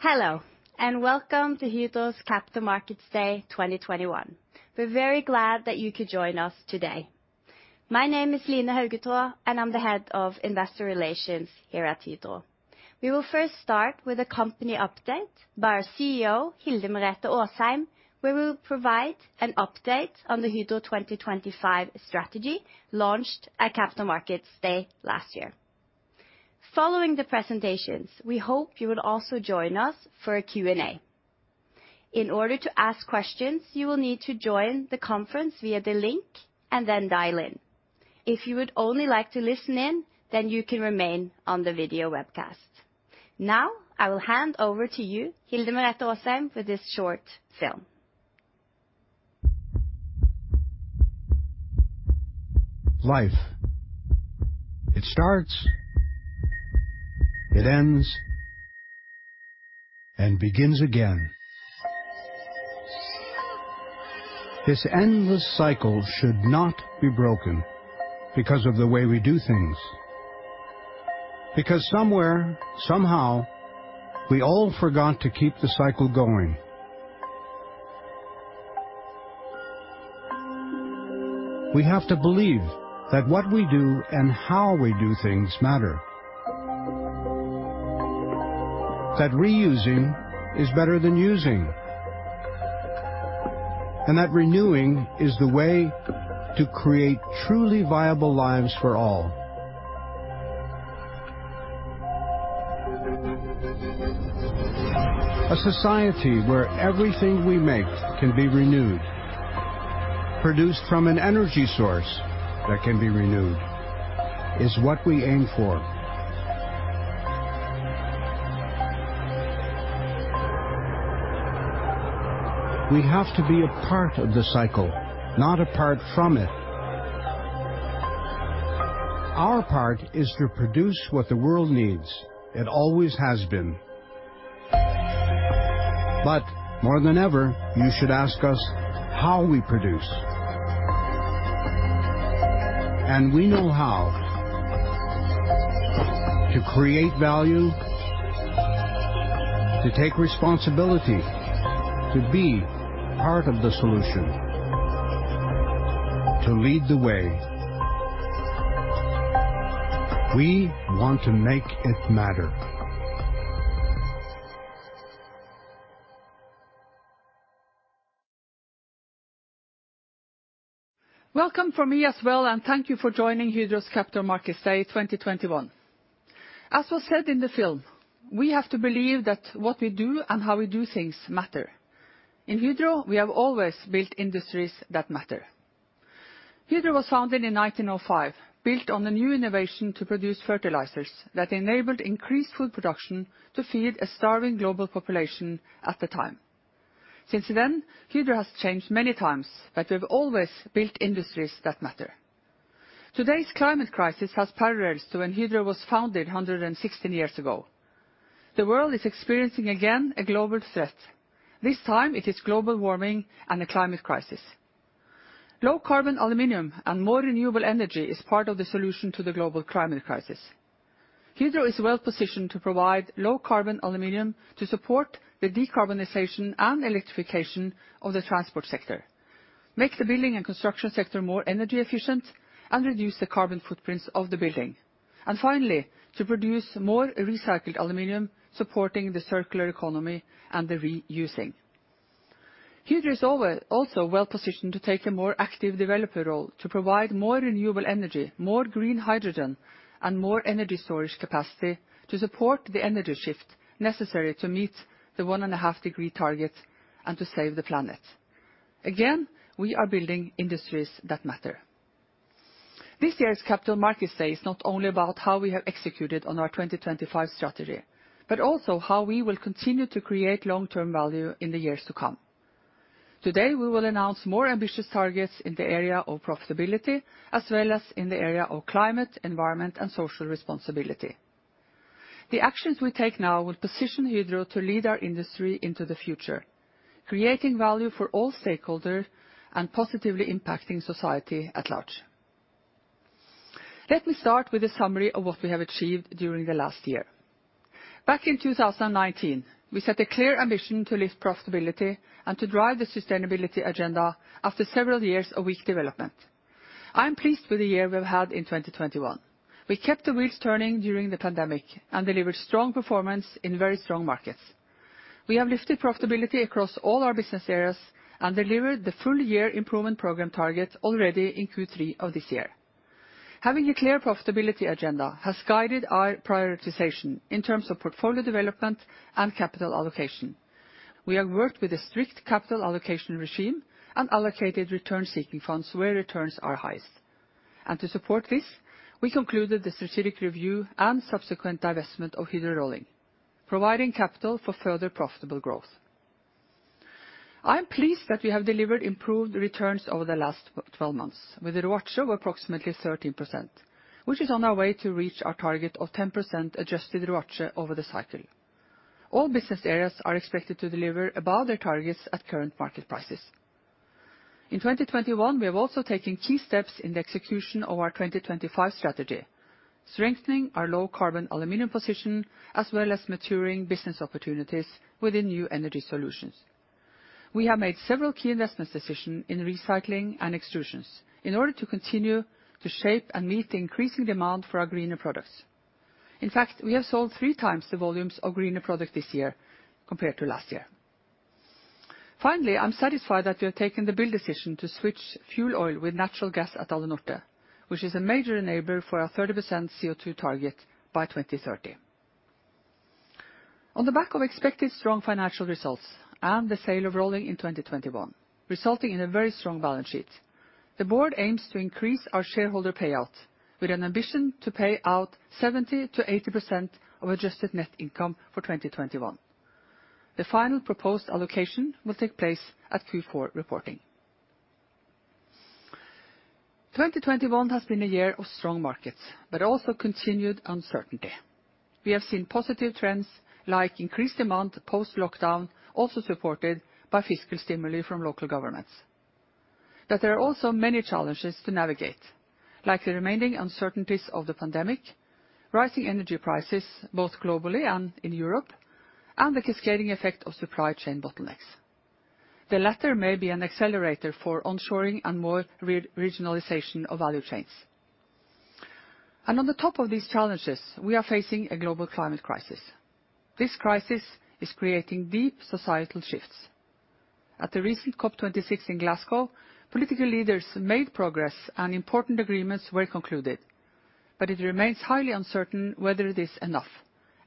Hello, and welcome to Hydro's Capital Markets Day 2021. We're very glad that you could join us today. My name is Line Haugetraa, and I'm the head of investor relations here at Hydro. We will first start with a company update by our CEO, Hilde Merete Aasheim, where we'll provide an update on the Hydro 2025 strategy launched at Capital Markets Day last year. Following the presentations, we hope you will also join us for a Q&A. In order to ask questions, you will need to join the conference via the link, and then dial in. If you would only like to listen in, then you can remain on the video webcast. Now, I will hand over to you, Hilde Merete Aasheim, for this short film. Life, it starts, it ends, and begins again. This endless cycle should not be broken because of the way we do things. Because somewhere, somehow, we all forgot to keep the cycle going. We have to believe that what we do and how we do things matter. That reusing is better than using. That renewing is the way to create truly viable lives for all. A society where everything we make can be renewed, produced from an energy source that can be renewed is what we aim for. We have to be a part of the cycle, not apart from it. Our part is to produce what the world needs. It always has been. More than ever, you should ask us how we produce. And we know how. To create value, to take responsibility, to be part of the solution, to lead the way. We want to make it matter. Welcome from me as well, and thank you for joining Hydro's Capital Markets Day 2021. As was said in the film, we have to believe that what we do and how we do things matter. In Hydro, we have always built industries that matter. Hydro was founded in 1905, built on the new innovation to produce fertilizers that enabled increased food production to feed a starving global population at the time. Since then, Hydro has changed many times, but we've always built industries that matter. Today's climate crisis has parallels to when Hydro was founded 116 years ago. The world is experiencing again a global threat. This time it is global warming and the climate crisis. Low-carbon aluminum and more renewable energy is part of the solution to the global climate crisis. Hydro is well-positioned to provide low carbon aluminum to support the decarbonization and electrification of the transport sector, make the building and construction sector more energy efficient, and reduce the carbon footprints of the building. Finally, to produce more recycled aluminum, supporting the circular economy and the reusing. Hydro is also well-positioned to take a more active developer role to provide more renewable energy, more green hydrogen, and more energy storage capacity to support the energy shift necessary to meet the 1.5-degree target and to save the planet. Again, we are building industries that matter. This year's Capital Markets Day is not only about how we have executed on our 2025 strategy, but also how we will continue to create long-term value in the years to come. Today, we will announce more ambitious targets in the area of profitability, as well as in the area of climate, environment, and social responsibility. The actions we take now will position Hydro to lead our industry into the future, creating value for all stakeholders, and positively impacting society at large. Let me start with a summary of what we have achieved during the last year. Back in 2019, we set a clear ambition to lift profitability and to drive the sustainability agenda after several years of weak development. I'm pleased with the year we've had in 2021. We kept the wheels turning during the pandemic and delivered strong performance in very strong markets. We have lifted profitability across all our business areas and delivered the full year improvement program target already in Q3 of this year. Having a clear profitability agenda has guided our prioritization in terms of portfolio development and capital allocation. We have worked with a strict capital allocation regime and allocated return-seeking funds where returns are highest. To support this, we concluded the strategic review and subsequent divestment of Hydro Rolling, providing capital for further profitable growth. I am pleased that we have delivered improved returns over the last 12 months with a ROACE of approximately 13%, which is on our way to reach our target of 10% adjusted ROACE over the cycle. All business areas are expected to deliver above their targets at current market prices. In 2021, we are also taking key steps in the execution of our 2025 strategy, strengthening our low carbon aluminum position, as well as maturing business opportunities with the new energy solutions. We have made several key investments decision in recycling and extrusions in order to continue to shape and meet the increasing demand for our greener products. In fact, we have sold three times the volumes of greener product this year compared to last year. Finally, I'm satisfied that we have taken the big decision to switch fuel oil with natural gas at Alunorte, which is a major enabler for our 30% CO2 target by 2030. On the back of expected strong financial results and the sale of rolling in 2021, resulting in a very strong balance sheet, the board aims to increase our shareholder payout with an ambition to pay out 70%-80% of adjusted net income for 2021. The final proposed allocation will take place at Q4 reporting. 2021 has been a year of strong markets, but also continued uncertainty. We have seen positive trends like increased demand post-lockdown, also supported by fiscal stimuli from local governments. There are also many challenges to navigate, like the remaining uncertainties of the pandemic, rising energy prices, both globally and in Europe, and the cascading effect of supply chain bottlenecks. The latter may be an accelerator for onshoring and more re-regionalization of value chains. On top of these challenges, we are facing a global climate crisis. This crisis is creating deep societal shifts. At the recent COP26 in Glasgow, political leaders made progress and important agreements were concluded. It remains highly uncertain whether it is enough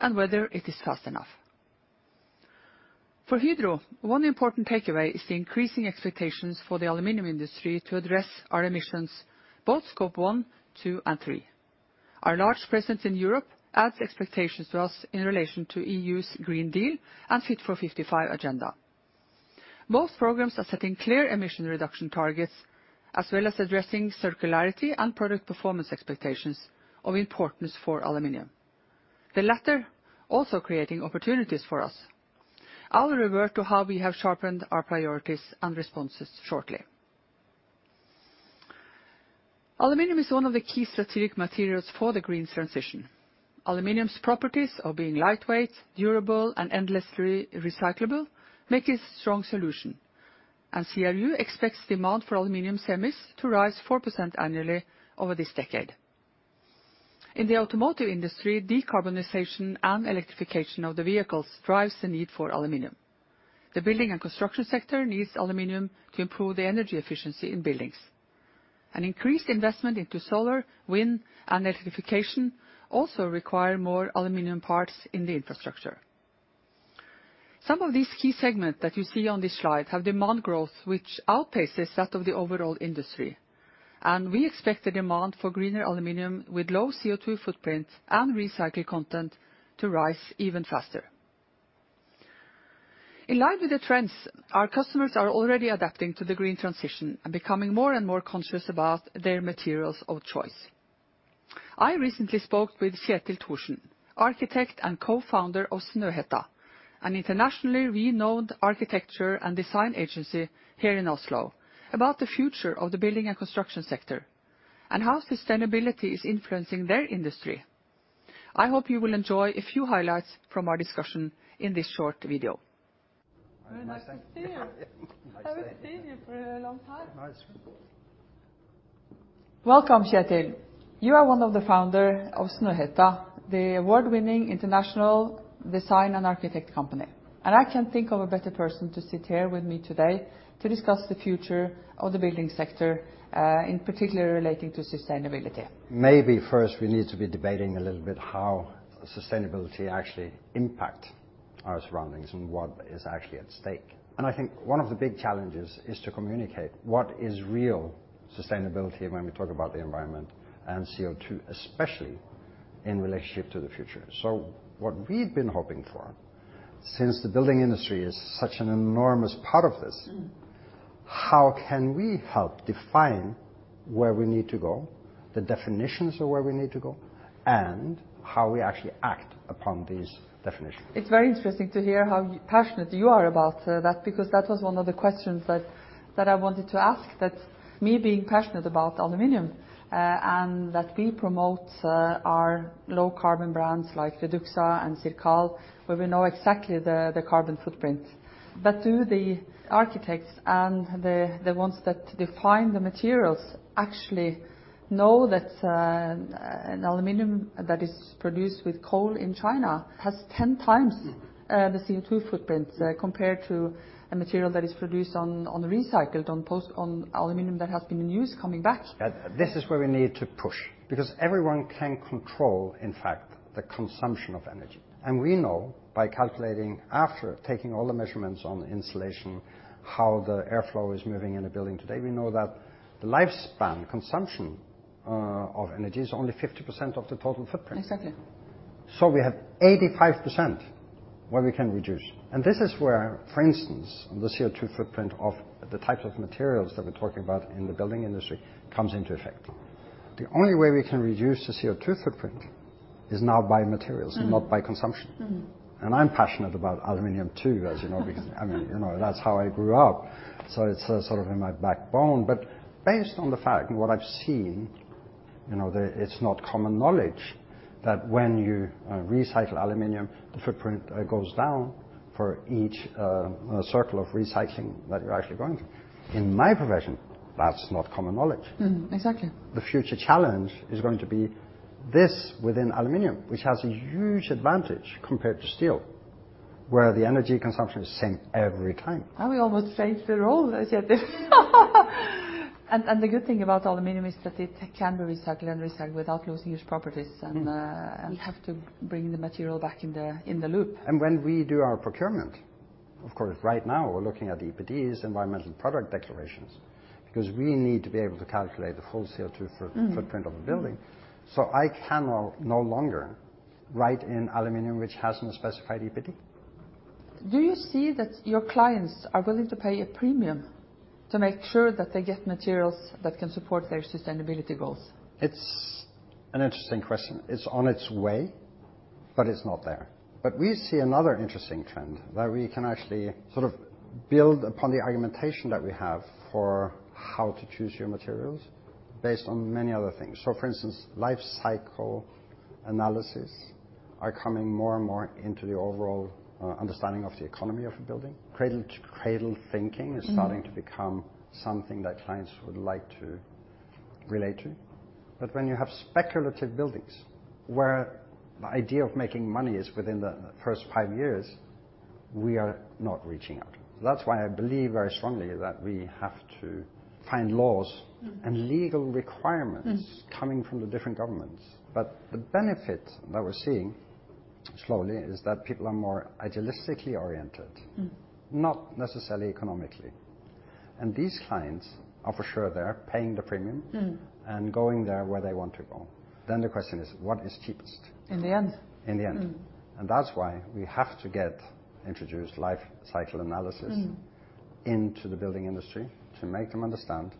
and whether it is fast enough. For Hydro, one important takeaway is the increasing expectations for the aluminum industry to address our emissions, both Scope 1, 2, and 3. Our large presence in Europe adds expectations to us in relation to the European Green Deal and Fit for 55 agenda. Both programs are setting clear emission reduction targets, as well as addressing circularity and product performance expectations of importance for aluminum, the latter also creating opportunities for us. I will revert to how we have sharpened our priorities and responses shortly. Aluminum is one of the key strategic materials for the green transition. Aluminum's properties of being lightweight, durable, and endlessly recyclable make it a strong solution. CRU expects demand for aluminum semis to rise 4% annually over this decade. In the automotive industry, decarbonization and electrification of the vehicles drives the need for aluminum. The building and construction sector needs aluminum to improve the energy efficiency in buildings. An increased investment into solar, wind, and electrification also require more aluminum parts in the infrastructure. Some of these key segments that you see on this slide have demand growth, which outpaces that of the overall industry. We expect the demand for greener aluminum with low CO2 footprint and recycled content to rise even faster. In line with the trends, our customers are already adapting to the green transition and becoming more and more conscious about their materials of choice. I recently spoke with Kjetil Trædal Thorsen, architect and co-founder of Snøhetta, an internationally renowned architecture and design agency here in Oslo, about the future of the building and construction sector and how sustainability is influencing their industry. I hope you will enjoy a few highlights from our discussion in this short video. Very nice to see you. Nice to see you. Haven't seen you for a long time. Nice. Welcome, Kjetil. You are one of the founder of Snøhetta, the award-winning international design and architect company. I can't think of a better person to sit here with me today to discuss the future of the building sector, in particular relating to sustainability. Maybe first we need to be debating a little bit how sustainability actually impact our surroundings and what is actually at stake. I think one of the big challenges is to communicate what is real sustainability when we talk about the environment and CO2, especially in relationship to the future. What we've been hoping for, since the building industry is such an enormous part of this. Mm-hmm How can we help define where we need to go, the definitions of where we need to go, and how we actually act upon these definitions. It's very interesting to hear how passionate you are about that, because that was one of the questions that I wanted to ask, me being passionate about aluminum, and that we promote our low-carbon brands like REDUXA and CIRCAL, where we know exactly the carbon footprint. Do the architects and the ones that define the materials actually know that an aluminum that is produced with coal in China has 10 times- Mm-hmm the CO2 footprint compared to a material that is produced from recycled post-consumer aluminum that has been in use coming back? This is where we need to push because everyone can control, in fact, the consumption of energy. We know by calculating after taking all the measurements on insulation, how the airflow is moving in a building today, we know that the lifespan consumption of energy is only 50% of the total footprint. Exactly. We have 85% where we can reduce. This is where, for instance, the CO2 footprint of the types of materials that we're talking about in the building industry comes into effect. The only way we can reduce the CO2 footprint is now by materials. Mm. not by consumption. Mm. I'm passionate about aluminum too, as you know, because, I mean, you know, that's how I grew up, so it's sort of in my backbone. Based on the fact and what I've seen, you know, it's not common knowledge that when you recycle aluminum, the footprint goes down for each cycle of recycling that you're actually going to. In my profession, that's not common knowledge. Exactly. The future challenge is going to be this within aluminum, which has a huge advantage compared to steel, where the energy consumption is the same every time. We almost saved it all, Kjetil. The good thing about aluminum is that it can be recycled and recycled without losing its properties. Mm. We have to bring the material back in the loop. When we do our procurement, of course, right now we're looking at EPDs, environmental product declarations, because we need to be able to calculate the full CO2 footprint of a building. Mm. I can no longer write in aluminum which hasn't specified EPD. Do you see that your clients are willing to pay a premium to make sure that they get materials that can support their sustainability goals? It's an interesting question. It's on its way, but it's not there. We see another interesting trend, that we can actually sort of build upon the argumentation that we have for how to choose your materials based on many other things. For instance, life cycle analyses are coming more and more into the overall understanding of the economy of a building. Cradle to cradle thinking. Mm. is starting to become something that clients would like to relate to. When you have speculative buildings, where the idea of making money is within the first five years, we are not reaching out. That's why I believe very strongly that we have to find laws. Mm. legal requirements. Mm Coming from the different governments. The benefit that we're seeing slowly is that people are more idealistically oriented. Mm. Not necessarily economically. These clients are for sure, they're paying the premium. Mm going there where they want to go. The question is, what is cheapest? In the end. In the end. Mm. That's why we have to get introduced life-cycle analysis. Mm into the building industry to make them understand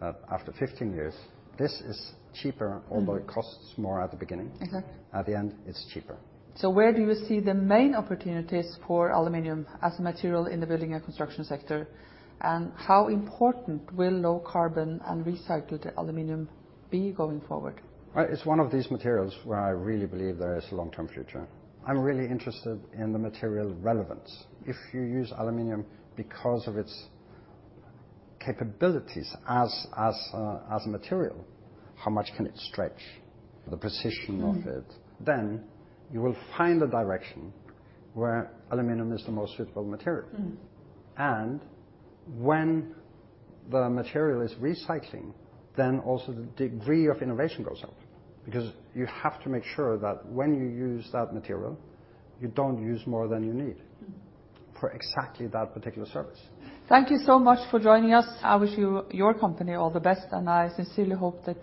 that after 15 years, this is cheaper Mm. Although it costs more at the beginning. Okay. At the end, it's cheaper. Where do you see the main opportunities for aluminum as a material in the building and construction sector? And how important will low carbon and recycled aluminum be going forward? Well, it's one of these materials where I really believe there is a long-term future. I'm really interested in the material relevance. If you use aluminum because of its capabilities as a material, how much can it stretch? The precision of it. Mm. You will find a direction where aluminum is the most suitable material. Mm. When the material is recycled, then also the degree of innovation goes up, because you have to make sure that when you use that material, you don't use more than you need. Mm for exactly that particular service. Thank you so much for joining us. I wish you, your company all the best, and I sincerely hope that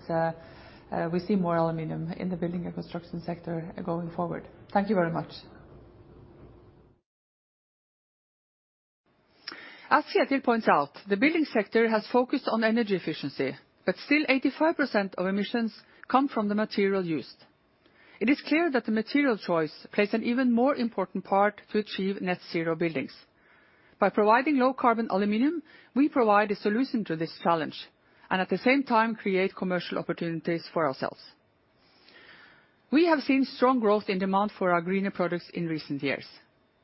we see more aluminum in the building and construction sector going forward. Thank you very much. As Kjetil points out, the building sector has focused on energy efficiency, but still 85% of emissions come from the material used. It is clear that the material choice plays an even more important part to achieve net zero buildings. By providing low carbon aluminum, we provide a solution to this challenge, and at the same time create commercial opportunities for ourselves. We have seen strong growth in demand for our greener products in recent years.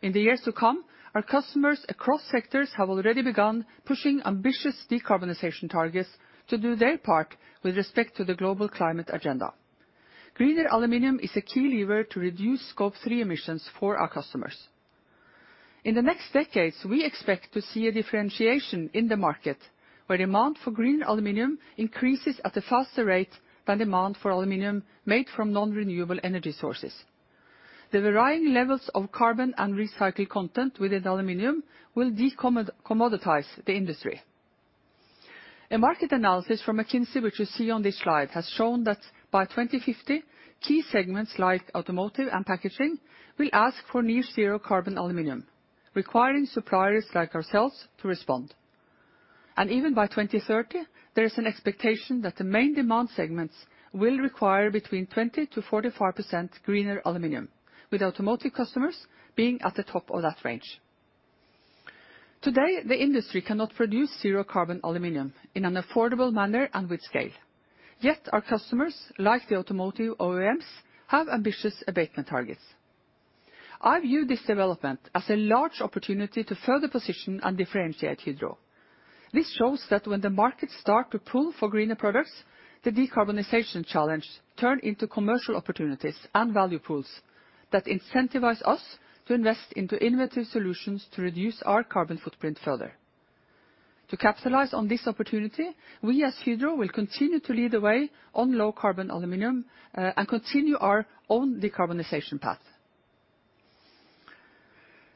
In the years to come, our customers across sectors have already begun pushing ambitious decarbonization targets to do their part with respect to the global climate agenda. Greener aluminum is a key lever to reduce scope three emissions for our customers. In the next decades, we expect to see a differentiation in the market, where demand for greener aluminum increases at a faster rate than demand for aluminum made from non-renewable energy sources. The varying levels of carbon and recycled content within aluminum will decommoditize the industry. A market analysis from McKinsey, which you see on this slide, has shown that by 2050, key segments like automotive and packaging will ask for near zero carbon aluminum, requiring suppliers like ourselves to respond. Even by 2030, there is an expectation that the main demand segments will require between 20%-45% greener aluminum, with automotive customers being at the top of that range. Today, the industry cannot produce zero carbon aluminum in an affordable manner and with scale. Yet our customers, like the automotive OEMs, have ambitious abatement targets. I view this development as a large opportunity to further position and differentiate Hydro. This shows that when the markets start to pull for greener products, the decarbonization challenge turn into commercial opportunities and value pools that incentivize us to invest into innovative solutions to reduce our carbon footprint further. To capitalize on this opportunity, we as Hydro will continue to lead the way on low carbon aluminum, and continue our own decarbonization path.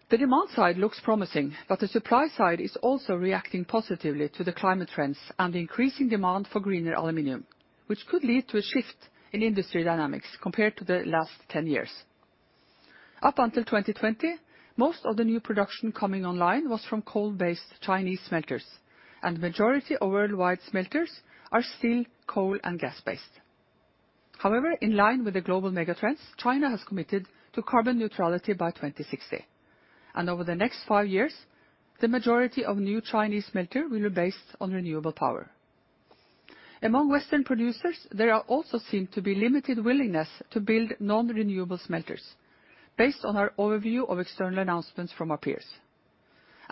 The demand side looks promising, but the supply side is also reacting positively to the climate trends and increasing demand for greener aluminum, which could lead to a shift in industry dynamics compared to the last 10 years. Up until 2020, most of the new production coming online was from coal-based Chinese smelters, and majority of worldwide smelters are still coal and gas-based. However, in line with the global mega trends, China has committed to carbon neutrality by 2060. Over the next five years, the majority of new Chinese smelters will be based on renewable power. Among Western producers, there are also seen to be limited willingness to build non-renewable smelters based on our overview of external announcements from our peers.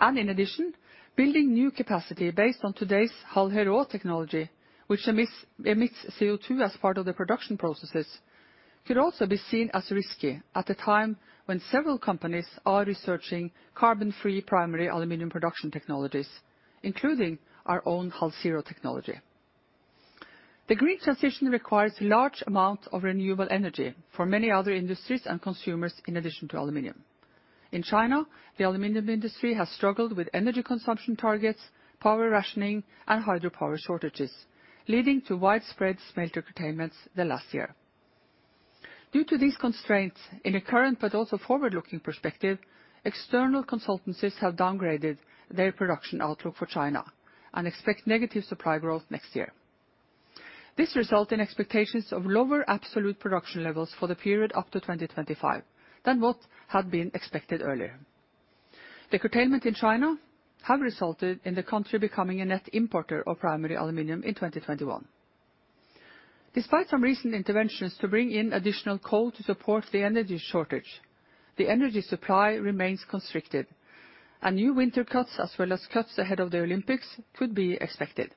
In addition, building new capacity based on today's Hall-Héroult technology, which emits CO2 as part of the production processes, could also be seen as risky at a time when several companies are researching carbon-free primary aluminum production technologies, including our own HalZero technology. The green transition requires large amounts of renewable energy for many other industries and consumers in addition to aluminum. In China, the aluminum industry has struggled with energy consumption targets, power rationing, and hydropower shortages, leading to widespread smelter curtailments last year. Due to these constraints, in the current but also forward-looking perspective, external consultancies have downgraded their production outlook for China and expect negative supply growth next year. This results in expectations of lower absolute production levels for the period up to 2025 than what had been expected earlier. The curtailment in China has resulted in the country becoming a net importer of primary aluminum in 2021. Despite some recent interventions to bring in additional coal to support the energy shortage, the energy supply remains constricted and new winter cuts as well as cuts ahead of the Olympics could be expected.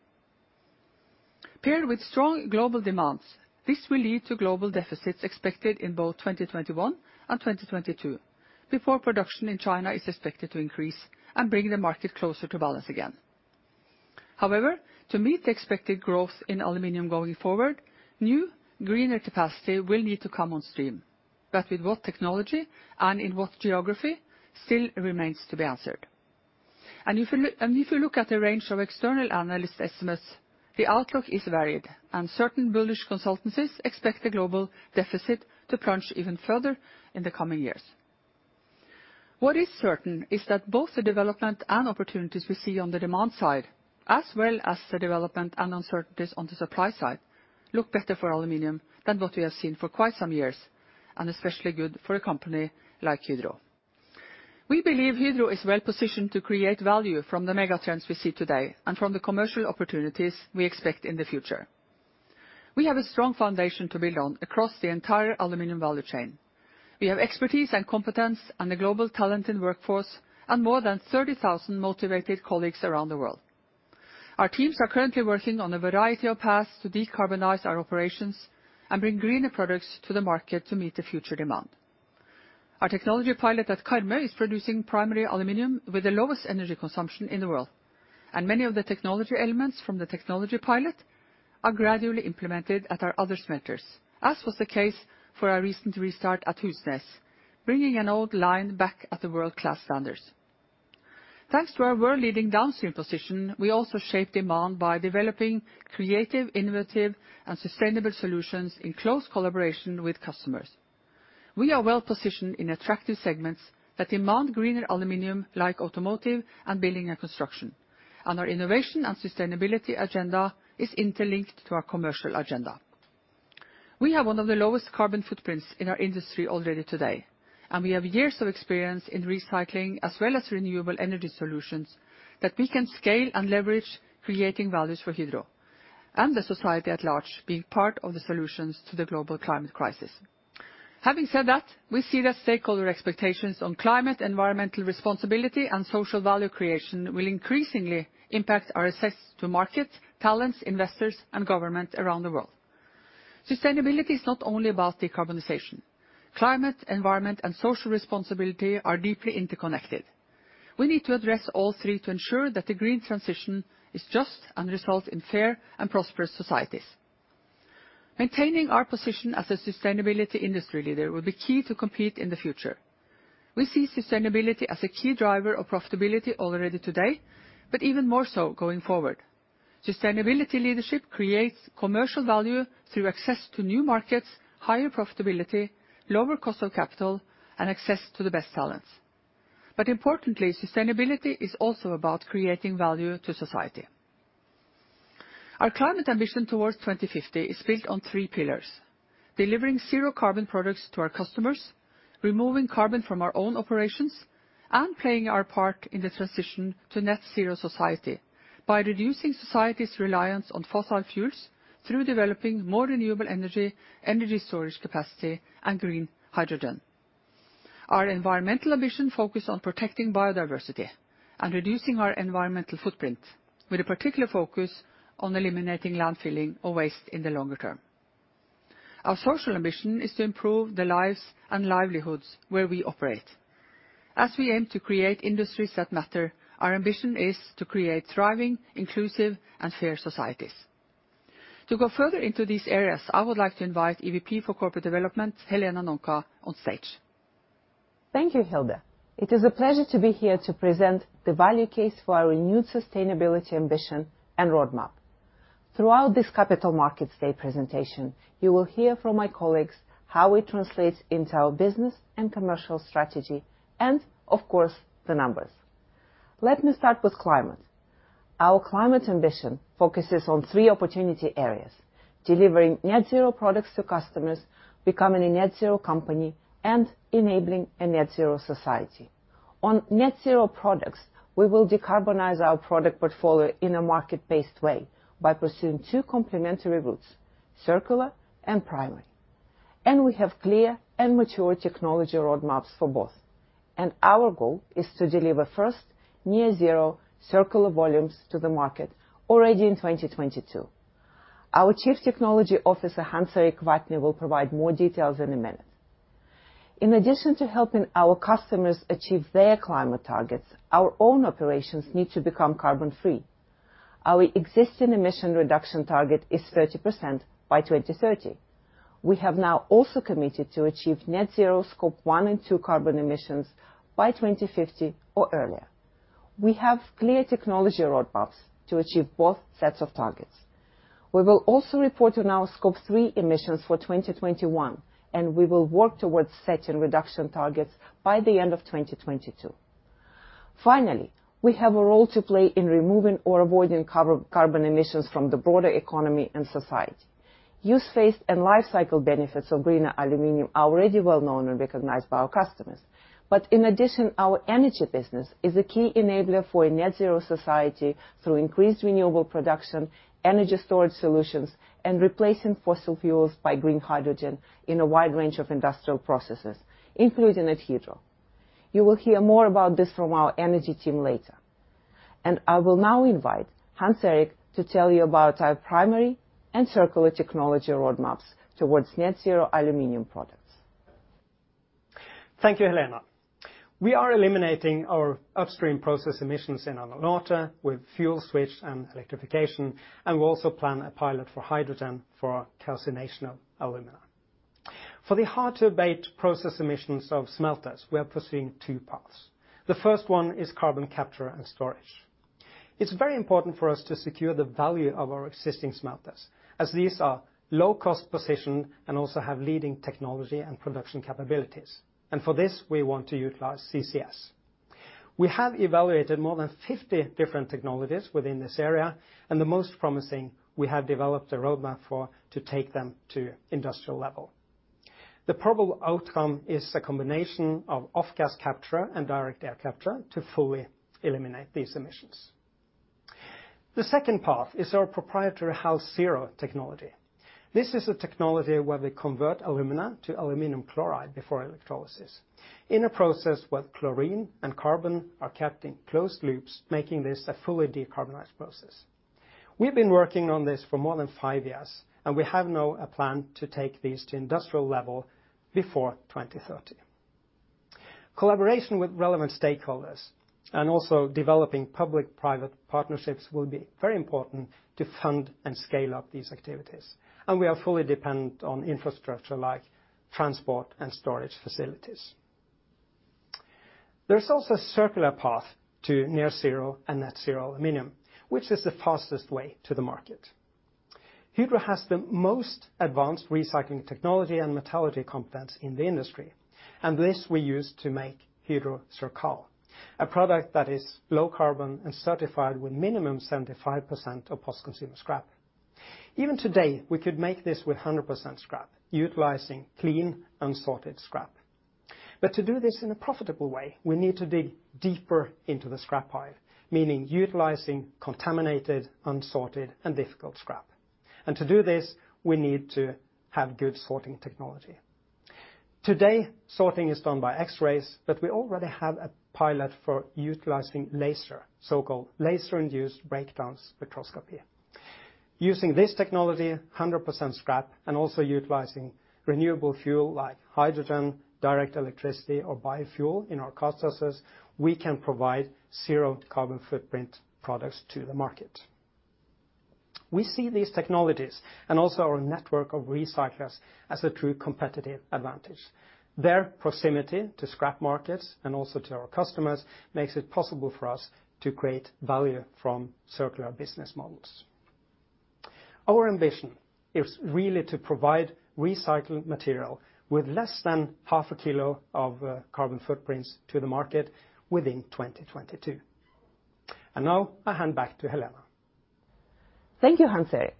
Paired with strong global demands, this will lead to global deficits expected in both 2021 and 2022 before production in China is expected to increase and bring the market closer to balance again. However, to meet the expected growth in aluminum going forward, new greener capacity will need to come on stream. With what technology and in what geography still remains to be answered. If you look at the range of external analyst estimates, the outlook is varied, and certain bullish consultancies expect the global deficit to plunge even further in the coming years. What is certain is that both the development and opportunities we see on the demand side, as well as the development and uncertainties on the supply side, look better for aluminum than what we have seen for quite some years, and especially good for a company like Hydro. We believe Hydro is well-positioned to create value from the mega trends we see today and from the commercial opportunities we expect in the future. We have a strong foundation to build on across the entire aluminum value chain. We have expertise and competence and a global talented workforce and more than 30,000 motivated colleagues around the world. Our teams are currently working on a variety of paths to decarbonize our operations and bring greener products to the market to meet the future demand. Our technology pilot at Karmøy is producing primary aluminum with the lowest energy consumption in the world, and many of the technology elements from the technology pilot are gradually implemented at our other smelters, as was the case for our recent restart at Husnes, bringing an old line back at the world-class standards. Thanks to our world-leading downstream position, we also shape demand by developing creative, innovative, and sustainable solutions in close collaboration with customers. We are well-positioned in attractive segments that demand greener aluminum like automotive and building and construction, and our innovation and sustainability agenda is interlinked to our commercial agenda. We have one of the lowest carbon footprints in our industry already today, and we have years of experience in recycling, as well as renewable energy solutions that we can scale and leverage, creating values for Hydro and the society at large being part of the solutions to the global climate crisis. Having said that, we see that stakeholder expectations on climate, environmental responsibility, and social value creation will increasingly impact our access to markets, talents, investors, and government around the world. Sustainability is not only about decarbonization. Climate, environment, and social responsibility are deeply interconnected. We need to address all three to ensure that the green transition is just and results in fair and prosperous societies. Maintaining our position as a sustainability industry leader will be key to compete in the future. We see sustainability as a key driver of profitability already today, but even more so going forward. Sustainability leadership creates commercial value through access to new markets, higher profitability, lower cost of capital, and access to the best talents. Importantly, sustainability is also about creating value to society. Our climate ambition towards 2050 is built on three pillars, delivering zero carbon products to our customers, removing carbon from our own operations, and playing our part in the transition to net zero society by reducing society's reliance on fossil fuels through developing more renewable energy storage capacity, and green hydrogen. Our environmental ambitions focus on protecting biodiversity and reducing our environmental footprint with a particular focus on eliminating landfilling or waste in the longer term. Our social ambition is to improve the lives and livelihoods where we operate. As we aim to create industries that matter, our ambition is to create thriving, inclusive, and fair societies. To go further into these areas, I would like to invite EVP for Corporate Development, Helena Nonka, on stage. Thank you, Hilde. It is a pleasure to be here to present the value case for our renewed sustainability, ambition, and roadmap. Throughout this Capital Markets Day presentation, you will hear from my colleagues how it translates into our business and commercial strategy and, of course, the numbers. Let me start with climate. Our climate ambition focuses on three opportunity areas, delivering net zero products to customers, becoming a net zero company, and enabling a net zero society. On net zero products, we will decarbonize our product portfolio in a market-based way by pursuing two complementary routes, circular and primary. We have clear and mature technology roadmaps for both. Our goal is to deliver first near zero circular volumes to the market already in 2022. Our Chief Technology Officer, Hans Erik Vatne, will provide more details in a minute. In addition to helping our customers achieve their climate targets, our own operations need to become carbon-free. Our existing emission reduction target is 30% by 2030. We have now also committed to achieve net zero Scope 1 and 2 carbon emissions by 2050 or earlier. We have clear technology roadmaps to achieve both sets of targets. We will also report on our Scope 3 emissions for 2021, and we will work towards setting reduction targets by the end of 2022. Finally, we have a role to play in removing or avoiding carbon emissions from the broader economy and society. Use-phase and life-cycle benefits of green aluminium are already well-known and recognized by our customers. In addition, our energy business is a key enabler for a net zero society through increased renewable production, energy storage solutions, and replacing fossil fuels by green hydrogen in a wide range of industrial processes, including at Hydro. You will hear more about this from our energy team later. I will now invite Hans Erik to tell you about our primary and circular technology roadmaps towards net zero aluminum products. Thank you, Helena. We are eliminating our upstream process emissions in Alunorte with fuel switch and electrification, and we also plan a pilot for hydrogen for calcination of alumina. For the hard-to-abate process emissions of smelters, we are pursuing two paths. The first one is carbon capture and storage. It's very important for us to secure the value of our existing smelters, as these are low-cost position and also have leading technology and production capabilities. For this, we want to utilize CCS. We have evaluated more than 50 different technologies within this area, and the most promising we have developed a roadmap for to take them to industrial level. The probable outcome is a combination of off-gas capture and direct air capture to fully eliminate these emissions. The second path is our proprietary HalZero technology. This is a technology where we convert alumina to aluminum chloride before electrolysis in a process where chlorine and carbon are kept in closed loops, making this a fully decarbonized process. We've been working on this for more than five years, and we have now a plan to take these to industrial level before 2030. Collaboration with relevant stakeholders and also developing public-private partnerships will be very important to fund and scale up these activities. We are fully dependent on infrastructure like transport and storage facilities. There's also a circular path to near zero and net zero aluminum, which is the fastest way to the market. Hydro has the most advanced recycling technology and metallurgy competence in the industry, and this we use to make Hydro CIRCAL, a product that is low carbon and certified with minimum 75% of post-consumer scrap. Even today, we could make this with 100% scrap, utilizing clean and sorted scrap. To do this in a profitable way, we need to dig deeper into the scrap pile, meaning utilizing contaminated, unsorted, and difficult scrap. To do this, we need to have good sorting technology. Today, sorting is done by X-rays, but we already have a pilot for utilizing laser, so-called laser-induced breakdown spectroscopy. Using this technology, 100% scrap, and also utilizing renewable fuel like hydrogen, direct electricity, or biofuel in our processes, we can provide zero carbon footprint products to the market. We see these technologies and also our network of recyclers as a true competitive advantage. Their proximity to scrap markets and also to our customers makes it possible for us to create value from circular business models. Our ambition is really to provide recycled material with less than half a kilo of carbon footprints to the market within 2022. Now I hand back to Helena. Thank you, Hans Erik.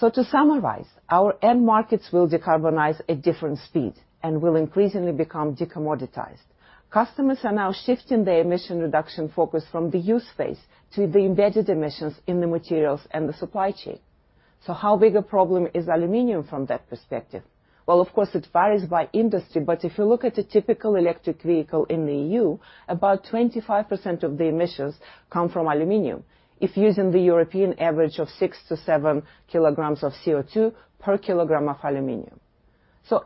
To summarize, our end markets will decarbonize at different speeds and will increasingly become decommoditized. Customers are now shifting their emission reduction focus from the use phase to the embedded emissions in the materials and the supply chain. How big a problem is aluminum from that perspective? Well, of course, it varies by industry, but if you look at a typical electric vehicle in the EU, about 25% of the emissions come from aluminum, if using the European average of 6-7 kg of CO2 per kilogram of aluminum.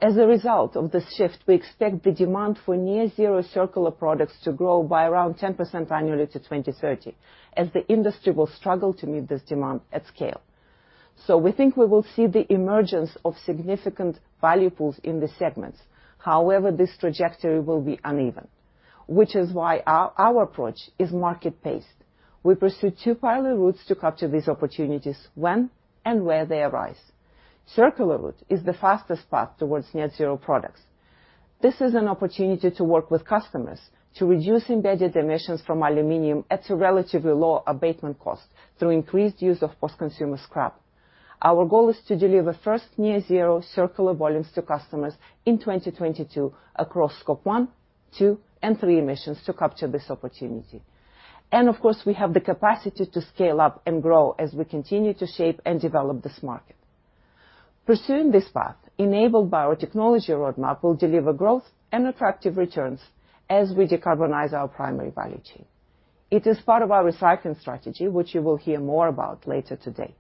As a result of this shift, we expect the demand for near zero circular products to grow by around 10% annually to 2030, as the industry will struggle to meet this demand at scale. We think we will see the emergence of significant value pools in the segments. However, this trajectory will be uneven, which is why our approach is market-based. We pursue two primary routes to capture these opportunities when and where they arise. Circular route is the fastest path towards net zero products. This is an opportunity to work with customers to reduce embedded emissions from aluminum at a relatively low abatement cost through increased use of post-consumer scrap. Our goal is to deliver first near zero circular volumes to customers in 2022 across Scope 1, 2, and 3 emissions to capture this opportunity. Of course, we have the capacity to scale up and grow as we continue to shape and develop this market. Pursuing this path enabled by our technology roadmap will deliver growth and attractive returns as we decarbonize our primary value chain. It is part of our recycling strategy, which you will hear more about later today.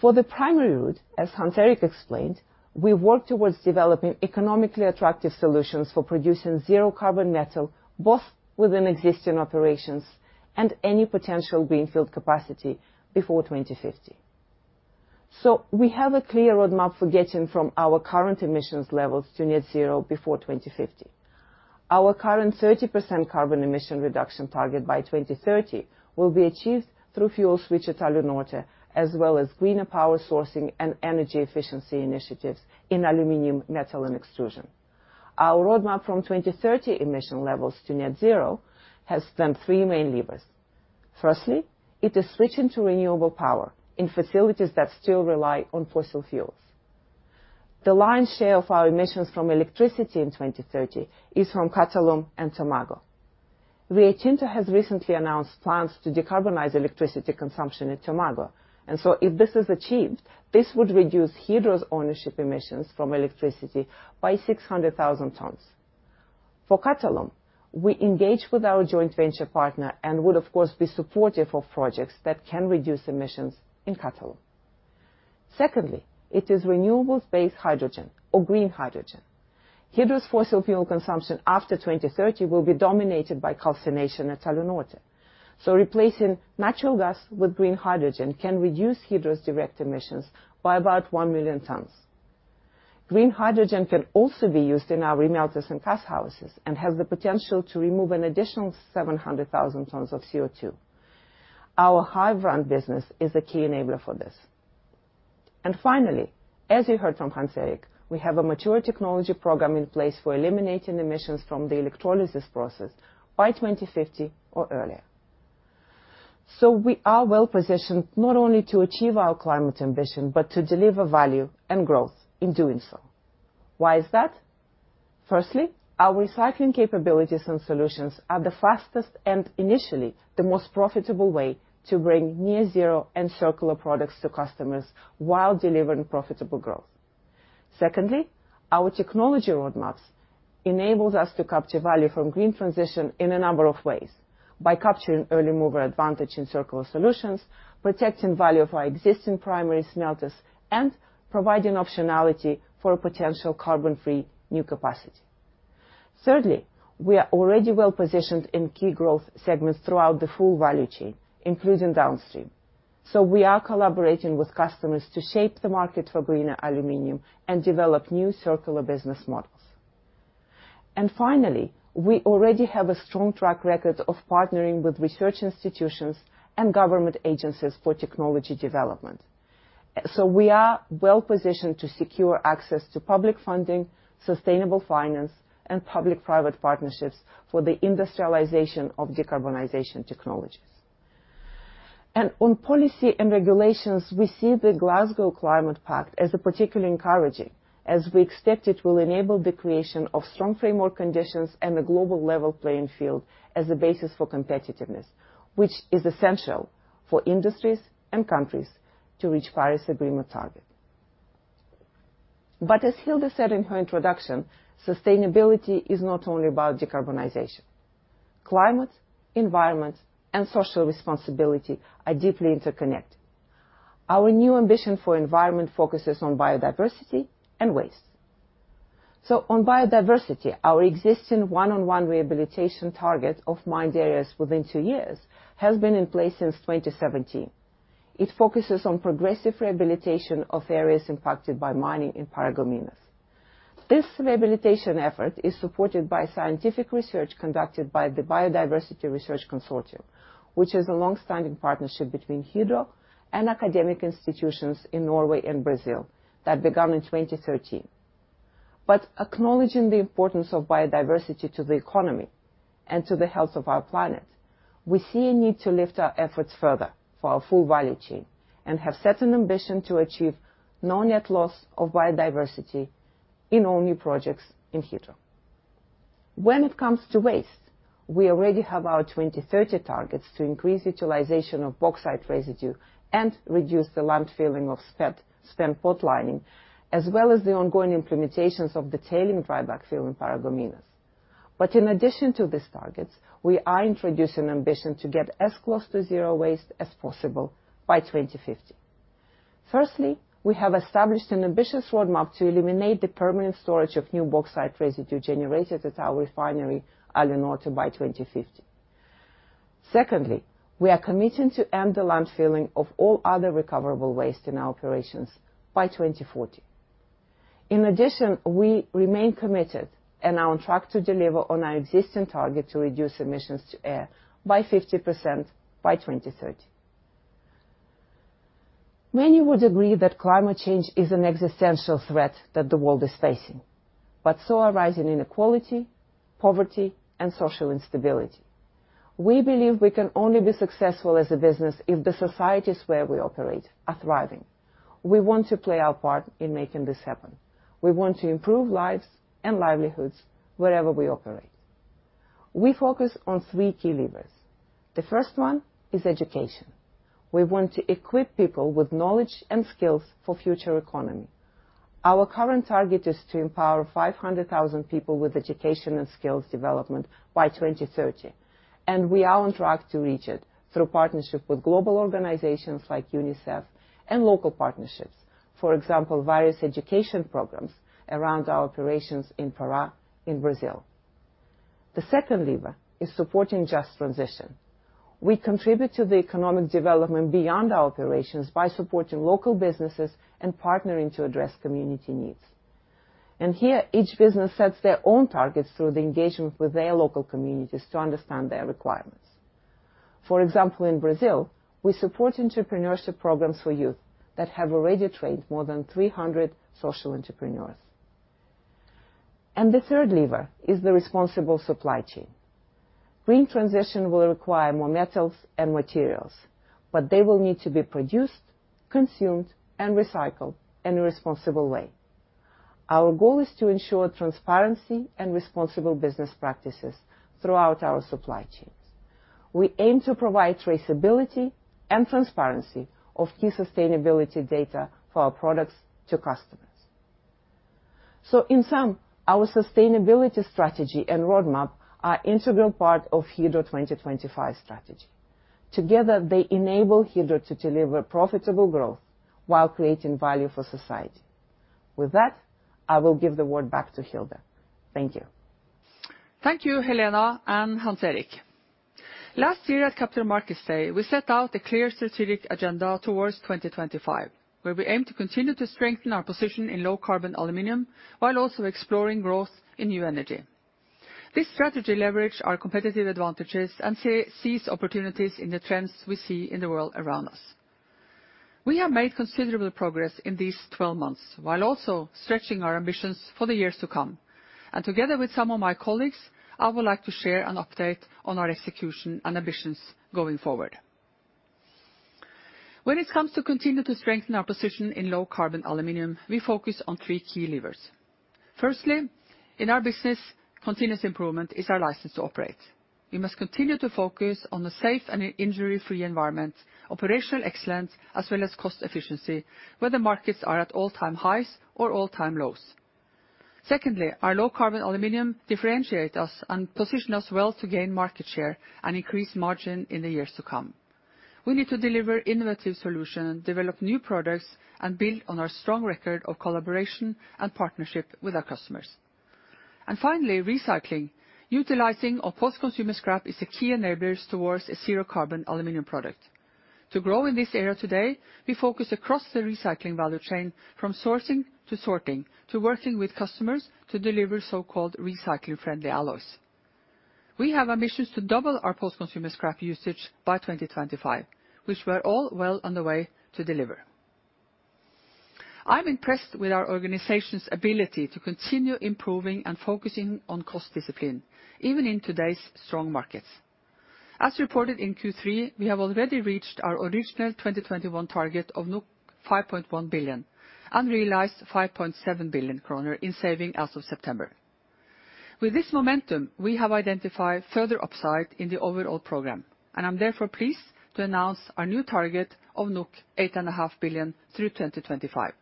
For the primary route, as Hans Erik explained, we work towards developing economically attractive solutions for producing zero carbon metal, both within existing operations and any potential greenfield capacity before 2050. We have a clear roadmap for getting from our current emissions levels to net zero before 2050. Our current 30% carbon emission reduction target by 2030 will be achieved through fuel switch at Alunorte, as well as greener power sourcing and energy efficiency initiatives in Aluminum Metal and Extrusion. Our roadmap from 2030 emission levels to net zero has then three main levers. Firstly, it is switching to renewable power in facilities that still rely on fossil fuels. The lion's share of our emissions from electricity in 2030 is from Qatalum and Tomago. Rio Tinto has recently announced plans to decarbonize electricity consumption at Tomago, and if this is achieved, this would reduce Hydro's ownership emissions from electricity by 600,000 tons. For Qatalum, we engage with our joint venture partner and would of course be supportive of projects that can reduce emissions in Qatalum. Secondly, it is renewables-based hydrogen or green hydrogen. Hydro's fossil fuel consumption after 2030 will be dominated by calcination at Alunorte. Replacing natural gas with green hydrogen can reduce Hydro's direct emissions by about 1 million tons. Green hydrogen can also be used in our remelters and cast houses and has the potential to remove an additional 700,000 tons of CO2. Our Havrand business is a key enabler for this. Finally, as you heard from Hans Erik, we have a mature technology program in place for eliminating emissions from the electrolysis process by 2050 or earlier. We are well-positioned not only to achieve our climate ambition, but to deliver value and growth in doing so. Why is that? Firstly, our recycling capabilities and solutions are the fastest and initially the most profitable way to bring near zero and circular products to customers while delivering profitable growth. Secondly, our technology roadmaps enables us to capture value from green transition in a number of ways, by capturing early mover advantage in circular solutions, protecting value of our existing primary smelters, and providing optionality for a potential carbon-free new capacity. Thirdly, we are already well-positioned in key growth segments throughout the full value chain, including downstream. We are collaborating with customers to shape the market for greener aluminum and develop new circular business models. Finally, we already have a strong track record of partnering with research institutions and government agencies for technology development. We are well-positioned to secure access to public funding, sustainable finance, and public-private partnerships for the industrialization of decarbonization technologies. On policy and regulations, we see the Glasgow Climate Pact as particularly encouraging, as we expect it will enable the creation of strong framework conditions and a global level playing field as a basis for competitiveness, which is essential for industries and countries to reach Paris Agreement target. As Hilde said in her introduction, sustainability is not only about decarbonization. Climate, environment, and social responsibility are deeply interconnected. Our new ambition for environment focuses on biodiversity and waste. On biodiversity, our existing one-for-one rehabilitation target of mined areas within two years has been in place since 2017. It focuses on progressive rehabilitation of areas impacted by mining in Paragominas. This rehabilitation effort is supported by scientific research conducted by the Biodiversity Research Consortium, which is a long-standing partnership between Hydro and academic institutions in Norway and Brazil that began in 2013. Acknowledging the importance of biodiversity to the economy and to the health of our planet, we see a need to lift our efforts further for our full value chain and have set an ambition to achieve no net loss of biodiversity in all new projects in Hydro. When it comes to waste, we already have our 2030 targets to increase utilization of bauxite residue and reduce the landfilling of spent pot lining, as well as the ongoing implementations of the tailing dry backfill in Paragominas. In addition to these targets, we are introducing ambition to get as close to zero waste as possible by 2050. Firstly, we have established an ambitious roadmap to eliminate the permanent storage of new bauxite residue generated at our refinery, Alunorte, by 2050. Secondly, we are committing to end the landfilling of all other recoverable waste in our operations by 2040. In addition, we remain committed and are on track to deliver on our existing target to reduce emissions to air by 50% by 2030. Many would agree that climate change is an existential threat that the world is facing, but so are rising inequality, poverty, and social instability. We believe we can only be successful as a business if the societies where we operate are thriving. We want to play our part in making this happen. We want to improve lives and livelihoods wherever we operate. We focus on three key levers. The first one is education. We want to equip people with knowledge and skills for future economy. Our current target is to empower 500,000 people with education and skills development by 2030, and we are on track to reach it through partnership with global organizations like UNICEF and local partnerships. For example, various education programs around our operations in Pará in Brazil. The second lever is supporting just transition. We contribute to the economic development beyond our operations by supporting local businesses and partnering to address community needs. Here, each business sets their own targets through the engagement with their local communities to understand their requirements. For example, in Brazil, we support entrepreneurship programs for youth that have already trained more than 300 social entrepreneurs. The third lever is the responsible supply chain. Green transition will require more metals and materials, but they will need to be produced, consumed, and recycled in a responsible way. Our goal is to ensure transparency and responsible business practices throughout our supply chains. We aim to provide traceability and transparency of key sustainability data for our products to customers. In sum, our sustainability strategy and roadmap are integral part of Hydro 2025 strategy. Together, they enable Hydro to deliver profitable growth while creating value for society. With that, I will give the word back to Hilde. Thank you. Thank you, Helena and Hans Erik. Last year at Capital Markets Day, we set out a clear strategic agenda towards 2025, where we aim to continue to strengthen our position in low carbon aluminum while also exploring growth in new energy. This strategy leverages our competitive advantages and seize opportunities in the trends we see in the world around us. We have made considerable progress in these 12 months, while also stretching our ambitions for the years to come. Together with some of my colleagues, I would like to share an update on our execution and ambitions going forward. When it comes to continue to strengthen our position in low carbon aluminum, we focus on three key levers. Firstly, in our business, continuous improvement is our license to operate. We must continue to focus on a safe and injury-free environment, operational excellence, as well as cost efficiency, whether markets are at all-time highs or all-time lows. Secondly, our low-carbon aluminum differentiate us and position us well to gain market share and increase margin in the years to come. We need to deliver innovative solution, develop new products, and build on our strong record of collaboration and partnership with our customers. Finally, recycling. Utilizing of post-consumer scrap is a key enablers towards a zero-carbon aluminum product. To grow in this area today, we focus across the recycling value chain from sourcing to sorting, to working with customers to deliver so-called recycling-friendly alloys. We have ambitions to double our post-consumer scrap usage by 2025, which we're all well on the way to deliver. I'm impressed with our organization's ability to continue improving and focusing on cost discipline, even in today's strong markets. As reported in Q3, we have already reached our original 2021 target of 5.1 billion, and realized 5.7 billion kroner in savings as of September. With this momentum, we have identified further upside in the overall program, and I'm therefore pleased to announce our new target of 8.5 billion through 2025.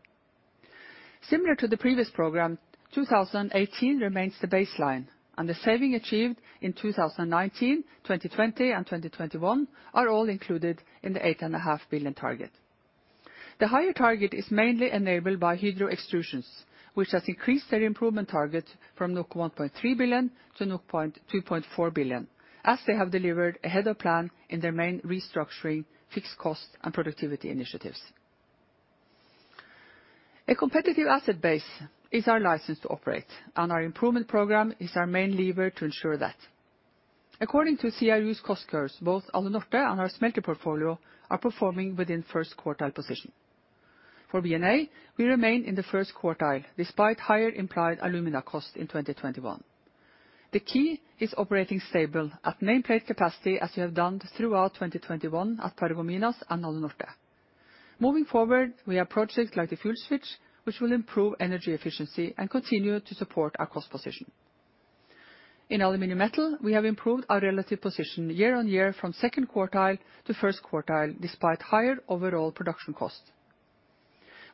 Similar to the previous program, 2018 remains the baseline, and the savings achieved in 2019, 2020, and 2021 are all included in the 8.5 billion target. The higher target is mainly enabled by Hydro Extrusions, which has increased their improvement target from 1.3 billion to 2.4 billion, as they have delivered ahead of plan in their main restructuring fixed cost and productivity initiatives. A competitive asset base is our license to operate, and our improvement program is our main lever to ensure that. According to CRU's cost curves, both Alunorte and our smelter portfolio are performing within first quartile position. For BNA, we remain in the first quartile, despite higher implied alumina costs in 2021. The key is operating stable at nameplate capacity as we have done throughout 2021 at Paragominas and Alunorte. Moving forward, we have projects like the fuel switch, which will improve energy efficiency and continue to support our cost position. In aluminum metal, we have improved our relative position year on year from second quartile to first quartile, despite higher overall production costs.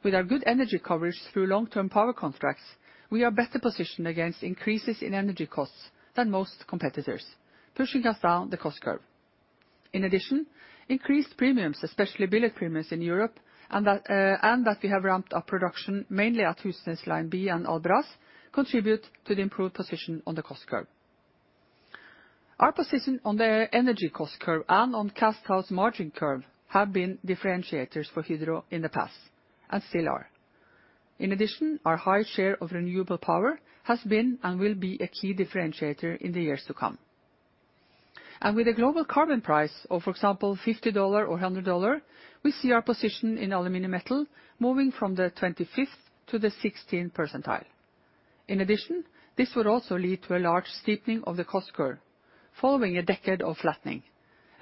With our good energy coverage through long-term power contracts, we are better positioned against increases in energy costs than most competitors, pushing us down the cost curve. In addition, increased premiums, especially billet premiums in Europe, and that we have ramped up production mainly at Husnes Line B and Albras contribute to the improved position on the cost curve. Our position on the energy cost curve and on cash cost margin curve have been differentiators for Hydro in the past and still are. In addition, our high share of renewable power has been and will be a key differentiator in the years to come. With the global carbon price of, for example, $50 or $100, we see our position in aluminum metal moving from the 25th to the 16th percentile. In addition, this would also lead to a large steepening of the cost curve following a decade of flattening,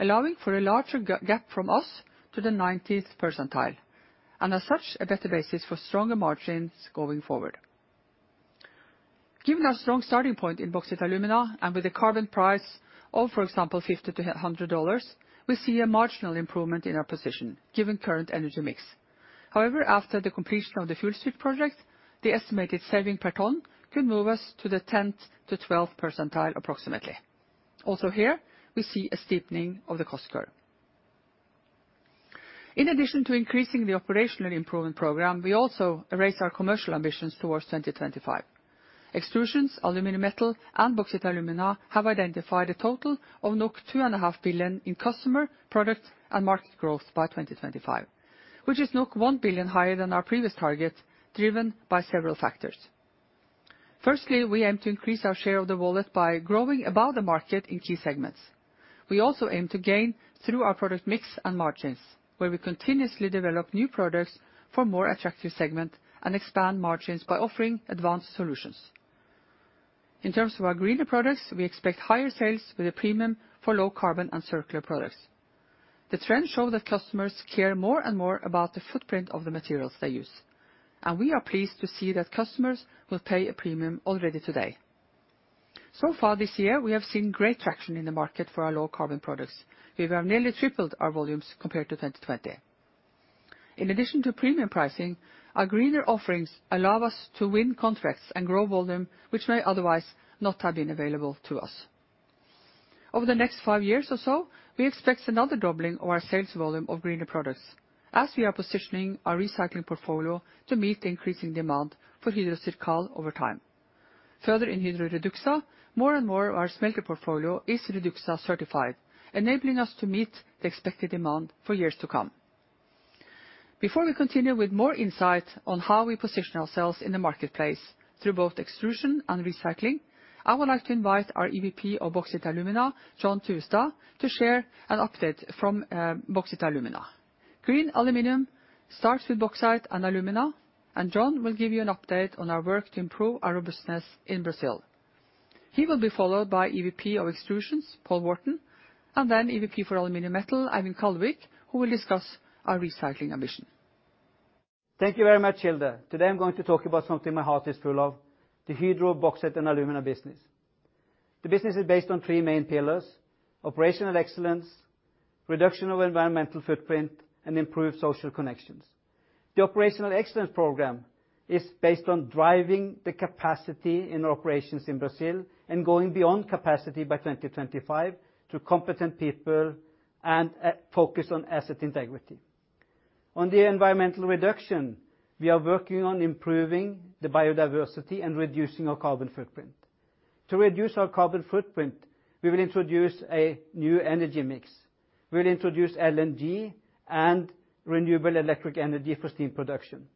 allowing for a larger gap from us to the 90th percentile, and as such, a better basis for stronger margins going forward. Given our strong starting point in bauxite & alumina and with a carbon price of, for example, $50-$100, we see a marginal improvement in our position given current energy mix. However, after the completion of the fuel switch project, the estimated saving per ton could move us to the 10th-12th percentile approximately. Also here, we see a steepening of the cost curve. In addition to increasing the operational improvement program, we also raise our commercial ambitions towards 2025. Extrusions, Aluminium Metal, and Bauxite & Alumina have identified a total of 2.5 billion in customer, product and market growth by 2025, which is 1 billion higher than our previous target, driven by several factors. Firstly, we aim to increase our share of the wallet by growing above the market in key segments. We also aim to gain through our product mix and margins, where we continuously develop new products for more attractive segment and expand margins by offering advanced solutions. In terms of our greener products, we expect higher sales with a premium for low carbon and circular products. The trends show that customers care more and more about the footprint of the materials they use, and we are pleased to see that customers will pay a premium already today. So far this year, we have seen great traction in the market for our low carbon products. We have nearly tripled our volumes compared to 2020. In addition to premium pricing, our greener offerings allow us to win contracts and grow volume which may otherwise not have been available to us. Over the next five years or so, we expect another doubling of our sales volume of greener products as we are positioning our recycling portfolio to meet the increasing demand for Hydro CIRCAL over time. Further in Hydro REDUXA, more and more of our smelting portfolio is REDUXA certified, enabling us to meet the expected demand for years to come. Before we continue with more insight on how we position ourselves in the marketplace through both extrusion and recycling, I would like to invite our EVP of Bauxite & Alumina, John Thuestad, to share an update from Bauxite & Alumina. Green aluminum starts with bauxite and alumina, and John will give you an update on our work to improve our robustness in Brazil. He will be followed by EVP of Extrusions, Paul Wharton, and then EVP for Aluminum Metal, Eivind Kallevik, who will discuss our recycling ambition. Thank you very much, Hilde. Today I'm going to talk about something my heart is full of, the Hydro Bauxite and Alumina business. The business is based on three main pillars, operational excellence, reduction of environmental footprint, and improved social connections. The operational excellence program is based on driving the capacity in our operations in Brazil and going beyond capacity by 2025 through competent people and focus on asset integrity. On the environmental reduction, we are working on improving the biodiversity and reducing our carbon footprint. To reduce our carbon footprint, we will introduce a new energy mix. We'll introduce LNG and renewable electric energy for steam production.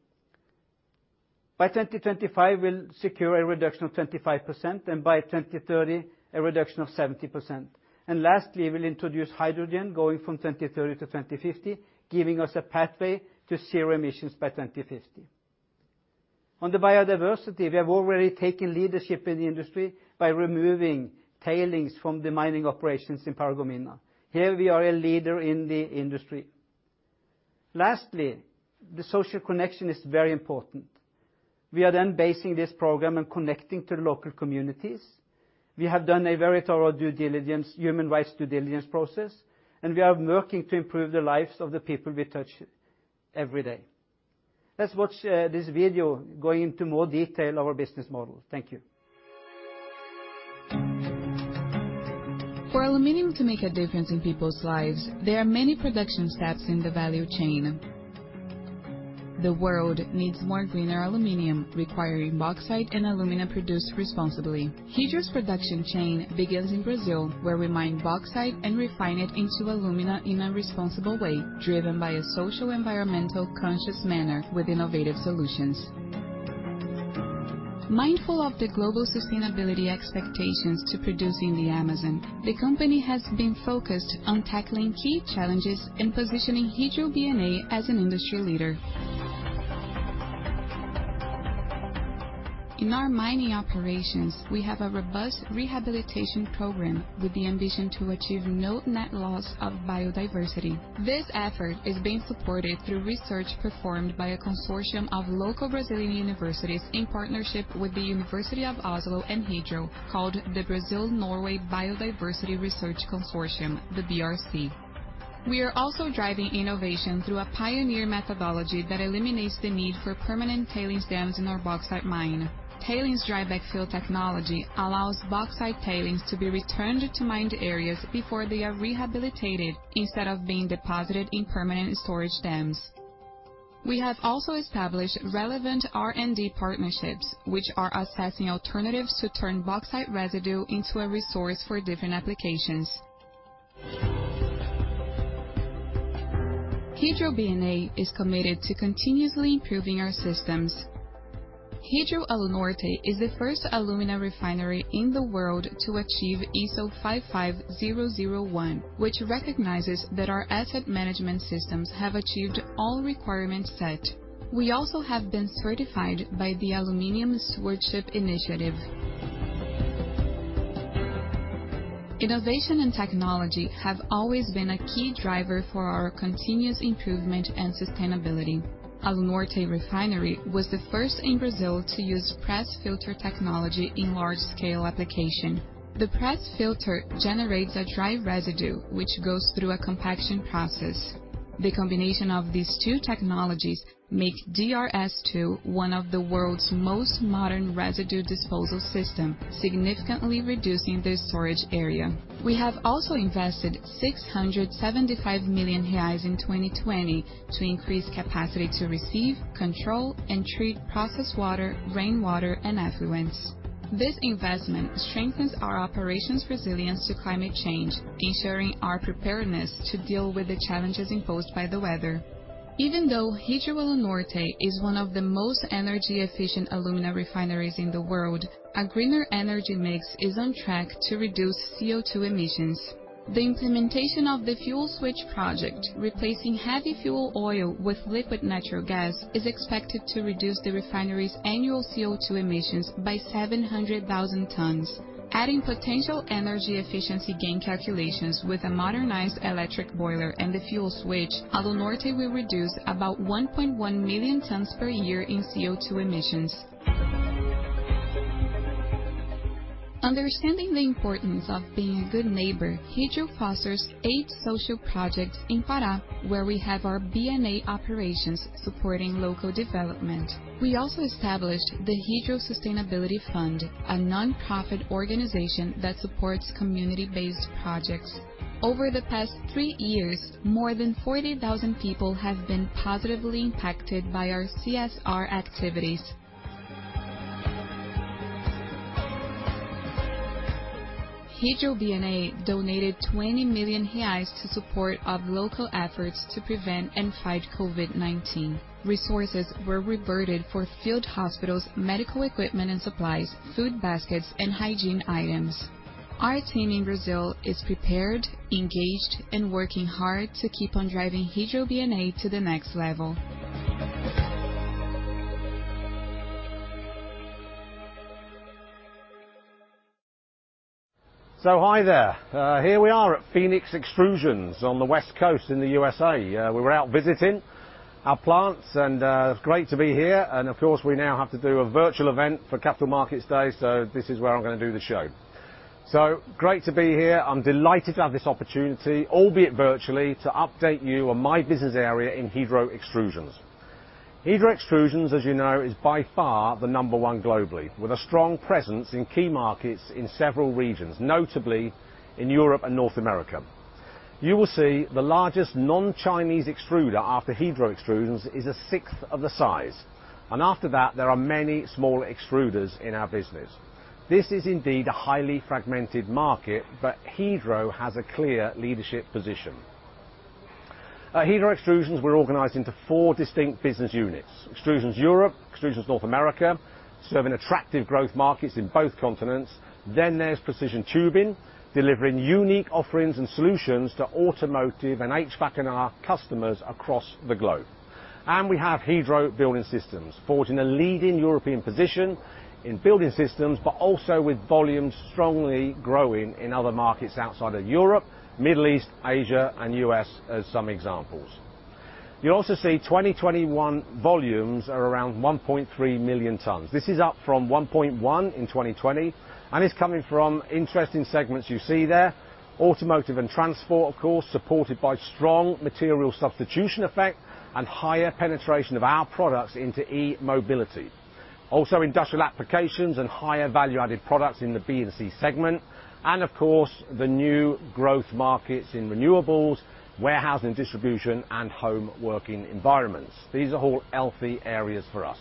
By 2025, we'll secure a reduction of 25%, and by 2030, a reduction of 70%. Lastly, we'll introduce hydrogen going from 2030-2050, giving us a pathway to zero emissions by 2050. On the biodiversity, we have already taken leadership in the industry by removing tailings from the mining operations in Paragominas. Here we are a leader in the industry. Lastly, the social connection is very important. We are then basing this program and connecting to local communities. We have done a very thorough due diligence, human rights due diligence process, and we are working to improve the lives of the people we touch every day. Let's watch this video going into more detail of our business model. Thank you. For aluminum to make a difference in people's lives, there are many production steps in the value chain. The world needs more greener aluminum, requiring bauxite and alumina produced responsibly. Hydro's production chain begins in Brazil, where we mine bauxite and refine it into alumina in a responsible way, driven by a social, environmental conscious manner with innovative solutions. Mindful of the global sustainability expectations to producing in the Amazon, the company has been focused on tackling key challenges in positioning Hydro DNA as an industry leader. In our mining operations, we have a robust rehabilitation program with the ambition to achieve no net loss of biodiversity. This effort is being supported through research performed by a consortium of local Brazilian universities in partnership with the University of Oslo and Hydro, called the Biodiversity Research Consortium Brazil-Norway, the BRC. We are also driving innovation through a pioneer methodology that eliminates the need for permanent tailings dams in our bauxite mine. Tailings dry backfill technology allows bauxite tailings to be returned to mined areas before they are rehabilitated, instead of being deposited in permanent storage dams. We have also established relevant R&D partnerships, which are assessing alternatives to turn bauxite residue into a resource for different applications. Hydro B&A is committed to continuously improving our systems. Hydro Alunorte is the first alumina refinery in the world to achieve ISO 55001, which recognizes that our asset management systems have achieved all requirements set. We also have been certified by the Aluminium Stewardship Initiative. Innovation and technology have always been a key driver for our continuous improvement and sustainability. Alunorte Refinery was the first in Brazil to use pressed filter technology in large scale application. The pressed filter generates a dry residue which goes through a compaction process. The combination of these two technologies make DRS2 one of the world's most modern residue disposal system, significantly reducing the storage area. We have also invested 675 million reais in 2020 to increase capacity to receive, control, and treat process water, rainwater, and effluents. This investment strengthens our operations resilience to climate change, ensuring our preparedness to deal with the challenges imposed by the weather. Even though Hydro Alunorte is one of the most energy efficient alumina refineries in the world, a greener energy mix is on track to reduce CO2 emissions. The implementation of the fuel switch project, replacing heavy fuel oil with liquid natural gas, is expected to reduce the refinery's annual CO2 emissions by 700,000 tons. Adding potential energy efficiency gain calculations with a modernized electric boiler and the fuel switch, Alunorte will reduce about 1.1 million tons per year in CO2 emissions. Understanding the importance of being a good neighbor, Hydro fosters eight social projects in Pará, where we have our B&A operations supporting local development. We also established the Hydro Sustainability Fund, a nonprofit organization that supports community-based projects. Over the past three years, more than 40,000 people have been positively impacted by our CSR activities. Hydro B&A donated 20 million reais in support of local efforts to prevent and fight COVID-19. Resources were diverted for field hospitals, medical equipment and supplies, food baskets, and hygiene items. Our team in Brazil is prepared, engaged, and working hard to keep on driving Hydro B&A to the next level. Hi there. Here we are at Phoenix Extrusions on the West Coast in the USA. We're out visiting our plants, and it's great to be here. Of course, we now have to do a virtual event for Capital Markets Day, so this is where I'm gonna do the show. Great to be here. I'm delighted to have this opportunity, albeit virtually, to update you on my business area in Hydro Extrusions. Hydro Extrusions, as you know, is by far the number one globally, with a strong presence in key markets in several regions, notably in Europe and North America. You will see the largest non-Chinese extruder after Hydro Extrusions is a sixth of the size, and after that there are many smaller extruders in our business. This is indeed a highly fragmented market, but Hydro has a clear leadership position. At Hydro Extrusions, we're organized into four distinct business units: Extrusions Europe, Extrusions North America, serving attractive growth markets in both continents. There's Precision Tubing, delivering unique offerings and solutions to automotive and HVAC&R customers across the globe. We have Hydro Building Systems, forged in a leading European position in building systems, but also with volumes strongly growing in other markets outside of Europe, Middle East, Asia, and U.S. as some examples. You also see 2021 volumes are around 1.3 million tons. This is up from 1.1 in 2020 and is coming from interesting segments you see there. Automotive and transport of course, supported by strong material substitution effect and higher penetration of our products into e-mobility. Industrial applications and higher value-added products in the B and C segment and of course the new growth markets in renewables, warehouse and distribution, and home working environments. These are all healthy areas for us.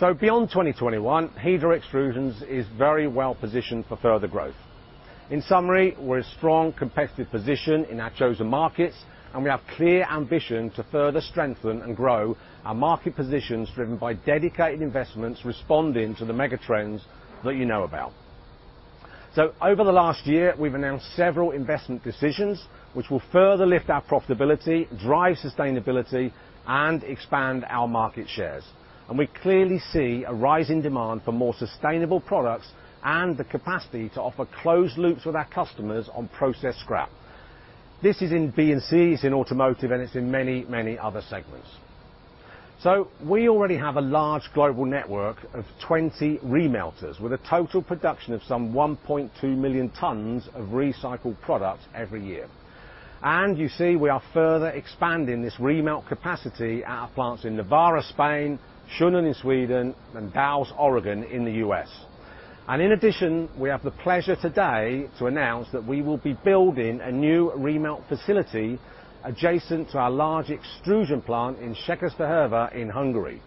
Beyond 2021, Hydro Extrusions is very well positioned for further growth. In summary, we're in a strong competitive position in our chosen markets, and we have clear ambition to further strengthen and grow our market positions driven by dedicated investments responding to the mega trends that you know about. Over the last year, we've announced several investment decisions which will further lift our profitability, drive sustainability, and expand our market shares. We clearly see a rise in demand for more sustainable products and the capacity to offer closed loops with our customers on process scrap. This is in B and C, it's in automotive, and it's in many, many other segments. We already have a large global network of 20 remelters with a total production of some 1.2 million tons of recycled product every year. You see we are further expanding this remelt capacity at our plants in Navarra, Spain, Sjunnen in Sweden, and The Dalles, Oregon in the U.S. In addition, we have the pleasure today to announce that we will be building a new remelt facility adjacent to our large extrusion plant in Székesfehérvár in Hungary.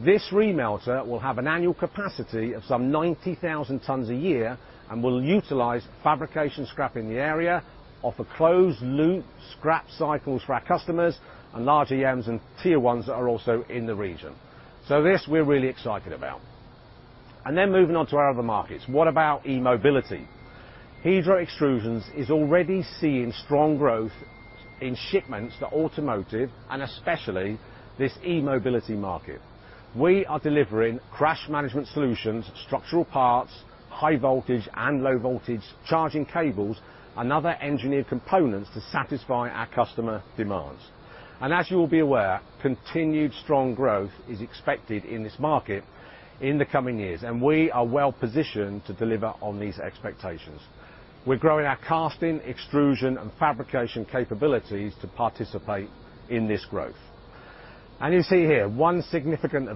This remelter will have an annual capacity of some 90,000 tons a year and will utilize fabrication scrap in the area, offer closed-loop scrap cycles for our customers, and large OEMs and tier ones that are also in the region. This we're really excited about. Then moving on to our other markets. What about e-mobility? Hydro Extrusions is already seeing strong growth in shipments to automotive, and especially this e-mobility market. We are delivering crash management solutions, structural parts, high voltage and low voltage charging cables, and other engineered components to satisfy our customer demands. As you will be aware, continued strong growth is expected in this market in the coming years, and we are well-positioned to deliver on these expectations. We're growing our casting, extrusion, and fabrication capabilities to participate in this growth. You see here, one significant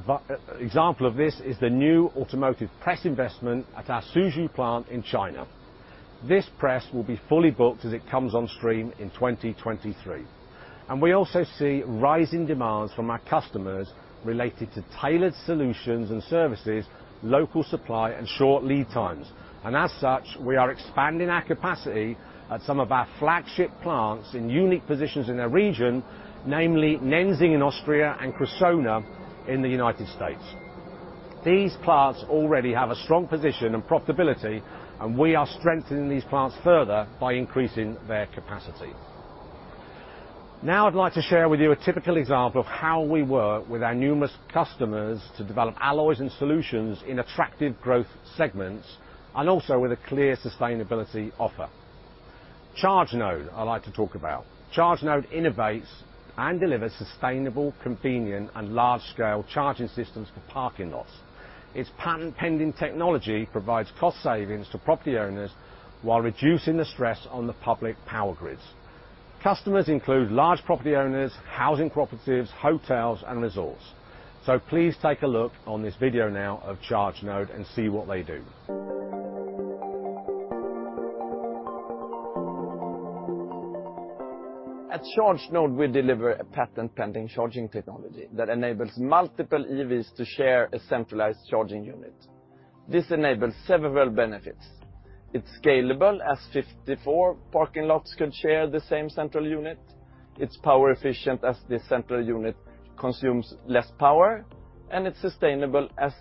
example of this is the new automotive press investment at our Suzhou plant in China. This press will be fully booked as it comes on stream in 2023. We also see rising demands from our customers related to tailored solutions and services, local supply, and short lead times. As such, we are expanding our capacity at some of our flagship plants in unique positions in their region, namely, Nenzing in Austria and Cressona in the United States. These plants already have a strong position and profitability, and we are strengthening these plants further by increasing their capacity. Now I'd like to share with you a typical example of how we work with our numerous customers to develop alloys and solutions in attractive growth segments, and also with a clear sustainability offer. ChargeNode, I'd like to talk about. ChargeNode innovates and delivers sustainable, convenient, and large-scale charging systems for parking lots. Its patent-pending technology provides cost savings to property owners while reducing the stress on the public power grids. Customers include large property owners, housing cooperatives, hotels, and resorts. Please take a look on this video now of ChargeNode and see what they do. At ChargeNode, we deliver a patent-pending charging technology that enables multiple EVs to share a centralized charging unit. This enables several benefits. It's scalable, as 54 parking lots can share the same central unit. It's power efficient, as the central unit consumes less power, and it's sustainable, as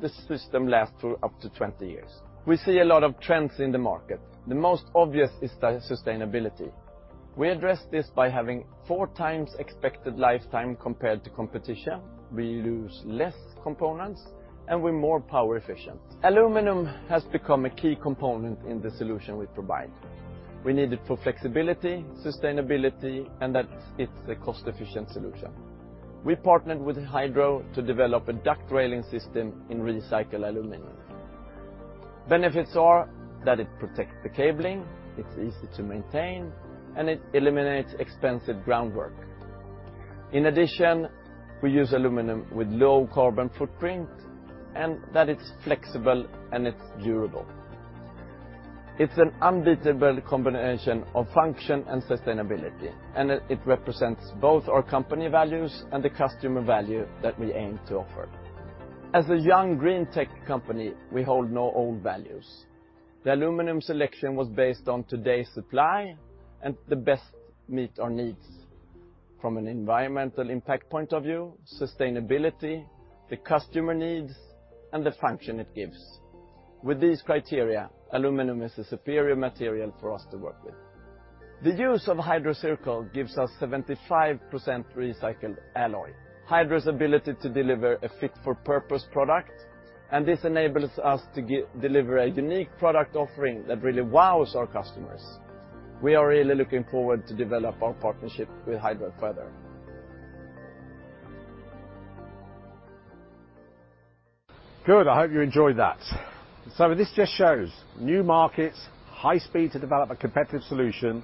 the system lasts for up to 20 years. We see a lot of trends in the market. The most obvious is the sustainability. We address this by having four times expected lifetime compared to competition. We use less components, and we're more power efficient. Aluminum has become a key component in the solution we provide. We need it for flexibility, sustainability, and that it's a cost-efficient solution. We partnered with Hydro to develop a duct railing system in recycled aluminum. Benefits are that it protects the cabling, it's easy to maintain, and it eliminates expensive groundwork. In addition, we use aluminum with low carbon footprint, and that it's flexible, and it's durable. It's an unbeatable combination of function and sustainability, and it represents both our company values and the customer value that we aim to offer. As a young green tech company, we hold no old values. The aluminum selection was based on today's supply and the best meet our needs from an environmental impact point of view, sustainability, the customer needs, and the function it gives. With these criteria, aluminum is a superior material for us to work with. The use of Hydro CIRCAL gives us 75% recycled alloy, Hydro's ability to deliver a fit-for-purpose product, and this enables us to deliver a unique product offering that really wows our customers. We are really looking forward to develop our partnership with Hydro further. Good. I hope you enjoyed that. This just shows new markets, high speed to develop a competitive solution,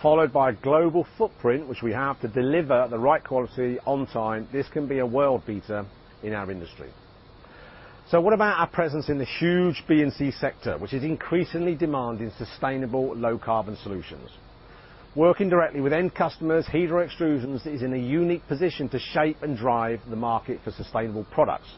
followed by a global footprint which we have to deliver the right quality on time. This can be a world beater in our industry. What about our presence in the huge B&C sector, which is increasingly demanding sustainable low-carbon solutions? Working directly with end customers, Hydro Extrusions is in a unique position to shape and drive the market for sustainable products.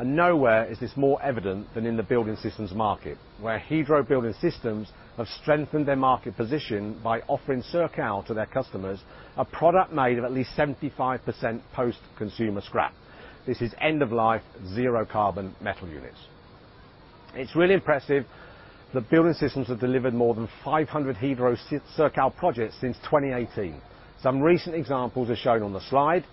Nowhere is this more evident than in the building systems market, where Hydro Building Systems have strengthened their market position by offering CIRCAL to their customers, a product made of at least 75% post-consumer scrap. This is end of life zero carbon metal units. It's really impressive that Building Systems have delivered more than 500 CIRCAL projects since 2018. Some recent examples are shown on the slide.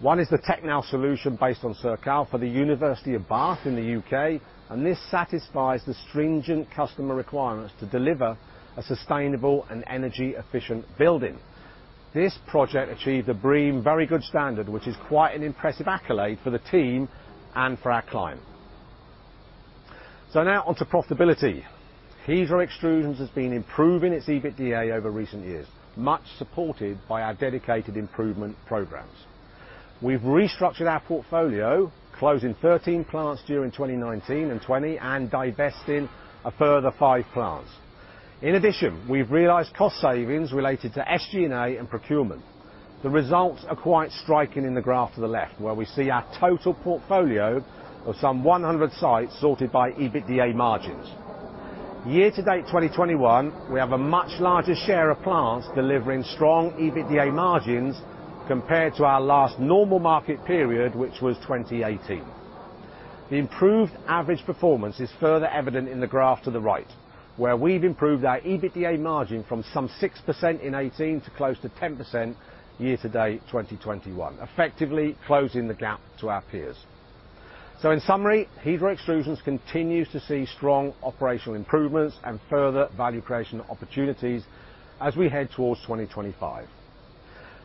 One is the TECHNAL solution based on CIRCAL for the University of Bath in the U.K., and this satisfies the stringent customer requirements to deliver a sustainable and energy-efficient building. This project achieved a BREEAM Very Good standard, which is quite an impressive accolade for the team and for our client. Now on to profitability. Hydro Extrusions has been improving its EBITDA over recent years, much supported by our dedicated improvement programs. We've restructured our portfolio, closing 13 plants during 2019 and 2020, and divesting a further 5 plants. In addition, we've realized cost savings related to SG&A and procurement. The results are quite striking in the graph to the left, where we see our total portfolio of some 100 sites sorted by EBITDA margins. Year to date 2021, we have a much larger share of plants delivering strong EBITDA margins compared to our last normal market period, which was 2018. The improved average performance is further evident in the graph to the right, where we've improved our EBITDA margin from some 6% in 2018 to close to 10% year-to-date 2021, effectively closing the gap to our peers. In summary, Hydro Extrusions continues to see strong operational improvements and further value creation opportunities as we head towards 2025.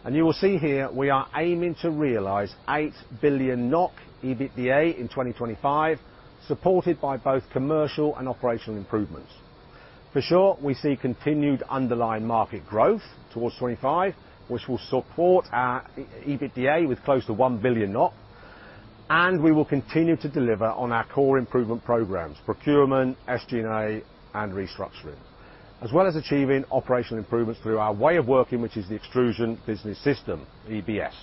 You will see here we are aiming to realize 8 billion NOK EBITDA in 2025, supported by both commercial and operational improvements. For sure, we see continued underlying market growth towards 2025, which will support our EBITDA with close to 1 billion, and we will continue to deliver on our core improvement programs, procurement, SG&A, and restructuring, as well as achieving operational improvements through our way of working, which is the Extrusion Business System, EBS.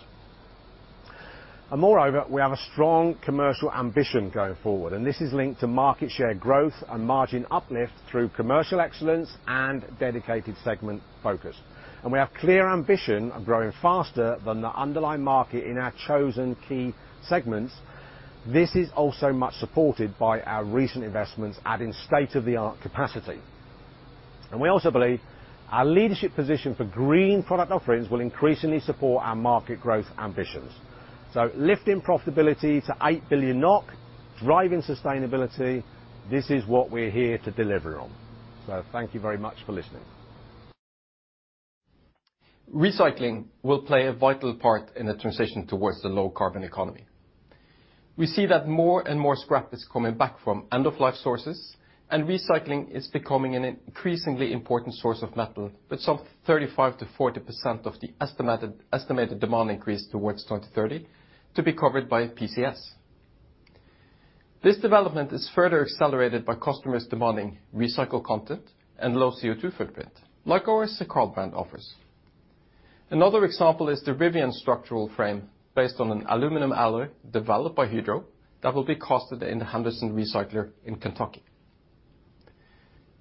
Moreover, we have a strong commercial ambition going forward, and this is linked to market share growth and margin uplift through commercial excellence and dedicated segment focus. We have clear ambition of growing faster than the underlying market in our chosen key segments. This is also much supported by our recent investments adding state-of-the-art capacity. We also believe our leadership position for green product offerings will increasingly support our market growth ambitions. Lifting profitability to 8 billion NOK, driving sustainability, this is what we're here to deliver on. Thank you very much for listening. Recycling will play a vital part in the transition towards the low carbon economy. We see that more and more scrap is coming back from end-of-life sources, and recycling is becoming an increasingly important source of metal, with some 35%-40% of the estimated demand increase towards 2030 to be covered by PCS. This development is further accelerated by customers demanding recycled content and low CO2 footprint, like our CIRCAL brand offers. Another example is the Rivian structural frame based on an aluminum alloy developed by Hydro that will be casted in the Henderson recycler in Kentucky.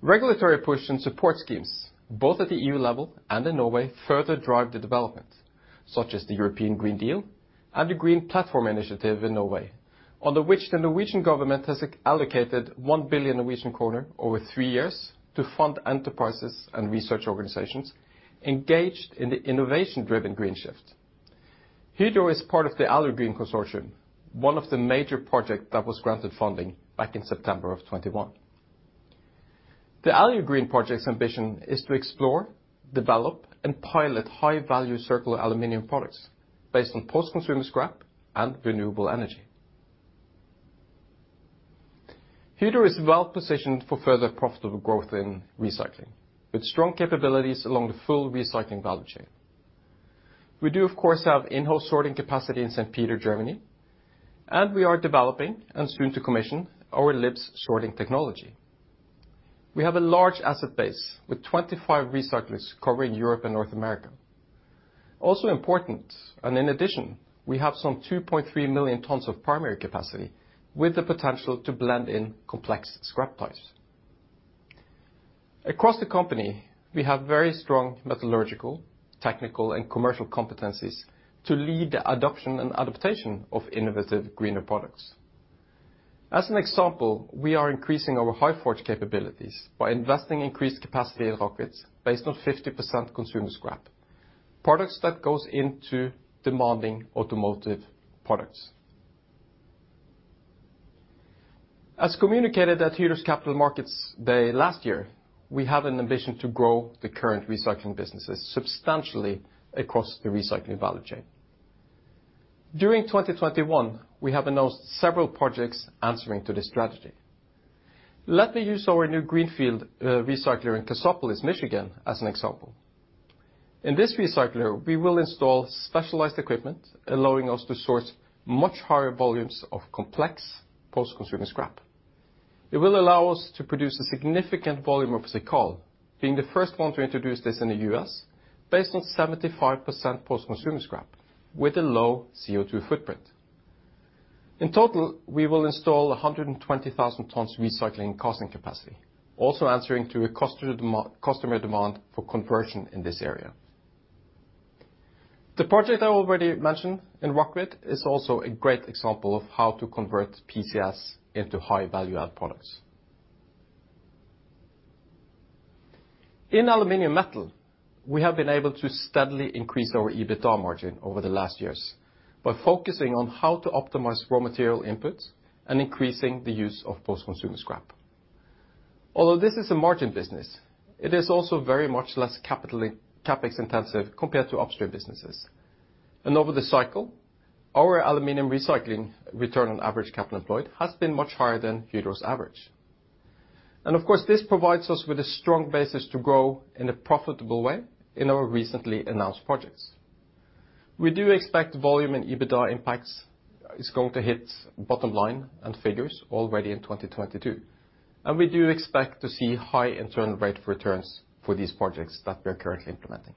Regulatory push and support schemes, both at the EU level and in Norway, further drive the development, such as the European Green Deal and the Green Platform Initiative in Norway, under which the Norwegian government has allocated 1 billion Norwegian kroner over three years to fund enterprises and research organizations engaged in the innovation-driven green shift. Hydro is part of the AluGreen consortium, one of the major project that was granted funding back in September 2021. The AluGreen project's ambition is to explore, develop, and pilot high-value circular aluminum products based on post-consumer scrap and renewable energy. Hydro is well positioned for further profitable growth in recycling, with strong capabilities along the full recycling value chain. We do of course have in-house sorting capacity in St. Peter, Germany, and we are developing and soon to commission our LIBS sorting technology. We have a large asset base with 25 recyclers covering Europe and North America. Also important, and in addition, we have some 2.3 million tons of primary capacity with the potential to blend in complex scrap types. Across the company, we have very strong metallurgical, technical, and commercial competencies to lead the adoption and adaptation of innovative greener products. As an example, we are increasing our HyForge capabilities by investing increased capacity in Råkvåg based on 50% consumer scrap, products that goes into demanding automotive products. As communicated at Hydro's Capital Markets Day last year, we have an ambition to grow the current recycling businesses substantially across the recycling value chain. During 2021, we have announced several projects answering to this strategy. Let me use our new greenfield recycler in Cassopolis, Michigan, as an example. In this recycler, we will install specialized equipment allowing us to source much higher volumes of complex post-consumer scrap. It will allow us to produce a significant volume of CIRCAL, being the first one to introduce this in the U.S., based on 75% post-consumer scrap with a low CO2 footprint. In total, we will install 120,000 tons recycling casting capacity, also answering to a customer demand for conversion in this area. The project I already mentioned in Råkvåg is also a great example of how to convert PCS into high value add products. In aluminum metal, we have been able to steadily increase our EBITDA margin over the last years by focusing on how to optimize raw material inputs and increasing the use of post-consumer scrap. Although this is a margin business, it is also very much less CapEx intensive compared to upstream businesses. Over the cycle, our aluminum recycling return on average capital employed has been much higher than Hydro's average. Of course, this provides us with a strong basis to grow in a profitable way in our recently announced projects. We do expect volume and EBITDA impacts is going to hit bottom line and figures already in 2022, and we do expect to see high internal rate of returns for these projects that we're currently implementing.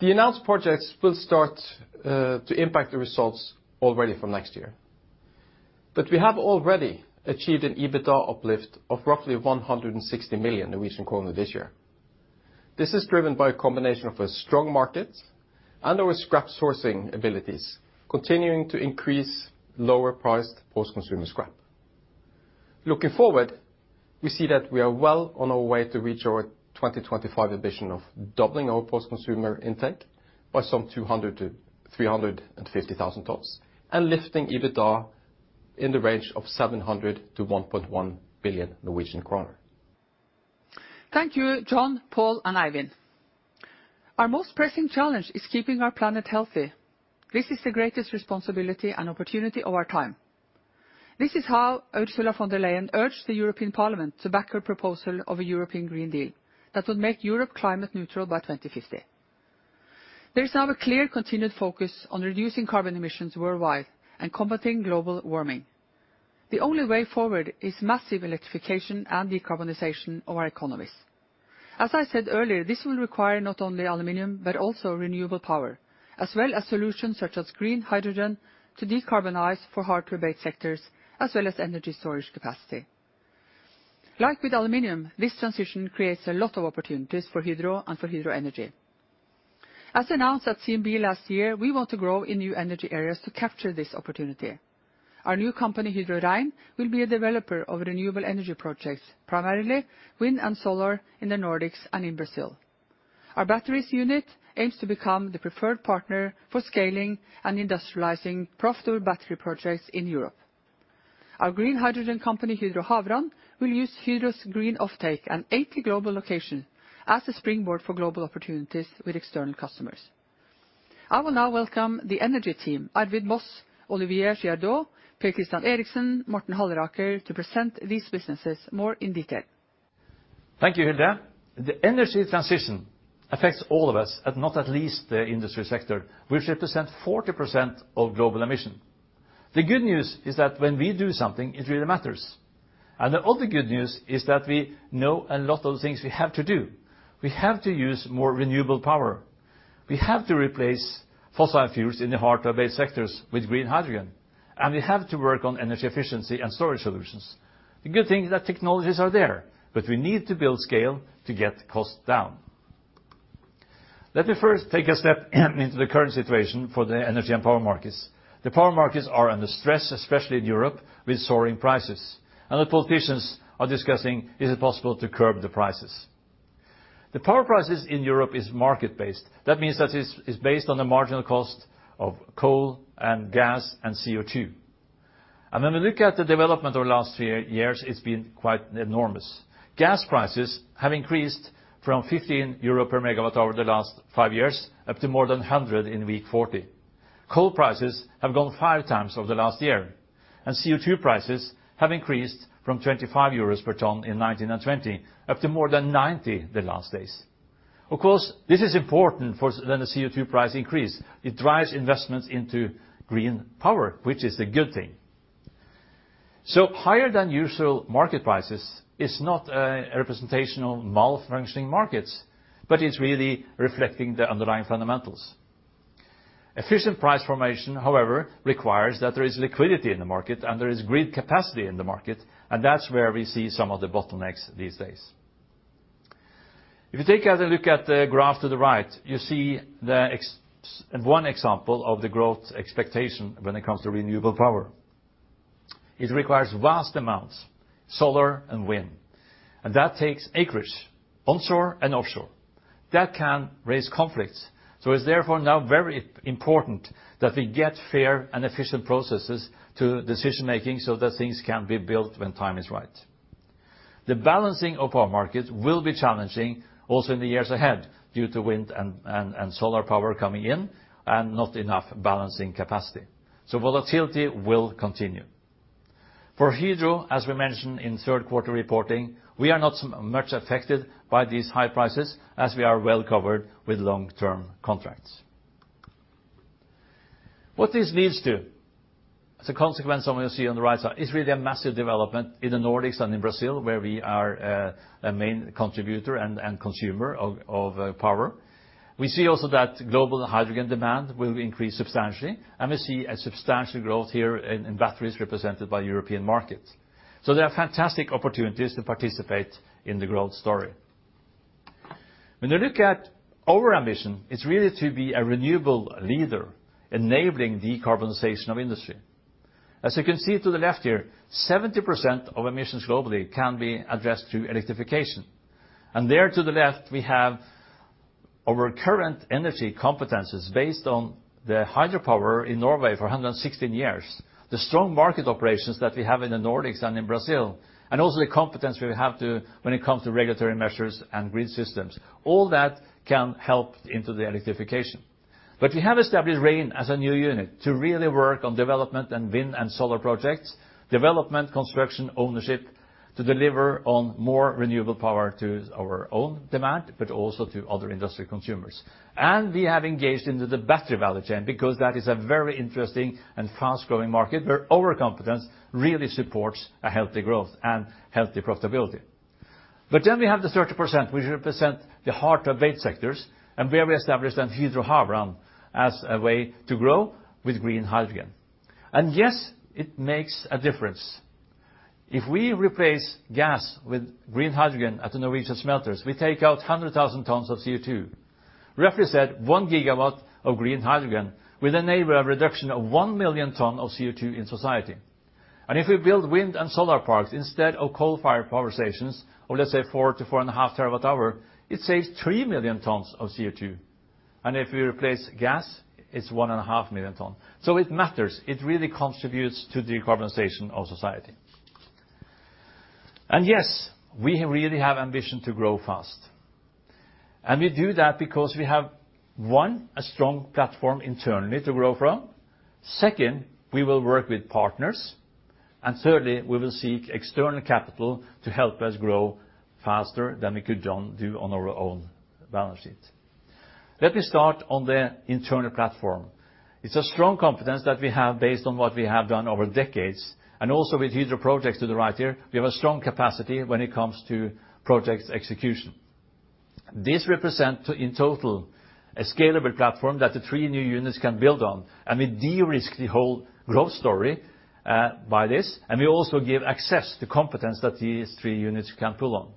The announced projects will start to impact the results already from next year, but we have already achieved an EBITDA uplift of roughly 160 million Norwegian kroner this year. This is driven by a combination of a strong market and our scrap sourcing abilities continuing to increase lower priced post-consumer scrap. Looking forward, we see that we are well on our way to reach our 2025 ambition of doubling our post-consumer intake by some 200-350,000 tons and lifting EBITDA in the range of 700 million-1.1 billion Norwegian kroner. Thank you, John, Paul, and Eivind. Our most pressing challenge is keeping our planet healthy. This is the greatest responsibility and opportunity of our time. This is how Ursula von der Leyen urged the European Parliament to back her proposal of a European Green Deal that would make Europe climate neutral by 2050. There's now a clear continued focus on reducing carbon emissions worldwide and combating global warming. The only way forward is massive electrification and decarbonization of our economies. As I said earlier, this will require not only aluminum, but also renewable power, as well as solutions such as green hydrogen to decarbonize for hard-to-abate sectors, as well as energy storage capacity. Like with aluminum, this transition creates a lot of opportunities for Hydro and for Hydro energy. As announced at CMD last year, we want to grow in new energy areas to capture this opportunity. Our new company, Hydro REIN, will be a developer of renewable energy projects, primarily wind and solar in the Nordics and in Brazil. Our batteries unit aims to become the preferred partner for scaling and industrializing profitable battery projects in Europe. Our green hydrogen company, Hydro Havrand, will use Hydro's green offtake and 80 global locations as a springboard for global opportunities with external customers. I will now welcome the energy team, Arvid Moss, Olivier Girardot, Per Christian Eriksen, Morten Halleraker, to present these businesses more in detail. Thank you, Hilde. The energy transition affects all of us, not least the industry sector, which represents 40% of global emissions. The good news is that when we do something, it really matters. The other good news is that we know a lot of things we have to do. We have to use more renewable power. We have to replace fossil fuels in the hard-to-abate sectors with green hydrogen, and we have to work on energy efficiency and storage solutions. The good thing is that technologies are there, but we need to build scale to get cost down. Let me first take a step into the current situation for the energy and power markets. The power markets are under stress, especially in Europe, with soaring prices, and the politicians are discussing is it possible to curb the prices. The power prices in Europe are market-based. That means that it's based on the marginal cost of coal and gas and CO2. When we look at the development over the last few years, it's been quite enormous. Gas prices have increased from 15 euro per MWh over the last five years, up to more than 100 in week 40. Coal prices have gone five times over the last year, and CO2 prices have increased from 25 euros per ton in 2019 and 2020, up to more than 90 the last days. Of course, this is important for when the CO2 price increase. It drives investments into green power, which is a good thing. Higher than usual market prices is not a representation of malfunctioning markets, but it's really reflecting the underlying fundamentals. Efficient price formation, however, requires that there is liquidity in the market and there is grid capacity in the market, and that's where we see some of the bottlenecks these days. If you take a look at the graph to the right, you see an example of the growth expectation when it comes to renewable power. It requires vast amounts, solar and wind, and that takes acreage, onshore and offshore. That can raise conflicts, so it's therefore now very important that we get fair and efficient processes to decision-making so that things can be built when time is right. The balancing of our markets will be challenging also in the years ahead due to wind and solar power coming in and not enough balancing capacity, so volatility will continue. For Hydro, as we mentioned in third quarter reporting, we are not so much affected by these high prices, as we are well covered with long-term contracts. What this leads to, as a consequence of what you see on the right side, is really a massive development in the Nordics and in Brazil, where we are a main contributor and consumer of power. We see also that global hydrogen demand will increase substantially, and we see a substantial growth here in batteries represented by European markets. There are fantastic opportunities to participate in the growth story. When you look at our ambition, it's really to be a renewable leader enabling decarbonization of industry. As you can see to the left here, 70% of emissions globally can be addressed through electrification. There to the left, we have our current energy competencies based on the hydropower in Norway for 116 years, the strong market operations that we have in the Nordics and in Brazil, and also the competence we have too, when it comes to regulatory measures and grid systems. All that can help into the electrification. We have established REIN as a new unit to really work on development and wind and solar projects, development, construction, ownership, to deliver on more renewable power to our own demand, but also to other industrial consumers. We have engaged into the battery value chain because that is a very interesting and fast-growing market where our competence really supports a healthy growth and healthy profitability. We have the 30% which represent the heart of eight sectors, and where we established Hydro Havrand as a way to grow with green hydrogen. Yes, it makes a difference. If we replace gas with green hydrogen at the Norwegian smelters, we take out 100,000 tons of CO2. Roughly said, 1 GW of green hydrogen will enable a reduction of 1 million ton of CO2 in society. If we build wind and solar parks instead of coal-fired power stations, or let's say 4-4.5 TW hour, it saves 3 million tons of CO2. If we replace gas, it's 1.5 million ton. It matters, it really contributes to decarbonization of society. Yes, we really have ambition to grow fast. We do that because we have, one, a strong platform internally to grow from. Second, we will work with partners. Thirdly, we will seek external capital to help us grow faster than we could on our own balance sheet. Let me start on the internal platform. It's a strong competence that we have based on what we have done over decades, and also with Hydro Projects to the right here, we have a strong capacity when it comes to projects execution. This represent in total a scalable platform that the three new units can build on, and we de-risk the whole growth story by this, and we also give access to competence that these three units can pull on.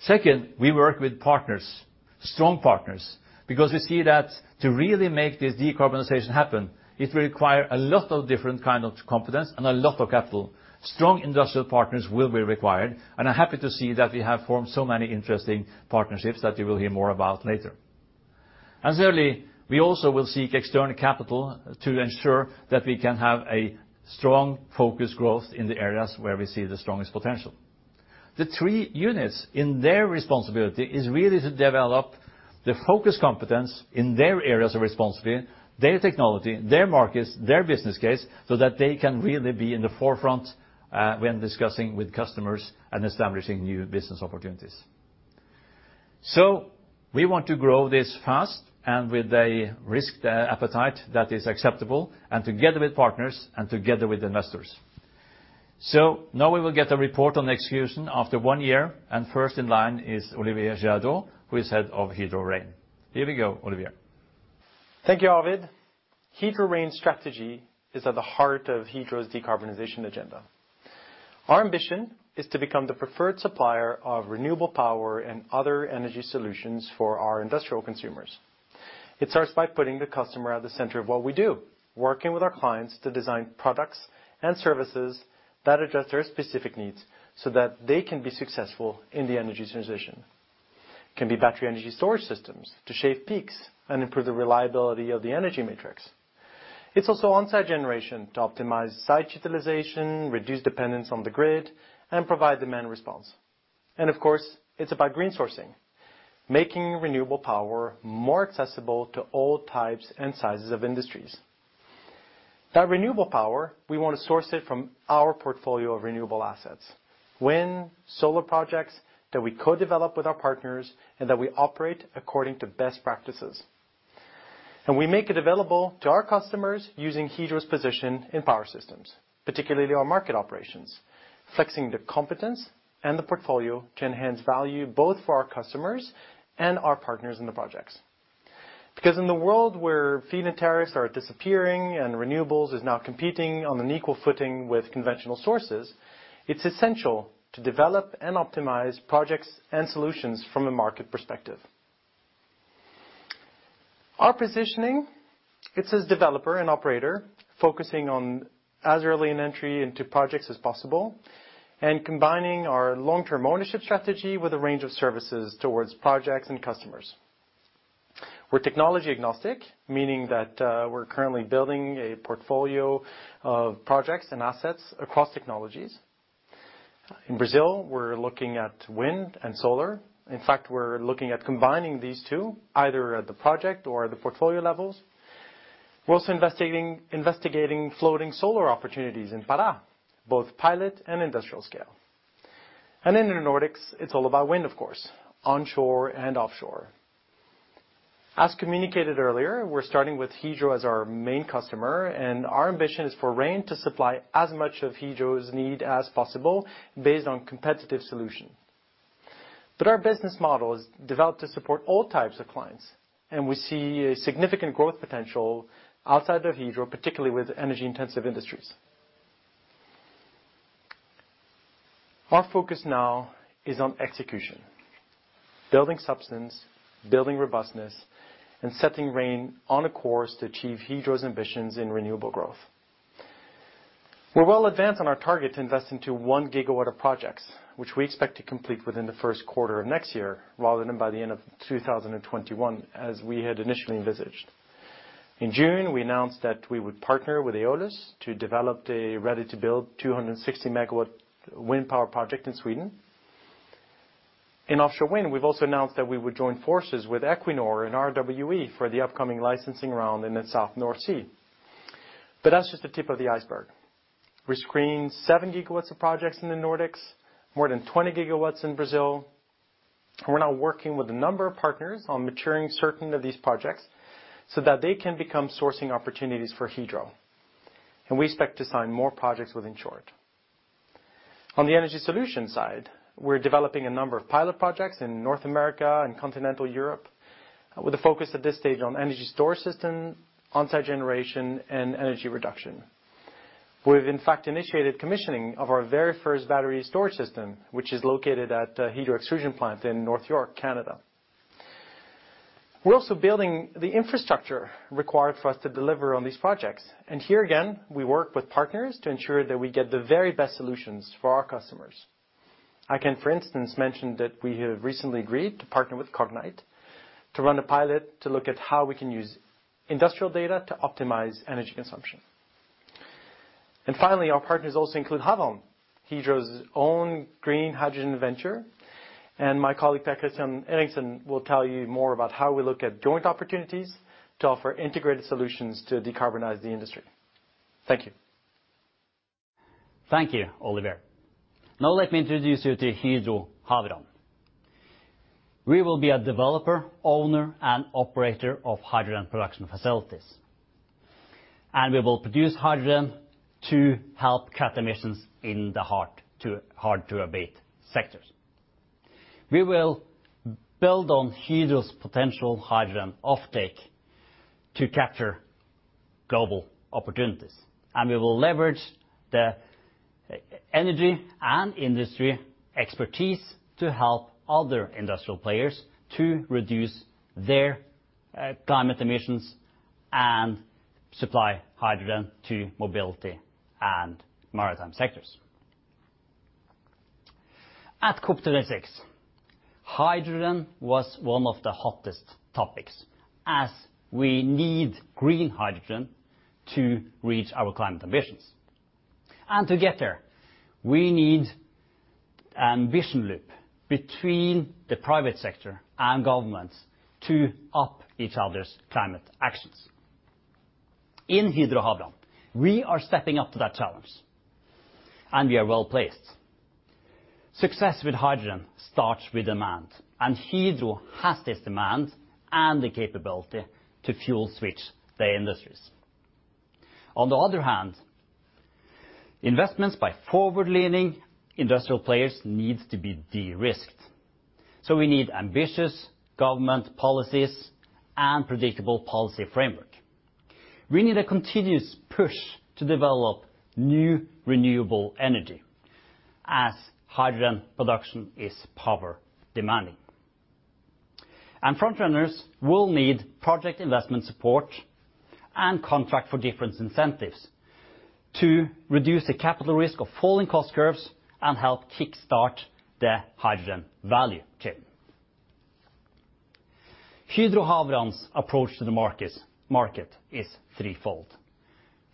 Second, we work with partners, strong partners, because we see that to really make this decarbonization happen, it will require a lot of different kind of competence and a lot of capital. Strong industrial partners will be required, and I'm happy to see that we have formed so many interesting partnerships that you will hear more about later. Thirdly, we also will seek external capital to ensure that we can have a strong focus growth in the areas where we see the strongest potential. The three units in their responsibility is really to develop the focus competence in their areas of responsibility, their technology, their markets, their business case, so that they can really be in the forefront, when discussing with customers and establishing new business opportunities. We want to grow this fast and with a risk appetite that is acceptable, and together with partners and together with investors. Now we will get a report on execution after one year, and first in line is Olivier Girardot, who is head of Hydro REIN. Here we go, Olivier. Thank you, Arvid. Hydro REIN's strategy is at the heart of Hydro's decarbonization agenda. Our ambition is to become the preferred supplier of renewable power and other energy solutions for our industrial consumers. It starts by putting the customer at the center of what we do, working with our clients to design products and services that address their specific needs so that they can be successful in the energy transition. It can be battery energy storage systems to shape peaks and improve the reliability of the energy matrix. It's also on-site generation to optimize site utilization, reduce dependence on the grid, and provide demand response. Of course, it's about green sourcing, making renewable power more accessible to all types and sizes of industries. That renewable power, we want to source it from our portfolio of renewable assets. Wind, solar projects that we co-develop with our partners and that we operate according to best practices. We make it available to our customers using Hydro's position in power systems, particularly our market operations, flexing the competence and the portfolio to enhance value both for our customers and our partners in the projects. Because in the world where feed-in tariffs are disappearing and renewables is now competing on an equal footing with conventional sources, it's essential to develop and optimize projects and solutions from a market perspective. Our positioning, it's as developer and operator, focusing on as early an entry into projects as possible and combining our long-term ownership strategy with a range of services towards projects and customers. We're technology agnostic, meaning that, we're currently building a portfolio of projects and assets across technologies. In Brazil, we're looking at wind and solar. In fact, we're looking at combining these two, either at the project or the portfolio levels. We're also investigating floating solar opportunities in Pará, both pilot and industrial scale. In the Nordics, it's all about wind, of course, onshore and offshore. As communicated earlier, we're starting with Hydro as our main customer, and our ambition is for REIN to supply as much of Hydro's need as possible based on competitive solution. Our business model is developed to support all types of clients, and we see a significant growth potential outside of Hydro, particularly with energy-intensive industries. Our focus now is on execution, building substance, building robustness, and setting REIN on a course to achieve Hydro's ambitions in renewable growth. We're well advanced on our target to invest into 1 gigawatt of projects, which we expect to complete within the first quarter of next year, rather than by the end of 2021 as we had initially envisaged. In June, we announced that we would partner with Eolus to develop a ready-to-build 260 MW wind power project in Sweden. In offshore wind, we've also announced that we would join forces with Equinor and RWE for the upcoming licensing round in the Southern North Sea. That's just the tip of the iceberg. We're screening 7 gigawatts of projects in the Nordics, more than 20 GW in Brazil. We're now working with a number of partners on maturing certain of these projects so that they can become sourcing opportunities for Hydro. We expect to sign more projects within short. On the energy solution side, we're developing a number of pilot projects in North America and continental Europe, with a focus at this stage on energy storage system, on-site generation, and energy reduction. We've in fact initiated commissioning of our very first battery storage system, which is located at Hydro Extrusions plant in North York, Canada. We're also building the infrastructure required for us to deliver on these projects, and here again, we work with partners to ensure that we get the very best solutions for our customers. I can, for instance, mention that we have recently agreed to partner with Cognite to run a pilot to look at how we can use industrial data to optimize energy consumption. Finally, our partners also include Havrand, Hydro's own green hydrogen venture, and my colleague Per Christian Eriksen will tell you more about how we look at joint opportunities to offer integrated solutions to decarbonize the industry. Thank you. Thank you, Olivier. Now let me introduce you to Hydro Havrand. We will be a developer, owner, and operator of hydrogen production facilities. We will produce hydrogen to help cut emissions in the hard-to-abate sectors. We will build on Hydro's potential hydrogen offtake to capture global opportunities, and we will leverage the energy and industry expertise to help other industrial players to reduce their climate emissions and supply hydrogen to mobility and maritime sectors. At COP26, hydrogen was one of the hottest topics as we need green hydrogen to reach our climate ambitions. To get there, we need ambition loop between the private sector and governments to amp up each other's climate actions. In Hydro Havrand, we are stepping up to that challenge, and we are well-placed. Success with hydrogen starts with demand, and Hydro has this demand and the capability to fuel switch the industries. On the other hand, investments by forward-leaning industrial players needs to be de-risked, so we need ambitious government policies and predictable policy framework. We need a continuous push to develop new renewable energy as hydrogen production is power demanding. Frontrunners will need project investment support and contract for difference incentives to reduce the capital risk of falling cost curves and help kick-start the hydrogen value chain. Hydro Havrand's approach to the market is threefold.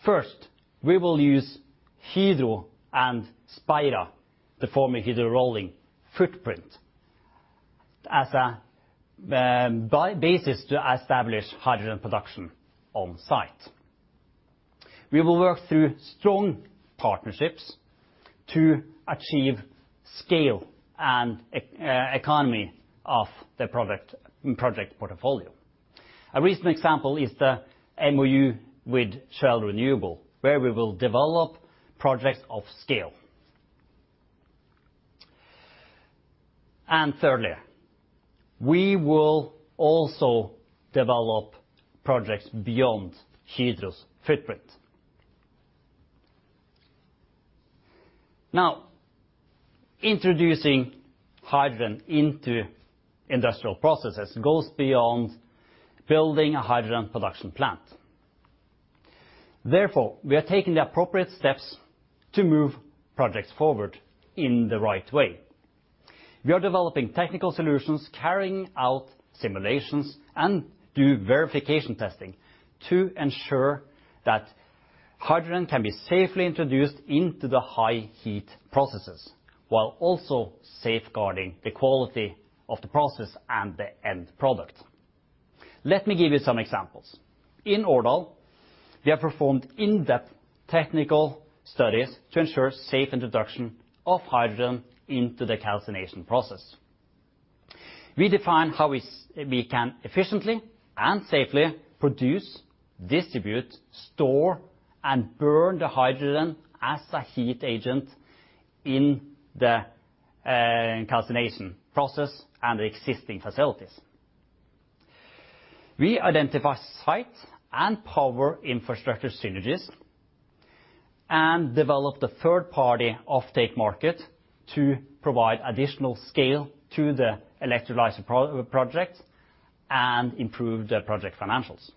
First, we will use Hydro and Speira, the former Hydro Rolling footprint, as a basis to establish hydrogen production on site. We will work through strong partnerships to achieve scale and economy of the project portfolio. A recent example is the MOU with Shell Renewables, where we will develop projects of scale. Thirdly, we will also develop projects beyond Hydro's footprint. Now, introducing hydrogen into industrial processes goes beyond building a hydrogen production plant. Therefore, we are taking the appropriate steps to move projects forward in the right way. We are developing technical solutions, carrying out simulations, and do verification testing to ensure that hydrogen can be safely introduced into the high heat processes, while also safeguarding the quality of the process and the end product. Let me give you some examples. In Årdal, we have performed in-depth technical studies to ensure safe introduction of hydrogen into the calcination process. We define how we can efficiently and safely produce, distribute, store, and burn the hydrogen as a heat agent in the calcination process and the existing facilities. We identify site and power infrastructure synergies and develop the third party offtake market to provide additional scale to the electrolyzer pro-project and improve the project financials.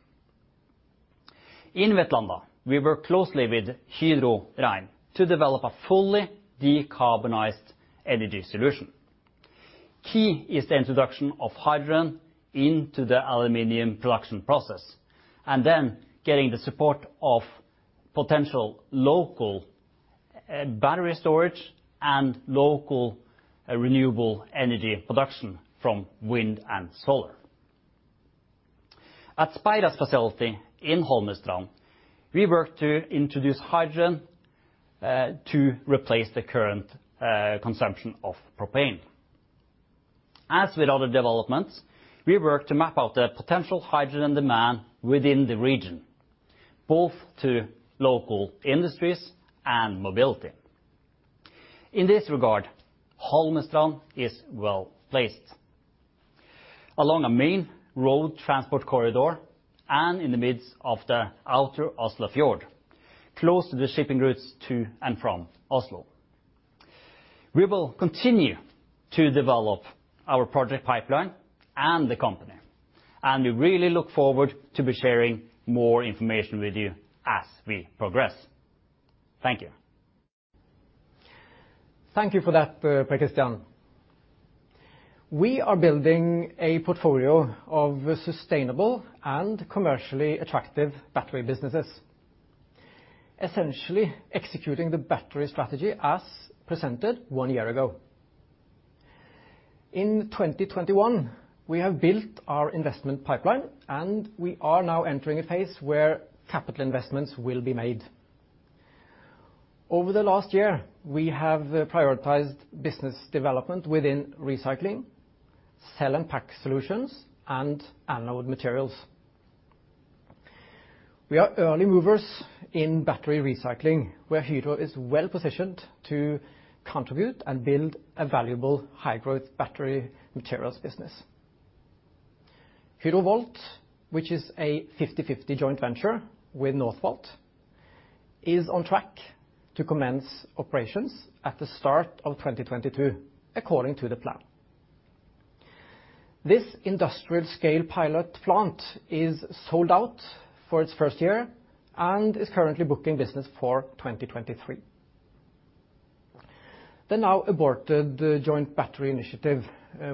In Vetlanda, we work closely with Hydro REIN to develop a fully decarbonized energy solution. Key is the introduction of hydrogen into the aluminum production process and then getting the support of potential local battery storage and local renewable energy production from wind and solar. At Speira's facility in Holmestrand, we work to introduce hydrogen to replace the current consumption of propane. As with other developments, we work to map out the potential hydrogen demand within the region, both to local industries and mobility. In this regard, Holmestrand is well-placed. Along a main road transport corridor and in the midst of the outer Oslo fjord, close to the shipping routes to and from Oslo. We will continue to develop our project pipeline and the company, and we really look forward to be sharing more information with you as we progress. Thank you. Thank you for that, Per Christian. We are building a portfolio of sustainable and commercially attractive battery businesses, essentially executing the battery strategy as presented one year ago. In 2021, we have built our investment pipeline, and we are now entering a phase where capital investments will be made. Over the last year, we have prioritized business development within recycling, cell and pack solutions, and anode materials. We are early movers in battery recycling, where Hydro is well-positioned to contribute and build a valuable high-growth battery materials business. Hydrovolt, which is a 50/50 joint venture with Northvolt, is on track to commence operations at the start of 2022 according to the plan. This industrial scale pilot plant is sold out for its first year and is currently booking business for 2023. The now-aborted joint battery initiative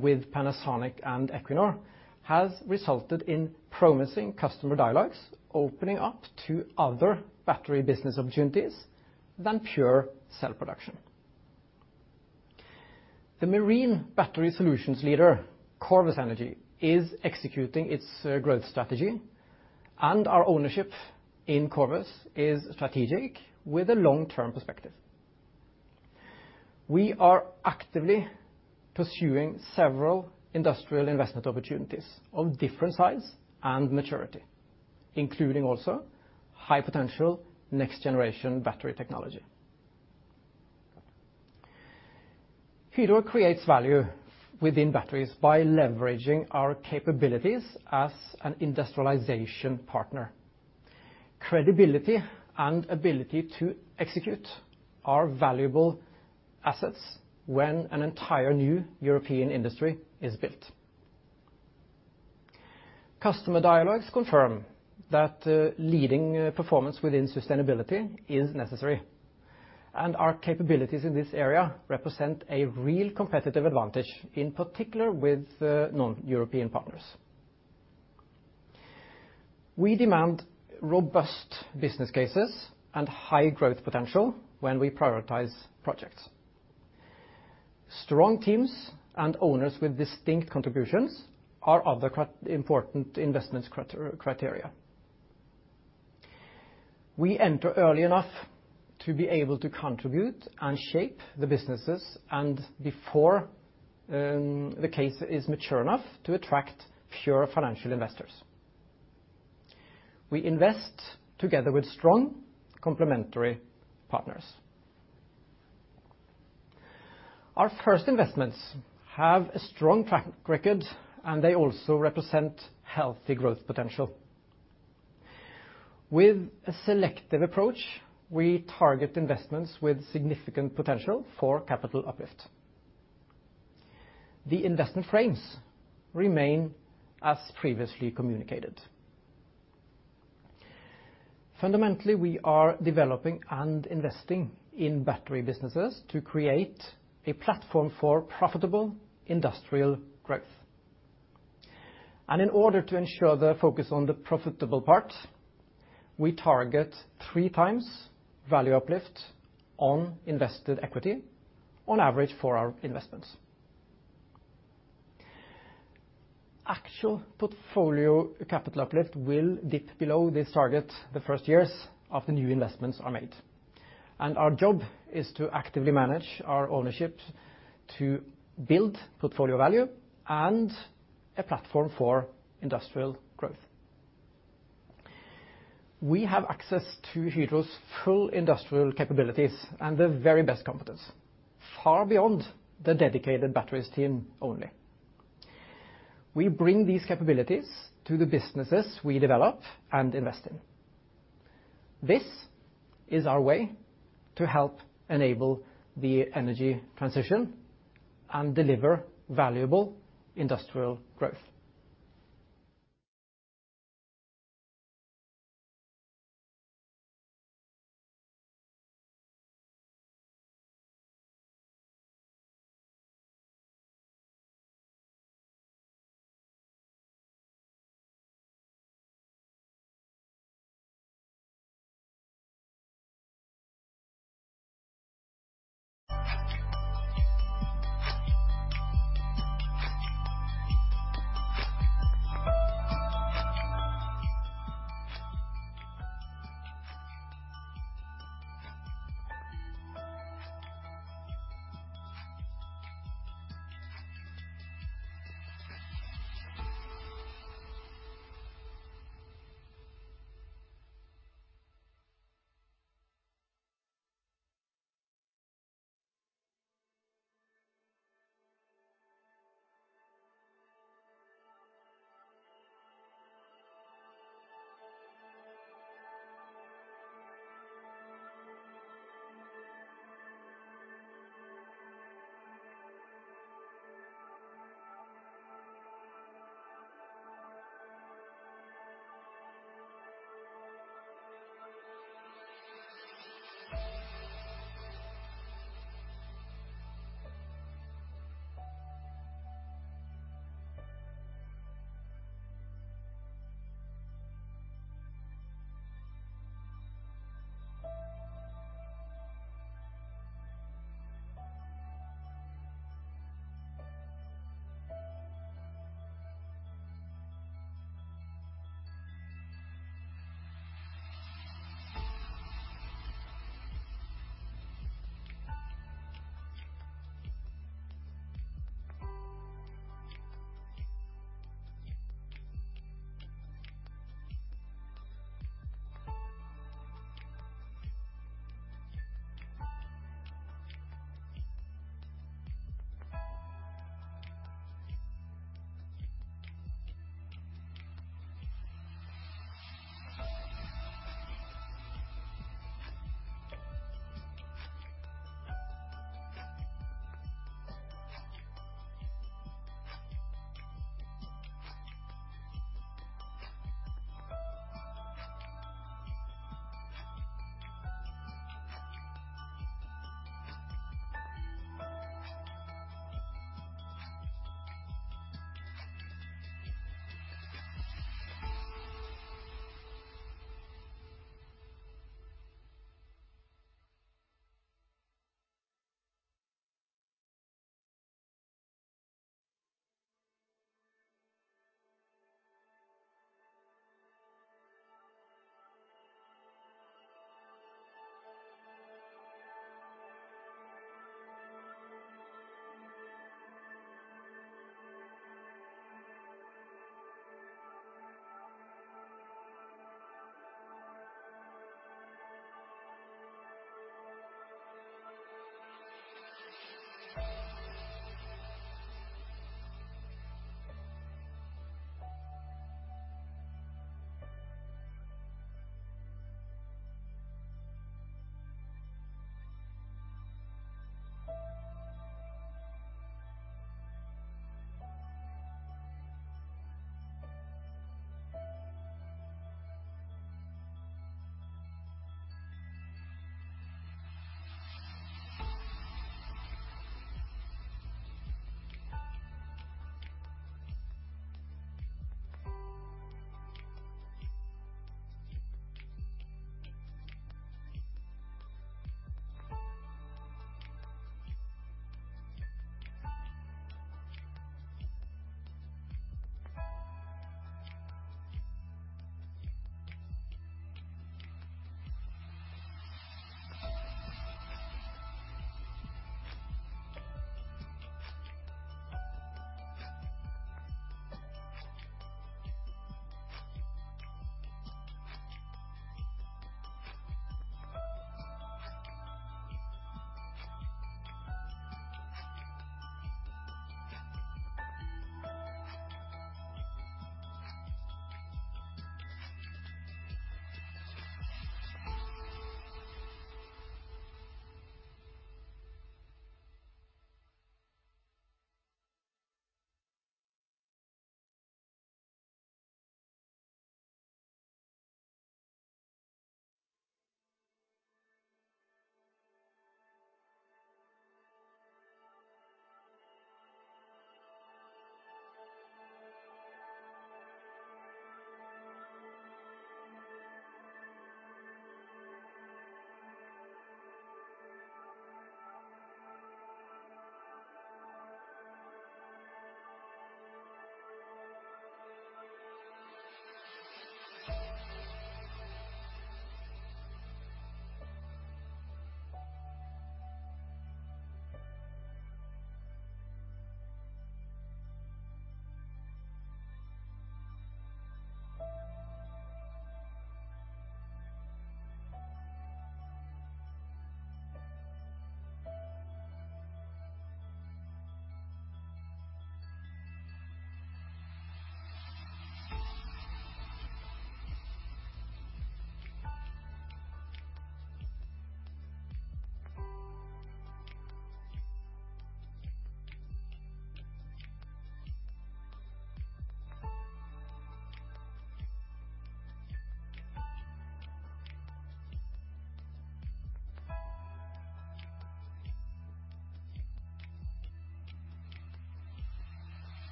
with Panasonic and Equinor has resulted in promising customer dialogues opening up to other battery business opportunities than pure cell production. The marine battery solutions leader Corvus Energy is executing its growth strategy, and our ownership in Corvus is strategic with a long-term perspective. We are actively pursuing several industrial investment opportunities of different size and maturity, including also high-potential next-generation battery technology. Hydro creates value within batteries by leveraging our capabilities as an industrialization partner. Credibility and ability to execute are valuable assets when an entire new European industry is built. Customer dialogues confirm that leading performance within sustainability is necessary, and our capabilities in this area represent a real competitive advantage, in particular with non-European partners. We demand robust business cases and high growth potential when we prioritize projects. Strong teams and owners with distinct contributions are other important investment criteria. We enter early enough to be able to contribute and shape the businesses and before the case is mature enough to attract pure financial investors. We invest together with strong complementary partners. Our first investments have a strong track record, and they also represent healthy growth potential. With a selective approach, we target investments with significant potential for capital uplift. The investment frames remain as previously communicated. Fundamentally, we are developing and investing in battery businesses to create a platform for profitable industrial growth. In order to ensure the focus on the profitable part, we target three times value uplift on invested equity on average for our investments. Actual portfolio capital uplift will dip below this target the first years of the new investments are made, and our job is to actively manage our ownership to build portfolio value and a platform for industrial growth. We have access to Hydro's full industrial capabilities and the very best competence, far beyond the dedicated batteries team only. We bring these capabilities to the businesses we develop and invest in. This is our way to help enable the energy transition and deliver valuable industrial growth.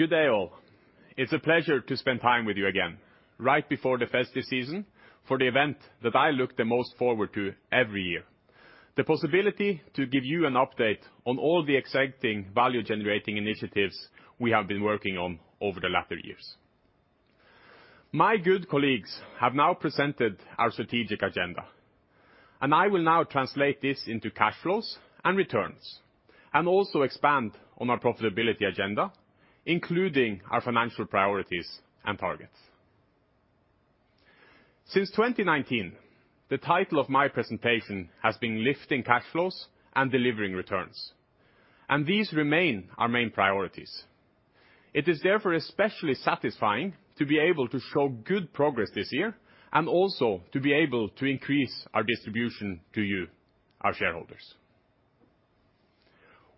Good day, all. It's a pleasure to spend time with you again right before the festive season for the event that I look the most forward to every year, the possibility to give you an update on all the exciting value-generating initiatives we have been working on over the latter years. My good colleagues have now presented our strategic agenda, and I will now translate this into cash flows and returns, and also expand on our profitability agenda, including our financial priorities and targets. Since 2019, the title of my presentation has been Lifting Cash Flows and Delivering Returns, and these remain our main priorities. It is therefore especially satisfying to be able to show good progress this year and also to be able to increase our distribution to you, our shareholders.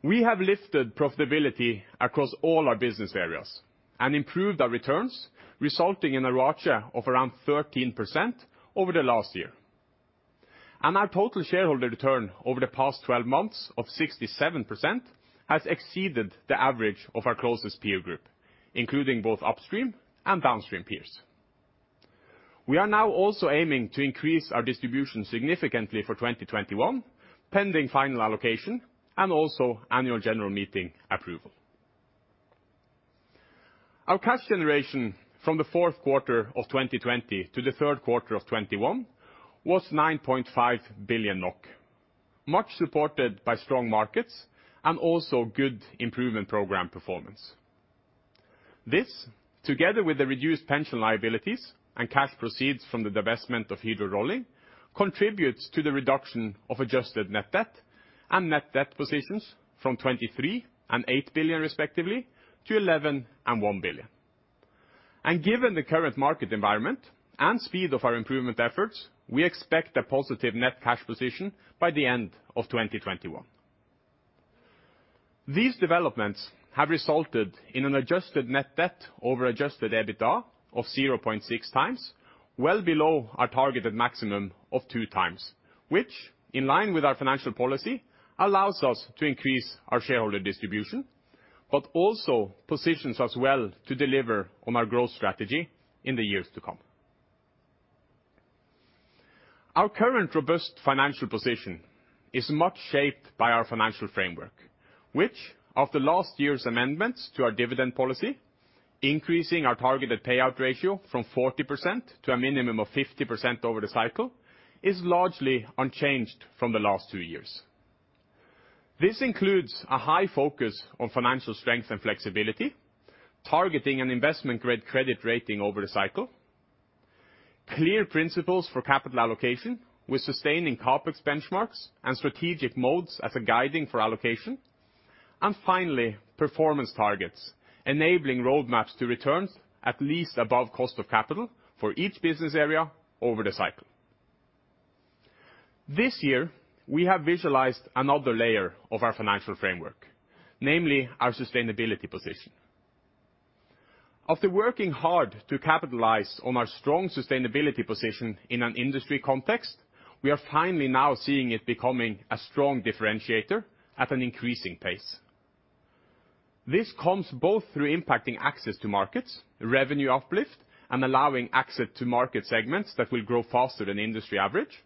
We have lifted profitability across all our business areas and improved our returns, resulting in a ROACE of around 13% over the last year. Our total shareholder return over the past 12 months of 67% has exceeded the average of our closest peer group, including both upstream and downstream peers. We are now also aiming to increase our distribution significantly for 2021, pending final allocation and also annual general meeting approval. Our cash generation from the fourth quarter of 2020 to the third quarter of 2021 was 9.5 billion NOK, much supported by strong markets and also good improvement program performance. This, together with the reduced pension liabilities and cash proceeds from the divestment of Hydro Rolling, contributes to the reduction of adjusted net debt and net debt positions from 23 billion and 8 billion, respectively, to 11 billion and 1 billion. Given the current market environment and speed of our improvement efforts, we expect a positive net cash position by the end of 2021. These developments have resulted in an adjusted net debt over Adjusted EBITDA of 0.6 times, well below our targeted maximum of 2 times, which, in line with our financial policy, allows us to increase our shareholder distribution, but also positions us well to deliver on our growth strategy in the years to come. Our current robust financial position is much shaped by our financial framework, which, after last year's amendments to our dividend policy, increasing our targeted payout ratio from 40% to a minimum of 50% over the cycle, is largely unchanged from the last two years. This includes a high focus on financial strength and flexibility, targeting an investment-grade credit rating over the cycle, clear principles for capital allocation with sustaining CapEx benchmarks and strategic modes as a guiding for allocation, and finally, performance targets enabling roadmaps to returns at least above cost of capital for each business area over the cycle. This year, we have visualized another layer of our financial framework, namely our sustainability position. After working hard to capitalize on our strong sustainability position in an industry context, we are finally now seeing it becoming a strong differentiator at an increasing pace. This comes both through impacting access to markets, revenue uplift, and allowing access to market segments that will grow faster than industry average.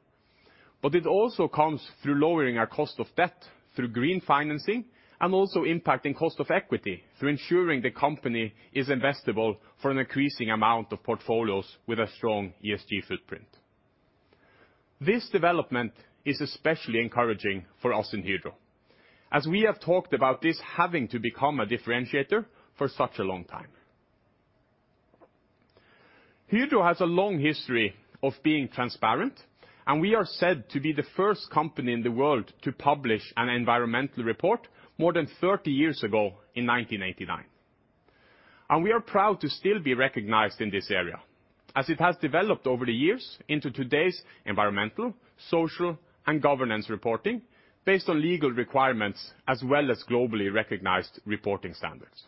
It also comes through lowering our cost of debt through green financing, and also impacting cost of equity through ensuring the company is investable for an increasing amount of portfolios with a strong ESG footprint. This development is especially encouraging for us in Hydro, as we have talked about this having to become a differentiator for such a long time. Hydro has a long history of being transparent, and we are said to be the first company in the world to publish an environmental report more than 30 years ago in 1989. We are proud to still be recognized in this area, as it has developed over the years into today's environmental, social, and governance reporting based on legal requirements as well as globally recognized reporting standards.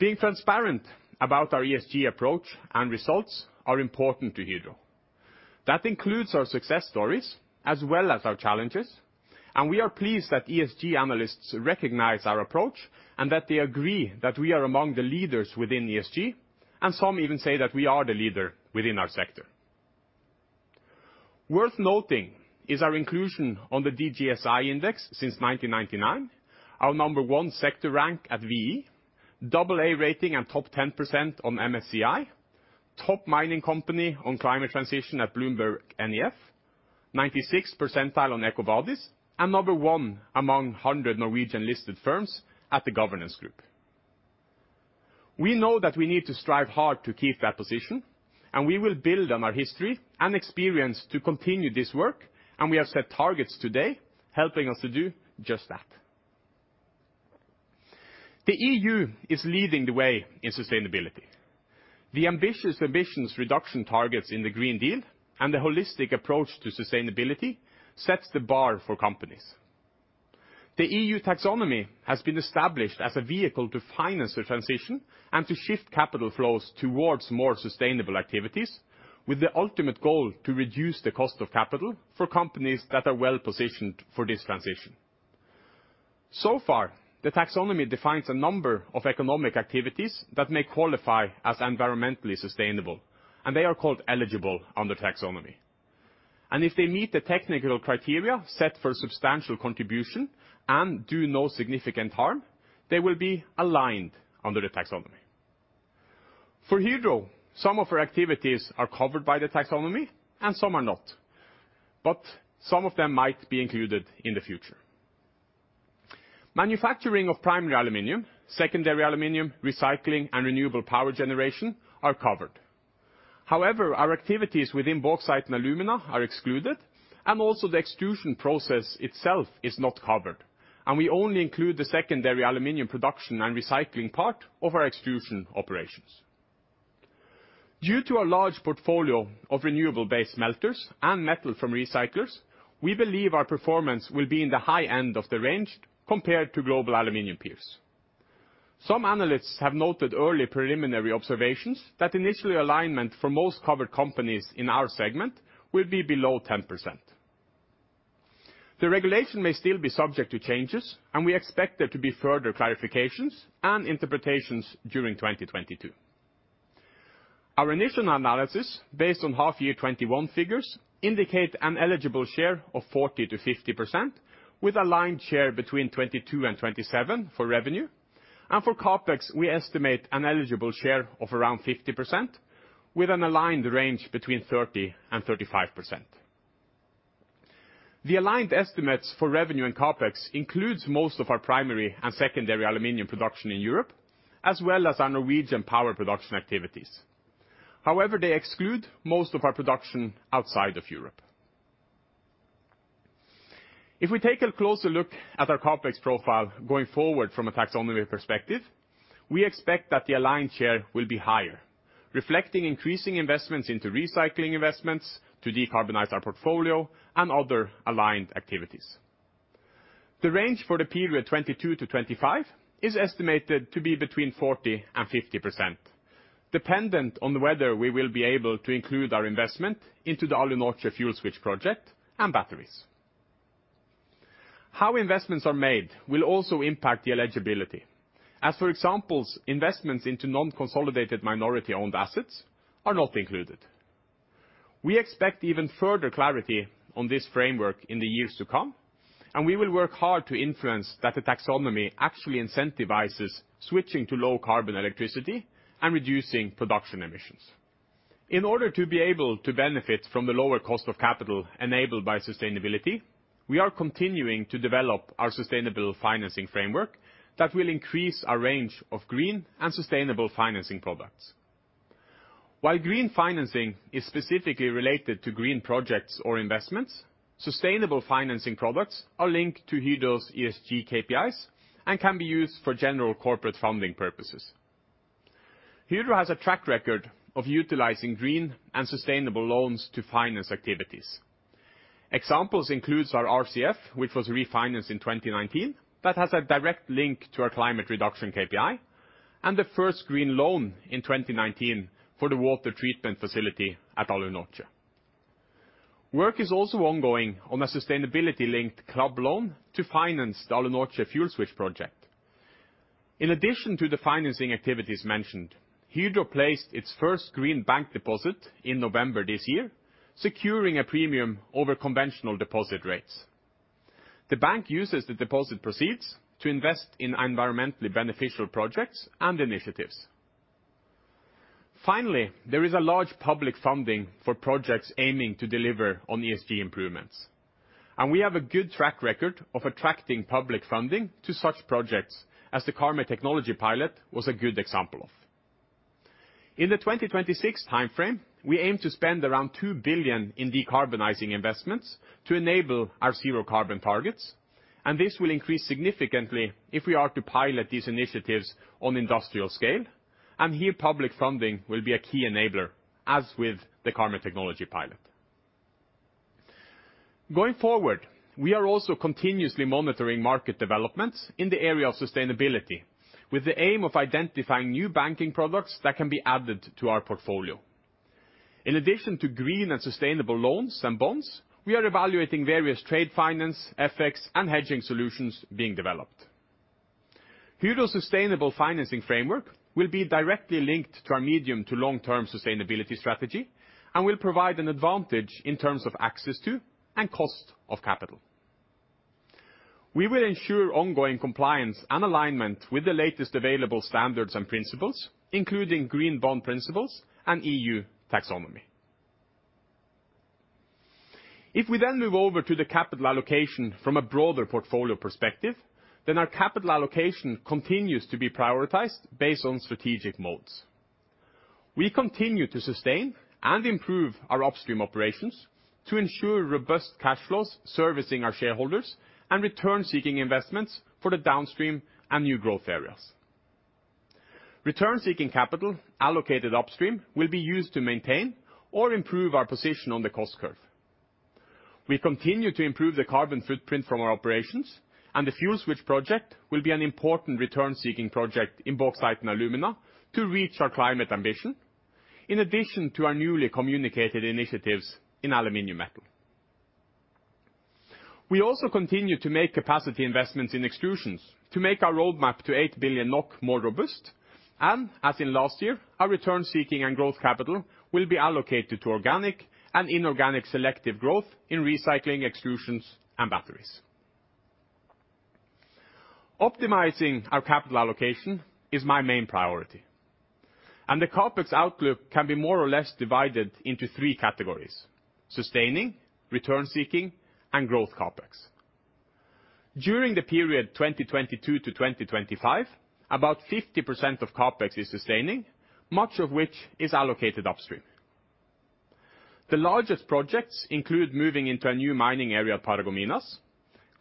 Being transparent about our ESG approach and results are important to Hydro. That includes our success stories as well as our challenges, and we are pleased that ESG analysts recognize our approach, and that they agree that we are among the leaders within ESG, and some even say that we are the leader within our sector. Worth noting is our inclusion on the DJSI index since 1999, our number 1 sector rank at V.E., double A rating and top 10% on MSCI, top mining company on climate transition at BloombergNEF, 96 percentile on EcoVadis, and number one among 100 Norwegian-listed firms at The Governance Group. We know that we need to strive hard to keep that position, and we will build on our history and experience to continue this work, and we have set targets today helping us to do just that. The EU is leading the way in sustainability. The ambitious emissions reduction targets in the Green Deal and the holistic approach to sustainability sets the bar for companies. The EU taxonomy has been established as a vehicle to finance the transition and to shift capital flows towards more sustainable activities, with the ultimate goal to reduce the cost of capital for companies that are well-positioned for this transition. So far, the taxonomy defines a number of economic activities that may qualify as environmentally sustainable, and they are called eligible under taxonomy. If they meet the technical criteria set for substantial contribution and do no significant harm, they will be aligned under the taxonomy. For Hydro, some of our activities are covered by the taxonomy and some are not, but some of them might be included in the future. Manufacturing of primary aluminium, secondary aluminium, recycling, and renewable power generation are covered. However, our activities within bauxite and alumina are excluded, and also the extrusion process itself is not covered, and we only include the secondary aluminum production and recycling part of our extrusion operations. Due to our large portfolio of renewable-based melters and metal from recyclers, we believe our performance will be in the high end of the range compared to global aluminum peers. Some analysts have noted early preliminary observations that initially alignment for most covered companies in our segment will be below 10%. The regulation may still be subject to changes, and we expect there to be further clarifications and interpretations during 2022. Our initial analysis, based on half-year 2021 figures, indicate an eligible share of 40%-50%, with aligned share between 22% and 27% for revenue. For CapEx, we estimate an eligible share of around 50%, with an aligned range between 30%-35%. The aligned estimates for revenue and CapEx include most of our primary and secondary aluminum production in Europe, as well as our Norwegian power production activities. However, they exclude most of our production outside of Europe. If we take a closer look at our CapEx profile going forward from a taxonomy perspective, we expect that the aligned share will be higher, reflecting increasing investments into recycling investments to decarbonize our portfolio and other aligned activities. The range for the period 2022-2025 is estimated to be between 40%-50%, dependent on whether we will be able to include our investment into the Alunorte fuel switch project and batteries. How investments are made will also impact the eligibility, as, for examples, investments into non-consolidated minority-owned assets are not included. We expect even further clarity on this framework in the years to come, and we will work hard to influence that the taxonomy actually incentivizes switching to low-carbon electricity and reducing production emissions. In order to be able to benefit from the lower cost of capital enabled by sustainability, we are continuing to develop our sustainable financing framework that will increase our range of green and sustainable financing products. While green financing is specifically related to green projects or investments, sustainable financing products are linked to Hydro's ESG KPIs and can be used for general corporate funding purposes. Hydro has a track record of utilizing green and sustainable loans to finance activities. Examples include our RCF, which was refinanced in 2019, that has a direct link to our climate reduction KPI, and the first green loan in 2019 for the water treatment facility at Alunorte. Work is also ongoing on a sustainability-linked club loan to finance the Alunorte fuel switch project. In addition to the financing activities mentioned, Hydro placed its first green bank deposit in November this year, securing a premium over conventional deposit rates. The bank uses the deposit proceeds to invest in environmentally beneficial projects and initiatives. Finally, there is a large public funding for projects aiming to deliver on ESG improvements, and we have a good track record of attracting public funding to such projects as the Karmøy Technology pilot was a good example of. In the 2026 time frame, we aim to spend around 2 billion in decarbonizing investments to enable our zero carbon targets, and this will increase significantly if we are to pilot these initiatives on industrial scale. Here public funding will be a key enabler, as with the Karmøy Technology pilot. Going forward, we are also continuously monitoring market developments in the area of sustainability with the aim of identifying new banking products that can be added to our portfolio. In addition to green and sustainable loans and bonds, we are evaluating various trade finance, FX, and hedging solutions being developed. Hydro sustainable financing framework will be directly linked to our medium to long-term sustainability strategy and will provide an advantage in terms of access to and cost of capital. We will ensure ongoing compliance and alignment with the latest available standards and principles, including Green Bond Principles and EU Taxonomy. If we then move over to the capital allocation from a broader portfolio perspective, our capital allocation continues to be prioritized based on strategic modes. We continue to sustain and improve our upstream operations to ensure robust cash flows servicing our shareholders and return-seeking investments for the downstream and new growth areas. Return-seeking capital allocated upstream will be used to maintain or improve our position on the cost curve. We continue to improve the carbon footprint from our operations, and the fuel switch project will be an important return-seeking project in Bauxite and Alumina to reach our climate ambition, in addition to our newly communicated initiatives in aluminum metal. We also continue to make capacity investments in Extrusions to make our roadmap to 8 billion NOK more robust. As in last year, our return-seeking and growth capital will be allocated to organic and inorganic selective growth in recycling, extrusions, and batteries. Optimizing our capital allocation is my main priority, and the CapEx outlook can be more or less divided into three categories: sustaining, return-seeking, and growth CapEx. During the period 2022-2025, about 50% of CapEx is sustaining, much of which is allocated upstream. The largest projects include moving into a new mining area at Paragominas,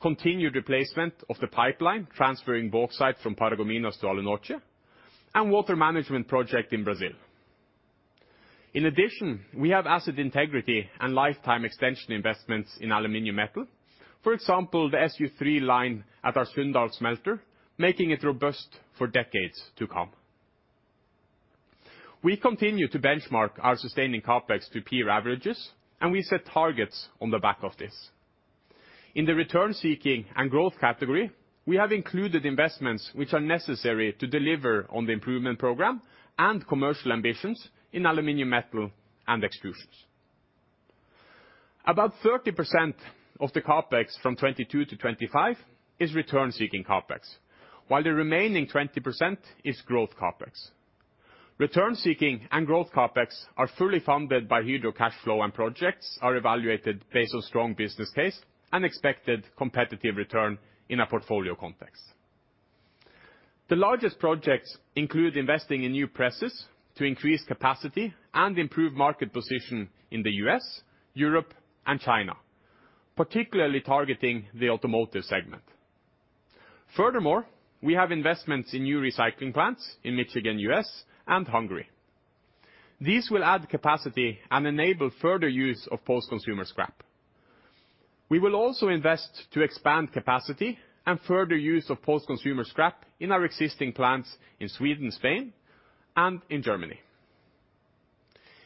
continued replacement of the pipeline transferring bauxite from Paragominas to Alunorte, and water management project in Brazil. In addition, we have asset integrity and lifetime extension investments in aluminum metal. For example, the SU3 line at our Sunndal smelter, making it robust for decades to come. We continue to benchmark our sustaining CapEx to peer averages, and we set targets on the back of this. In the return-seeking and growth category, we have included investments which are necessary to deliver on the improvement program and commercial ambitions in aluminum metal and extrusions. About 30% of the CapEx from 2022 to 2025 is return-seeking CapEx, while the remaining 20% is growth CapEx. Return-seeking and growth CapEx are fully funded by Hydro cash flow, and projects are evaluated based on strong business case and expected competitive return in a portfolio context. The largest projects include investing in new presses to increase capacity and improve market position in the U.S., Europe, and China, particularly targeting the automotive segment. Furthermore, we have investments in new recycling plants in Michigan, U.S., and Hungary. These will add capacity and enable further use of post-consumer scrap. We will also invest to expand capacity and further use of post-consumer scrap in our existing plants in Sweden, Spain, and in Germany.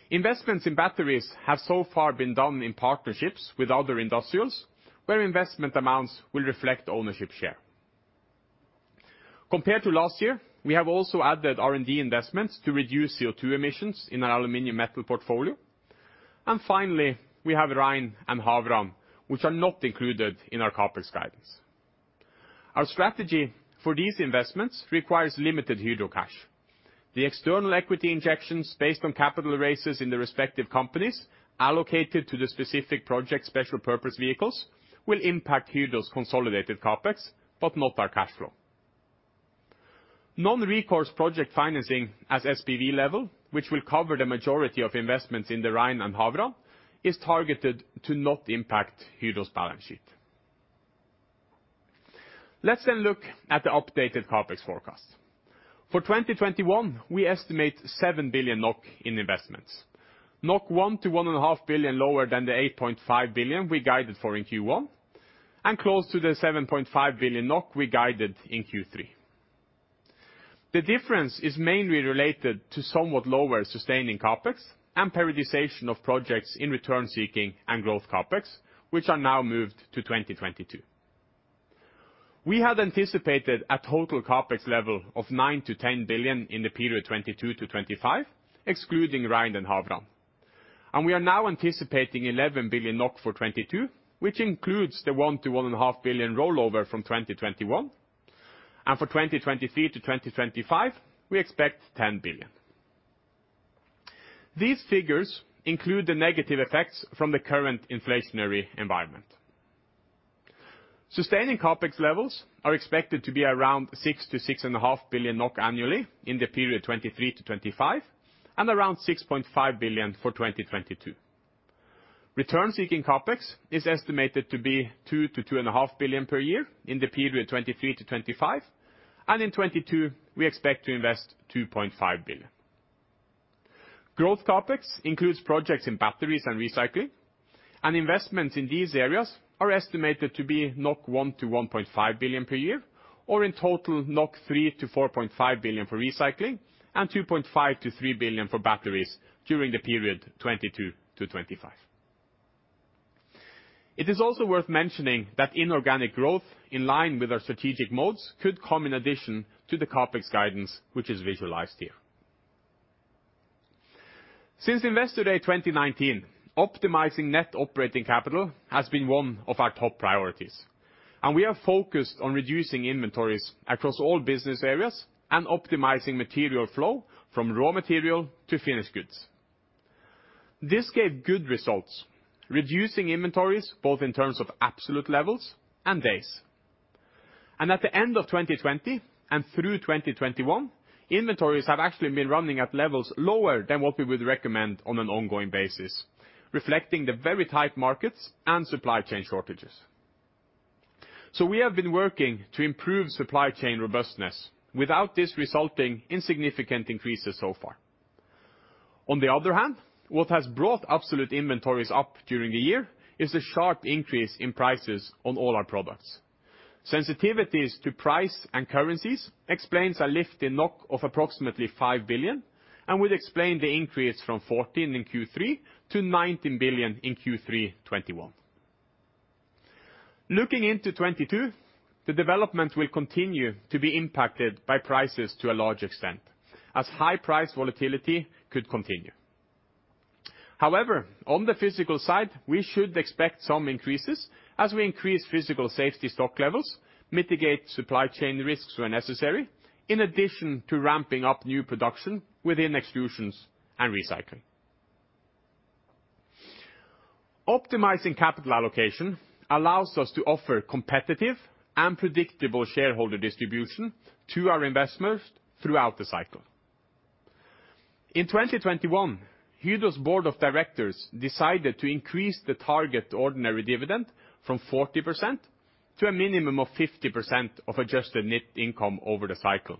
Investments in batteries have so far been done in partnerships with other industrials, where investment amounts will reflect ownership share. Compared to last year, we have also added R&D investments to reduce CO2 emissions in our aluminum metal portfolio. Finally, we have REIN and Havrand, which are not included in our CapEx guidance. Our strategy for these investments requires limited Hydro cash. The external equity injections based on capital raises in the respective companies allocated to the specific project special purpose vehicles will impact Hydro's consolidated CapEx, but not our cash flow. Non-recourse project financing at SPV level, which will cover the majority of investments in the REIN and Havrand, is targeted to not impact Hydro's balance sheet. Let's look at the updated CapEx forecast. For 2021, we estimate 7 billion NOK in investments. 1 billion-1.5 billion lower than the 8.5 billion we guided for in Q1, and close to the 7.5 billion NOK we guided in Q3. The difference is mainly related to somewhat lower sustaining CapEx and periodization of projects in return seeking and growth CapEx, which are now moved to 2022. We had anticipated a total CapEx level of 9 billion-10 billion in the period 2022-2025, excluding REIN and Havrand. We are now anticipating 11 billion NOK for 2022, which includes the 1 billion-1.5 billion rollover from 2021. For 2023-2025, we expect 10 billion. These figures include the negative effects from the current inflationary environment. Sustaining CapEx levels are expected to be around 6 billion-6.5 billion NOK annually in the period 2023-2025, and around 6.5 billion for 2022. Return seeking CapEx is estimated to be 2 billion-2.5 billion per year in the period 2023-2025, and in 2022, we expect to invest 2.5 billion. Growth CapEx includes projects in batteries and recycling, and investments in these areas are estimated to be 1 billion-1.5 billion per year, or in total, 3 billion-4.5 billion for recycling and 2.5 billion-3 billion for batteries during the period 2022-2025. It is also worth mentioning that inorganic growth in line with our strategic moves could come in addition to the CapEx guidance, which is visualized here. Since Investor Day 2019, optimizing net operating capital has been one of our top priorities, and we are focused on reducing inventories across all business areas and optimizing material flow from raw material to finished goods. This gave good results, reducing inventories both in terms of absolute levels and days. At the end of 2020 and through 2021, inventories have actually been running at levels lower than what we would recommend on an ongoing basis, reflecting the very tight markets and supply chain shortages. We have been working to improve supply chain robustness without this resulting in significant increases so far. On the other hand, what has brought absolute inventories up during the year is a sharp increase in prices on all our products. Sensitivities to price and currencies explains a lift in 5 billion and will explain the increase from 14 billion in Q3 to 19 billion in Q3 2021. Looking into 2022, the developments will continue to be impacted by prices to a large extent as high price volatility could continue. However, on the physical side, we should expect some increases as we increase physical safety stock levels, mitigate supply chain risks where necessary, in addition to ramping up new production within Extrusions and recycling. Optimizing capital allocation allows us to offer competitive and predictable shareholder distribution to our investors throughout the cycle. In 2021, Hydro's board of directors decided to increase the target ordinary dividend from 40% to a minimum of 50% of adjusted net income over the cycle,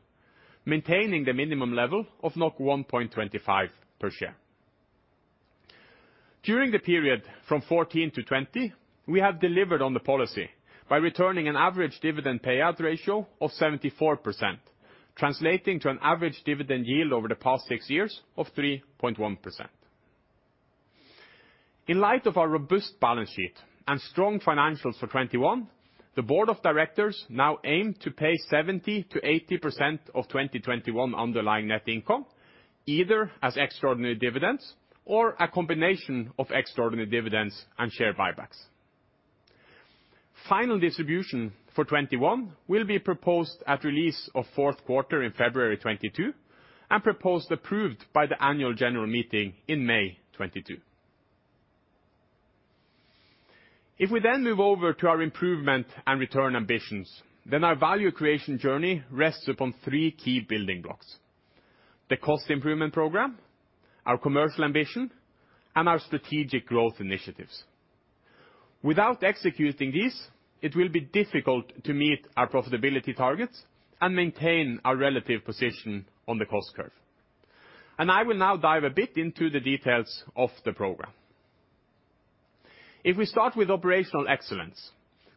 maintaining the minimum level of 1.25 per share. During the period from 2014-2020, we have delivered on the policy by returning an average dividend payout ratio of 74%, translating to an average dividend yield over the past six years of 3.1%. In light of our robust balance sheet and strong financials for 2021, the board of directors now aim to pay 70%-80% of 2021 underlying net income, either as extraordinary dividends or a combination of extraordinary dividends and share buybacks. Final distribution for 2021 will be proposed at release of fourth quarter in February 2022 and proposed and approved by the annual general meeting in May 2022. If we then move over to our improvement and return ambitions, then our value creation journey rests upon three key building blocks, the cost improvement program, our commercial ambition, and our strategic growth initiatives. Without executing these, it will be difficult to meet our profitability targets and maintain our relative position on the cost curve. I will now dive a bit into the details of the program. If we start with operational excellence,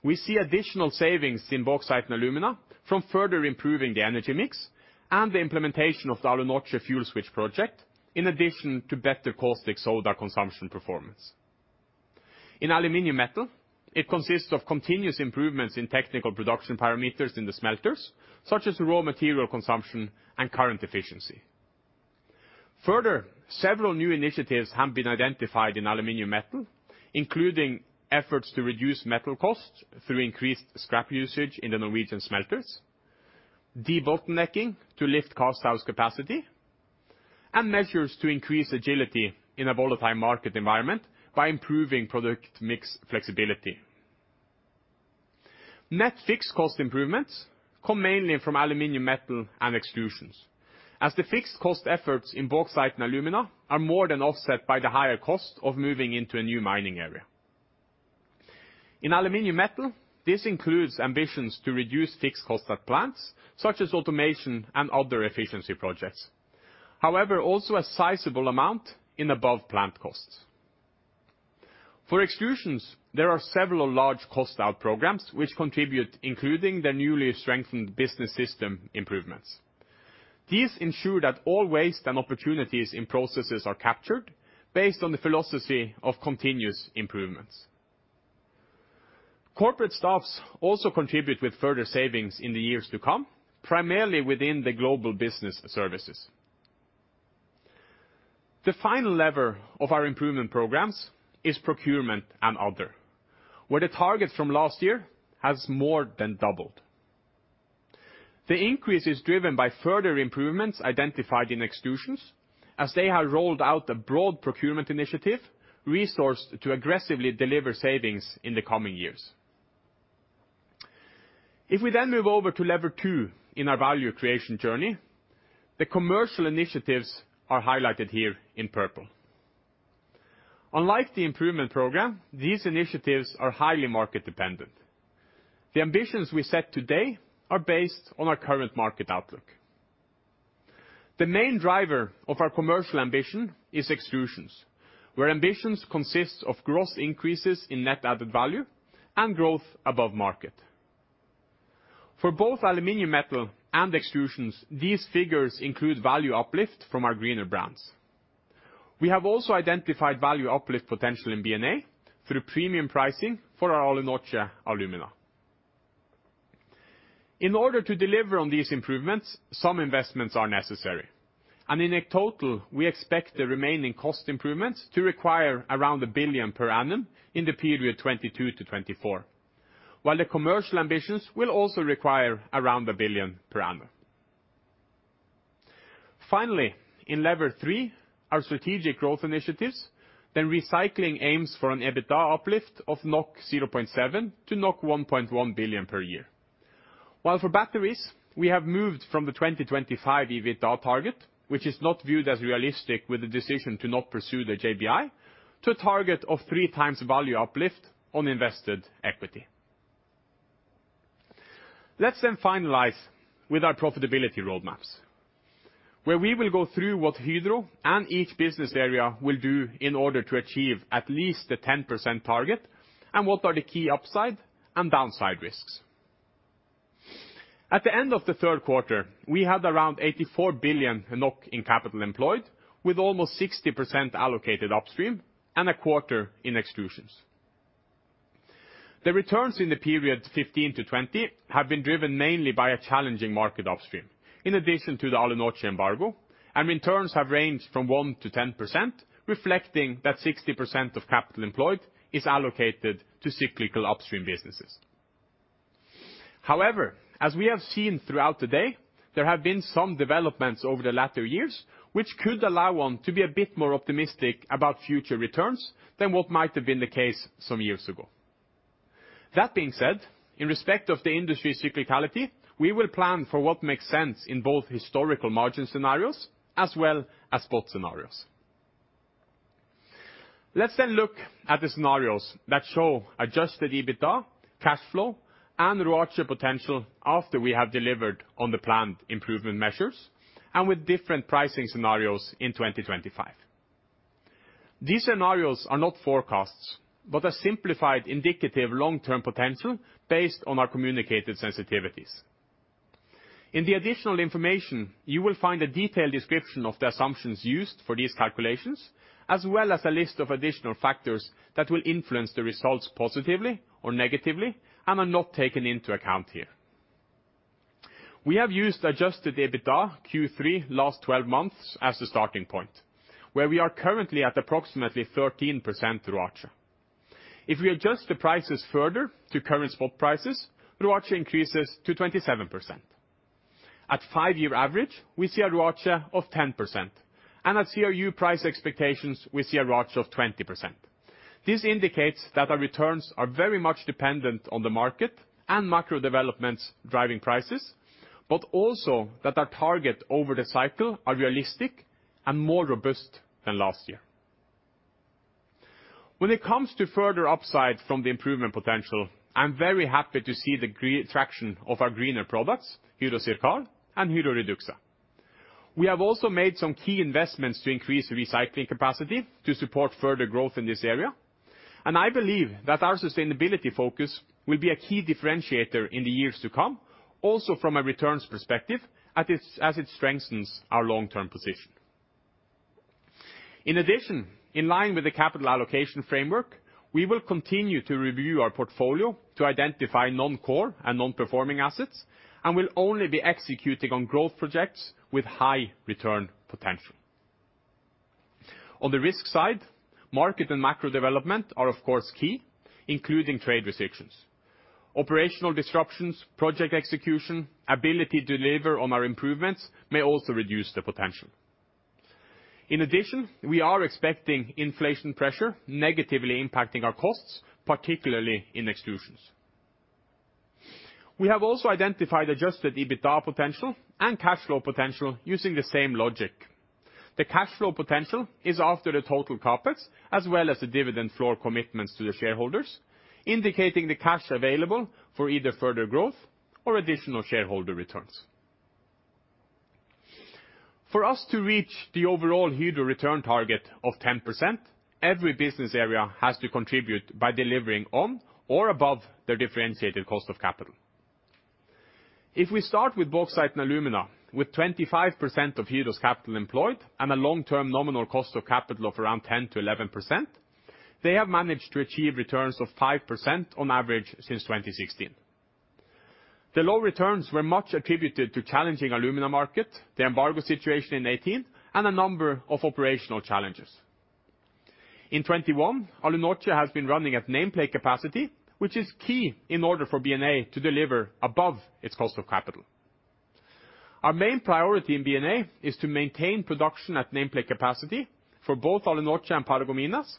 we see additional savings in bauxite and alumina from further improving the energy mix and the implementation of the Alunorte fuel switch project, in addition to better caustic soda consumption performance. In aluminum metal, it consists of continuous improvements in technical production parameters in the smelters, such as raw material consumption and current efficiency. Further, several new initiatives have been identified in aluminum metal, including efforts to reduce metal costs through increased scrap usage in the Norwegian smelters, debottlenecking to lift cast house capacity, and measures to increase agility in a volatile market environment by improving product mix flexibility. Net fixed cost improvements come mainly from aluminum metal and extrusions. As the fixed cost efforts in bauxite and alumina are more than offset by the higher cost of moving into a new mining area. In aluminum metal, this includes ambitions to reduce fixed cost at plants, such as automation and other efficiency projects, however also a sizable amount in above plant costs. For extrusions, there are several large cost out programs which contribute, including the newly strengthened business system improvements. These ensure that all waste and opportunities in processes are captured based on the philosophy of continuous improvements. Corporate staffs also contribute with further savings in the years to come, primarily within the global business services. The final lever of our improvement programs is procurement and other, where the target from last year has more than doubled. The increase is driven by further improvements identified in extrusions, as they have rolled out a broad procurement initiative resourced to aggressively deliver savings in the coming years. If we then move over to lever two in our value creation journey, the commercial initiatives are highlighted here in purple. Unlike the improvement program, these initiatives are highly market dependent. The ambitions we set today are based on our current market outlook. The main driver of our commercial ambition is extrusions, where ambitions consists of gross increases in net added value and growth above market. For both aluminum metal and extrusions, these figures include value uplift from our greener brands. We have also identified value uplift potential in BNA through premium pricing for our Alunorte alumina. In order to deliver on these improvements, some investments are necessary. In a total, we expect the remaining cost improvements to require around 1 billion per annum in the period 2022-2024. While the commercial ambitions will also require around 1 billion per annum. Finally, in lever three, our strategic growth initiatives, then recycling aims for an EBITDA uplift of 0.7-1.1 billion NOK per year. While for batteries, we have moved from the 2025 EBITDA target, which is not viewed as realistic with the decision to not pursue the JBI, to a target of 3x value uplift on invested equity. Let's then finalize with our profitability roadmaps, where we will go through what Hydro and each business area will do in order to achieve at least the 10% target, and what are the key upside and downside risks. At the end of the third quarter, we had around 84 billion NOK in capital employed, with almost 60% allocated upstream, and a quarter in extrusions. The returns in the period 2015-2020 have been driven mainly by a challenging market upstream, in addition to the Alunorte embargo, and returns have ranged from 1%-10%, reflecting that 60% of capital employed is allocated to cyclical upstream businesses. However, as we have seen throughout today, there have been some developments over the latter years which could allow one to be a bit more optimistic about future returns than what might have been the case some years ago. That being said, in respect of the industry cyclicality, we will plan for what makes sense in both historical margin scenarios, as well as spot scenarios. Let's look at the scenarios that show Adjusted EBITDA, cash flow, and ROACE potential after we have delivered on the planned improvement measures, and with different pricing scenarios in 2025. These scenarios are not forecasts, but a simplified indicative long-term potential based on our communicated sensitivities. In the additional information, you will find a detailed description of the assumptions used for these calculations, as well as a list of additional factors that will influence the results positively or negatively, and are not taken into account here. We have used adjusted EBITDA Q3 last 12 months as a starting point, where we are currently at approximately 13% ROACE. If we adjust the prices further to current spot prices, ROACE increases to 27%. At 5-year average, we see a ROACE of 10%, and at CRU price expectations, we see a ROACE of 20%. This indicates that our returns are very much dependent on the market and macro developments driving prices, but also that our target over the cycle are realistic and more robust than last year. When it comes to further upside from the improvement potential, I'm very happy to see the green traction of our greener products, Hydro CIRCAL and Hydro REDUXA. We have also made some key investments to increase recycling capacity to support further growth in this area, and I believe that our sustainability focus will be a key differentiator in the years to come, also from a returns perspective as it strengthens our long-term position. In addition, in line with the capital allocation framework, we will continue to review our portfolio to identify non-core and non-performing assets, and will only be executing on growth projects with high return potential. On the risk side, market and macro development are of course key, including trade restrictions. Operational disruptions, project execution, ability to deliver on our improvements may also reduce the potential. In addition, we are expecting inflation pressure negatively impacting our costs, particularly in extrusions. We have also identified adjusted EBITDA potential and cash flow potential using the same logic. The cash flow potential is after the total CapEx, as well as the dividend floor commitments to the shareholders, indicating the cash available for either further growth or additional shareholder returns. For us to reach the overall Hydro return target of 10%, every business area has to contribute by delivering on or above their differentiated cost of capital. If we start with Bauxite and Alumina, with 25% of Hydro's capital employed and a long-term nominal cost of capital of around 10%-11%, they have managed to achieve returns of 5% on average since 2016. The low returns were much attributed to challenging alumina market, the embargo situation in 2018, and a number of operational challenges. In 2021, Alunorte has been running at nameplate capacity, which is key in order for B&A to deliver above its cost of capital. Our main priority in B&A is to maintain production at nameplate capacity for both Alunorte and Paragominas,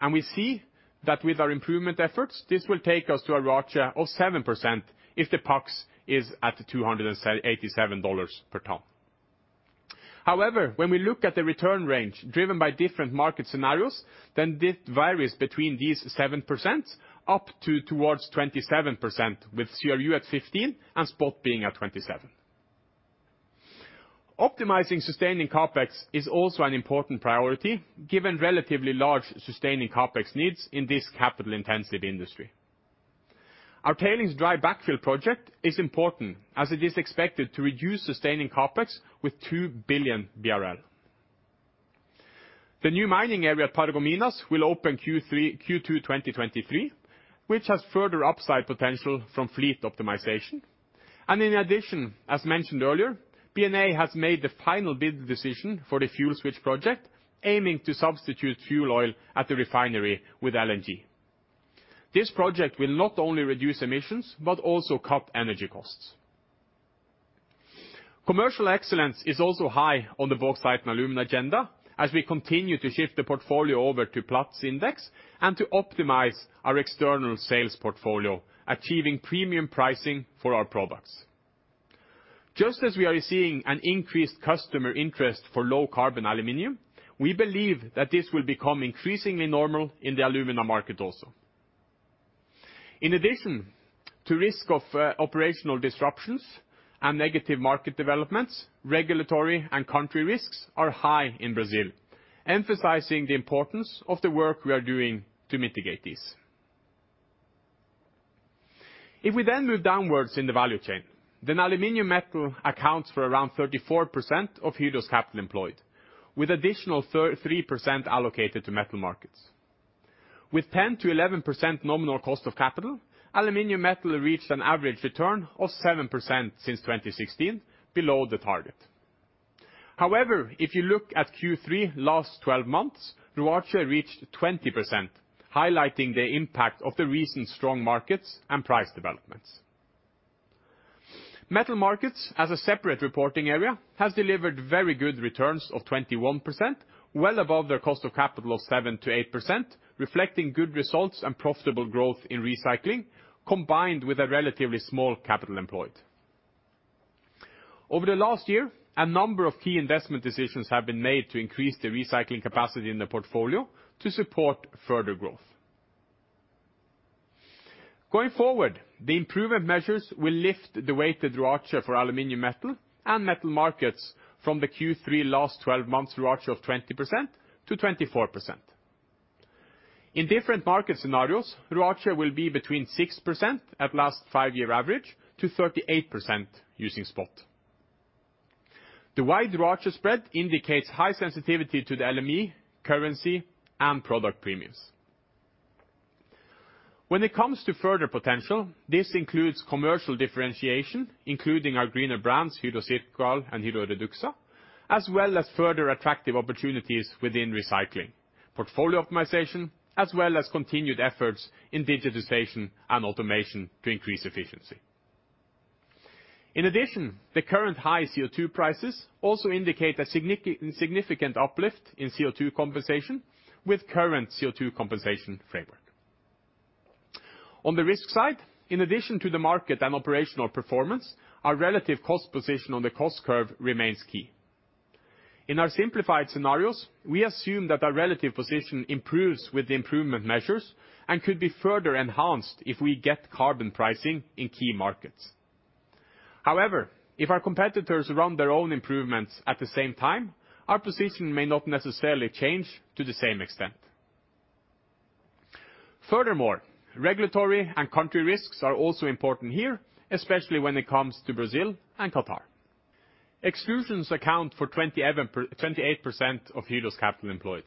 and we see that with our improvement efforts, this will take us to a ROACE of 7% if the PAX is at $278 per ton. However, when we look at the return range driven by different market scenarios, then this varies between 7% up to towards 27% with CRU at 15 and spot being at 27. Optimizing sustaining CapEx is also an important priority given relatively large sustaining CapEx needs in this capital-intensive industry. Our tailings dry backfill project is important as it is expected to reduce sustaining CapEx with 2 billion BRL. The new mining area at Paragominas will open Q2 2023, which has further upside potential from fleet optimization. In addition, as mentioned earlier, BNA has made the final bid decision for the fuel switch project, aiming to substitute fuel oil at the refinery with LNG. This project will not only reduce emissions, but also cut energy costs. Commercial excellence is also high on the Bauxite and Alumina agenda as we continue to shift the portfolio over to Platts index and to optimize our external sales portfolio, achieving premium pricing for our products. Just as we are seeing an increased customer interest for low carbon aluminum, we believe that this will become increasingly normal in the alumina market also. In addition to risk of operational disruptions and negative market developments, regulatory and country risks are high in Brazil, emphasizing the importance of the work we are doing to mitigate these. If we then move downwards in the value chain, then aluminum metal accounts for around 34% of Hydro's capital employed, with additional thirteen percent allocated to metal markets. With 10%-11% nominal cost of capital, aluminum metal reached an average return of 7% since 2016, below the target. However, if you look at Q3 last twelve months, ROACE reached 20%, highlighting the impact of the recent strong markets and price developments. Metal markets, as a separate reporting area, has delivered very good returns of 21%, well above their cost of capital of 7%-8%, reflecting good results and profitable growth in recycling, combined with a relatively small capital employed. Over the last year, a number of key investment decisions have been made to increase the recycling capacity in the portfolio to support further growth. Going forward, the improvement measures will lift the weighted ROACE for aluminum metal and metal markets from the Q3 last twelve months ROACE of 20%-24%. In different market scenarios, ROACE will be between 6% at last five-year average to 38% using spot. The wide ROACE spread indicates high sensitivity to the LME, currency, and product premiums. When it comes to further potential, this includes commercial differentiation, including our greener brands, Hydro CIRCAL and Hydro REDUXA, as well as further attractive opportunities within recycling, portfolio optimization, as well as continued efforts in digitization and automation to increase efficiency. In addition, the current high CO2 prices also indicate a significant uplift in CO2 compensation with current CO2 compensation framework. On the risk side, in addition to the market and operational performance, our relative cost position on the cost curve remains key. In our simplified scenarios, we assume that our relative position improves with the improvement measures and could be further enhanced if we get carbon pricing in key markets. However, if our competitors run their own improvements at the same time, our position may not necessarily change to the same extent. Furthermore, regulatory and country risks are also important here, especially when it comes to Brazil and Qatar. Extrusions account for 28% of Hydro's capital employed.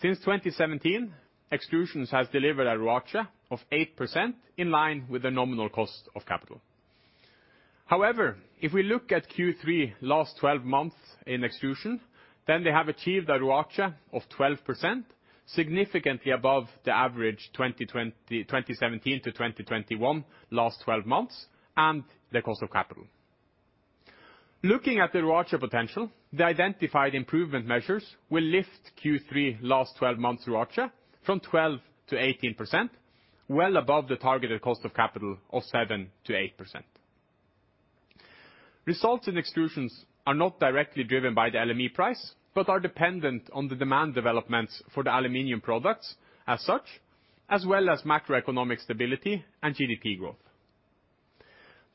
Since 2017, Extrusions has delivered a ROACE of 8% in line with the nominal cost of capital. However, if we look at Q3 last twelve months in Extrusions, then they have achieved a ROACE of 12%, significantly above the average 2017 to 2021 last twelve months and the cost of capital. Looking at the ROACE potential, the identified improvement measures will lift Q3 last 12 months ROACE from 12%-18%, well above the targeted cost of capital of 7%-8%. Results in Extrusions are not directly driven by the LME price, but are dependent on the demand developments for the aluminum products as such, as well as macroeconomic stability and GDP growth.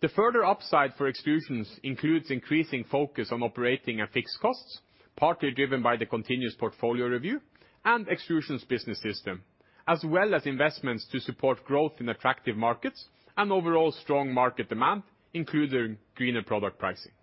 The further upside for extrusions includes increasing focus on operating at fixed costs, partly driven by the continuous portfolio review, and Extrusion Business System, as well as investments to support growth in attractive markets and overall strong market demand, including greener product pricing.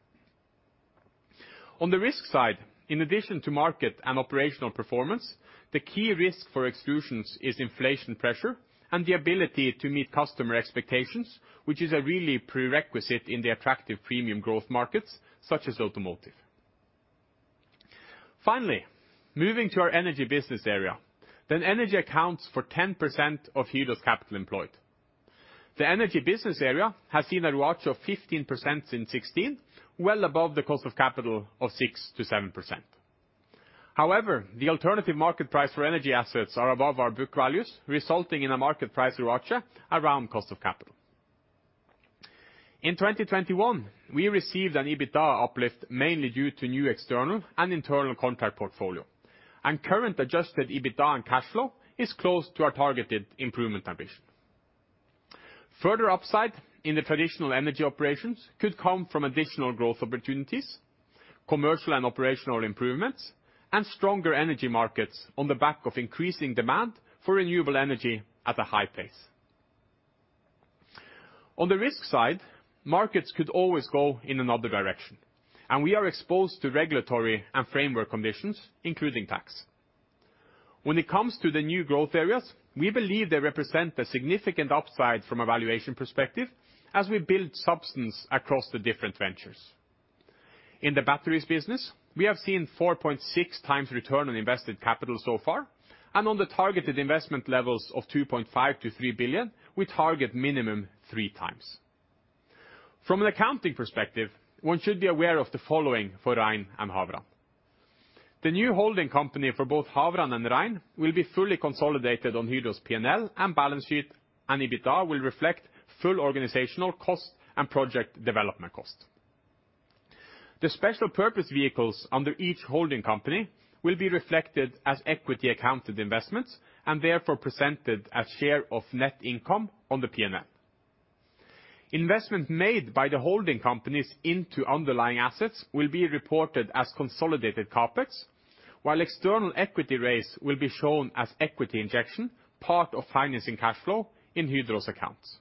On the risk side, in addition to market and operational performance, the key risk for Extrusions is inflation pressure and the ability to meet customer expectations, which is a real prerequisite in the attractive premium growth markets, such as automotive. Finally, moving to our Energy business area. Energy accounts for 10% of Hydro's capital employed. The Energy business area has seen a ROACE of 15% since 2016, well above the cost of capital of 6%-7%. However, the alternative market price for Energy assets are above our book values, resulting in a market price ROACE around cost of capital. In 2021, we received an EBITDA uplift mainly due to new external and internal contract portfolio, and current adjusted EBITDA and cash flow is close to our targeted improvement ambition. Further upside in the traditional Energy operations could come from additional growth opportunities, commercial and operational improvements, and stronger energy markets on the back of increasing demand for renewable energy at a high pace. On the risk side, markets could always go in another direction, and we are exposed to regulatory and framework conditions, including tax. When it comes to the new growth areas, we believe they represent a significant upside from a valuation perspective as we build substance across the different ventures. In the batteries business, we have seen 4.6 times return on invested capital so far, and on the targeted investment levels of 2.5 billion-3 billion, we target minimum three times. From an accounting perspective, one should be aware of the following for REIN and Havrand. The new holding company for both Havrand and REIN will be fully consolidated on Hydro's P&L and balance sheet, and EBITDA will reflect full organizational costs and project development costs. The special purpose vehicles under each holding company will be reflected as equity accounted investments, and therefore presented as share of net income on the P&L. Investments made by the holding companies into underlying assets will be reported as consolidated CapEx, while external equity raise will be shown as equity injection, part of financing cash flow in Hydro's accounts.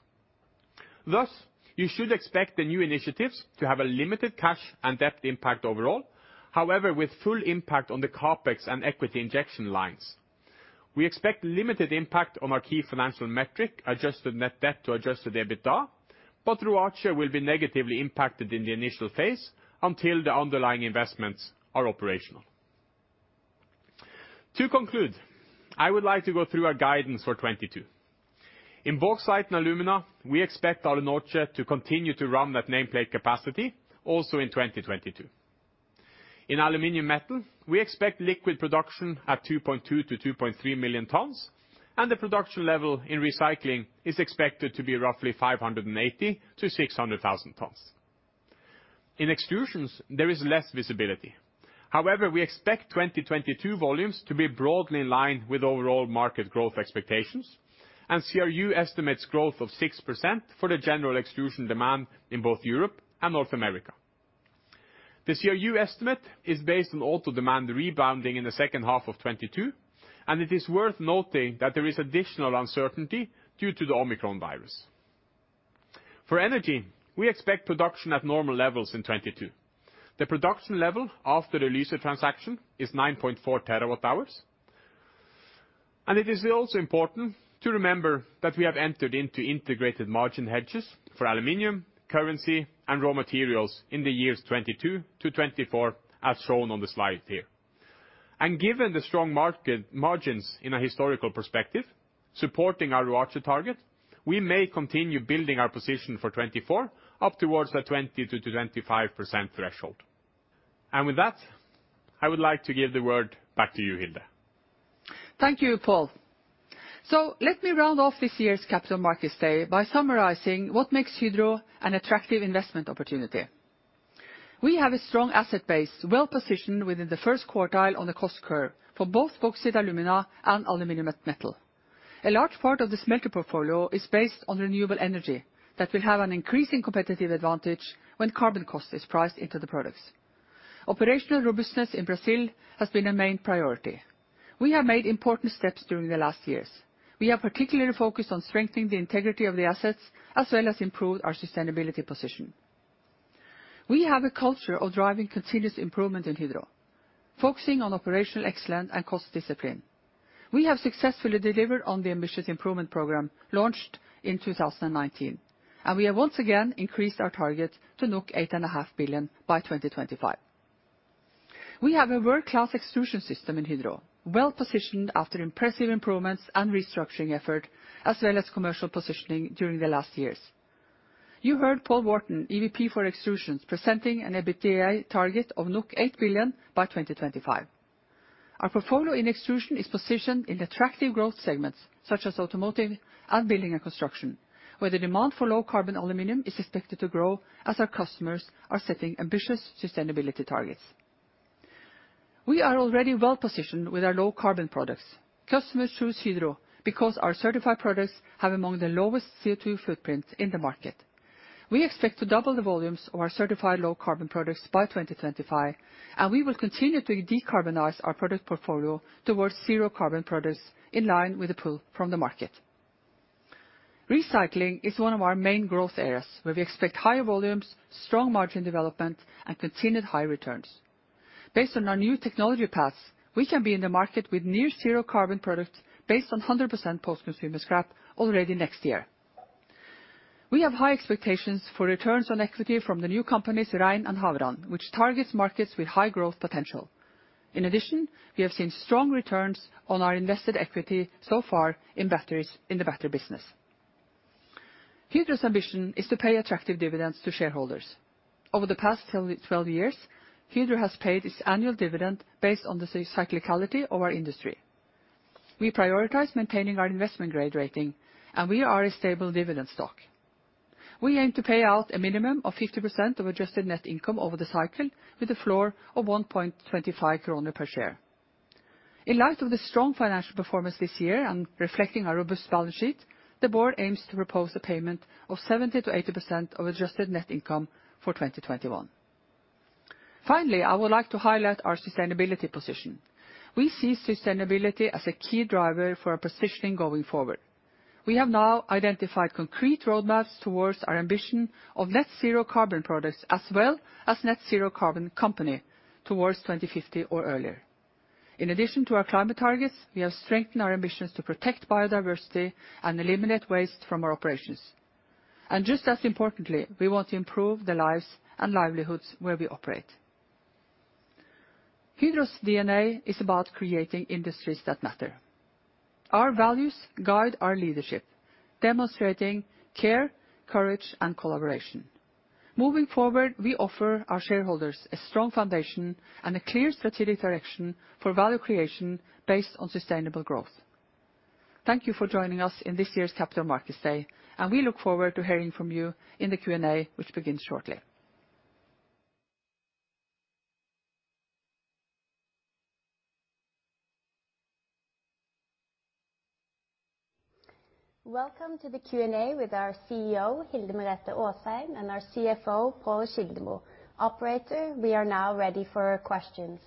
Thus, you should expect the new initiatives to have a limited cash and debt impact overall, however, with full impact on the CapEx and equity injection lines. We expect limited impact on our key financial metric, adjusted net debt to Adjusted EBITDA, but ROACE will be negatively impacted in the initial phase until the underlying investments are operational. To conclude, I would like to go through our guidance for 2022. In Bauxite and Alumina, we expect Alunorte to continue to run at nameplate capacity also in 2022. In Aluminium Metal, we expect liquid production at 2.2-2.3 million tons, and the production level in recycling is expected to be roughly 580,000-600,000 tons. In Extrusions, there is less visibility. However, we expect 2022 volumes to be broadly in line with overall market growth expectations, and CRU estimates growth of 6% for the general extrusion demand in both Europe and North America. The CRU estimate is based on auto demand rebounding in the second half of 2022, and it is worth noting that there is additional uncertainty due to the Omicron virus. For Energy, we expect production at normal levels in 2022. The production level after the Liasa transaction is 9.4 TWh. It is also important to remember that we have entered into integrated margin hedges for aluminum, currency, and raw materials in the years 2022-2024, as shown on the slide here. Given the strong market margins in a historical perspective supporting our ROACE target, we may continue building our position for 2024 up towards the 20%-25% threshold. With that, I would like to give the word back to you, Hilde. Thank you, Pål. Let me round off this year's Capital Markets Day by summarizing what makes Hydro an attractive investment opportunity. We have a strong asset base, well positioned within the first quartile on the cost curve for both bauxite, alumina, and aluminum metal. A large part of the smelter portfolio is based on renewable energy that will have an increasing competitive advantage when carbon cost is priced into the products. Operational robustness in Brazil has been a main priority. We have made important steps during the last years. We have particularly focused on strengthening the integrity of the assets, as well as improve our sustainability position. We have a culture of driving continuous improvement in Hydro, focusing on operational excellence and cost discipline. We have successfully delivered on the ambitious improvement program launched in 2019, and we have once again increased our target to 8.5 billion by 2025. We have a world-class extrusion system in Hydro, well positioned after impressive improvements and restructuring effort as well as commercial positioning during the last years. You heard Paul Warton, EVP for Extrusions, presenting an EBITDA target of 8 billion by 2025. Our portfolio in extrusion is positioned in attractive growth segments such as automotive and building and construction, where the demand for low carbon aluminum is expected to grow as our customers are setting ambitious sustainability targets. We are already well positioned with our low carbon products. Customers choose Hydro because our certified products have among the lowest CO2 footprints in the market. We expect to double the volumes of our certified low carbon products by 2025, and we will continue to decarbonize our product portfolio towards zero carbon products in line with the pull from the market. Recycling is one of our main growth areas, where we expect higher volumes, strong margin development and continued high returns. Based on our new technology paths, we can be in the market with near zero carbon products based on 100% post-consumer scrap already next year. We have high expectations for returns on equity from the new companies, REIN and Havrand, which targets markets with high growth potential. In addition, we have seen strong returns on our invested equity so far in batteries in the battery business. Hydro's ambition is to pay attractive dividends to shareholders. Over the past 12 years, Hydro has paid its annual dividend based on the cyclicality of our industry. We prioritize maintaining our investment grade rating, and we are a stable dividend stock. We aim to pay out a minimum of 50% of adjusted net income over the cycle with a floor of 1.25 kroner per share. In light of the strong financial performance this year and reflecting our robust balance sheet, the board aims to propose a payment of 70%-80% of adjusted net income for 2021. Finally, I would like to highlight our sustainability position. We see sustainability as a key driver for our positioning going forward. We have now identified concrete roadmaps towards our ambition of net zero carbon products as well as net zero carbon company towards 2050 or earlier. In addition to our climate targets, we have strengthened our ambitions to protect biodiversity and eliminate waste from our operations. Just as importantly, we want to improve the lives and livelihoods where we operate. Hydro's DNA is about creating industries that matter. Our values guide our leadership, demonstrating care, courage, and collaboration. Moving forward, we offer our shareholders a strong foundation and a clear strategic direction for value creation based on sustainable growth. Thank you for joining us in this year's Capital Markets Day, and we look forward to hearing from you in the Q&A which begins shortly. Welcome to the Q&A with our CEO, Hilde Merete Aasheim, and our CFO, Pål Kildemo. Operator, we are now ready for questions.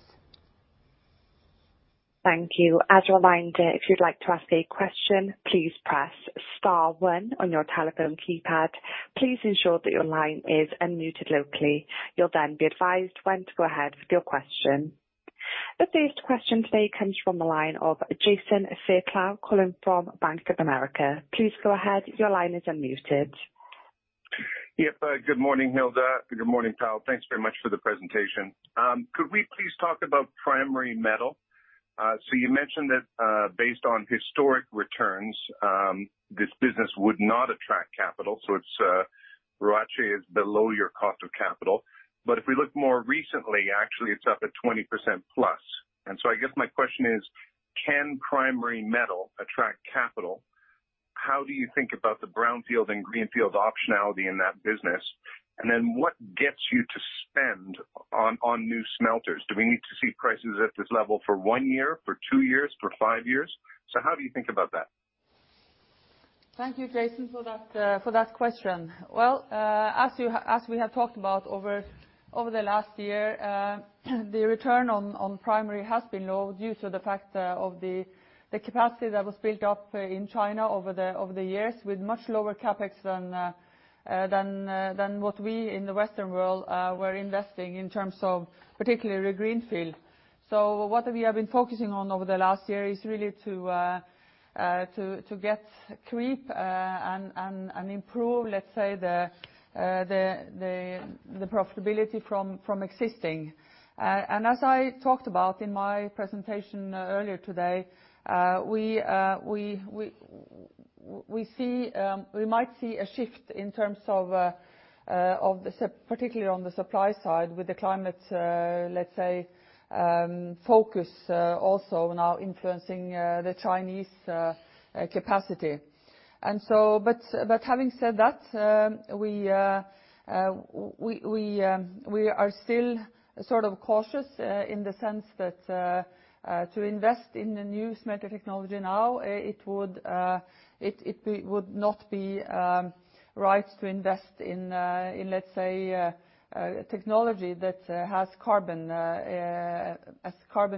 Thank you. As a reminder, if you'd like to ask a question, please press star one on your telephone keypad. Please ensure that your line is unmuted locally. You'll then be advised when to go ahead with your question. The first question today comes from the line of Jason Fairclough calling from Bank of America. Please go ahead. Your line is unmuted. Yep. Good morning, Hilde. Good morning, Pål. Thanks very much for the presentation. Could we please talk about primary metal? You mentioned that, based on historic returns, this business would not attract capital, so it's ROACE is below your cost of capital. If we look more recently, actually, it's up at 20% plus. I guess my question is, can primary metal attract capital? How do you think about the brownfield and greenfield optionality in that business? Then what gets you to spend on new smelters? Do we need to see prices at this level for one year, for two years, for five years? How do you think about that? Thank you, Jason, for that question. Well, as we have talked about over the last year, the return on primary has been low due to the fact of the capacity that was built up in China over the years with much lower CapEx than what we in the Western world were investing in terms of particularly greenfield. What we have been focusing on over the last year is really to get creep and improve, let's say the profitability from existing. As I talked about in my presentation earlier today, we might see a shift in terms of the supply side, particularly with the climate focus, let's say, also now influencing the Chinese capacity. Having said that, we are still sort of cautious in the sense that to invest in the new smelter technology now, it would not be right to invest in technology that has carbon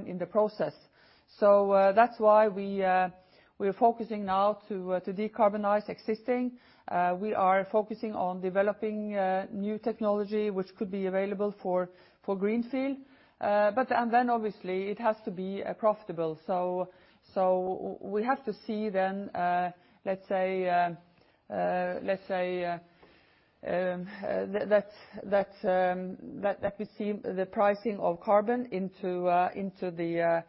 in the process. That's why we are focusing now to decarbonize existing. We are focusing on developing new technology which could be available for greenfield. Obviously it has to be profitable. We have to see then that we see the pricing of carbon into the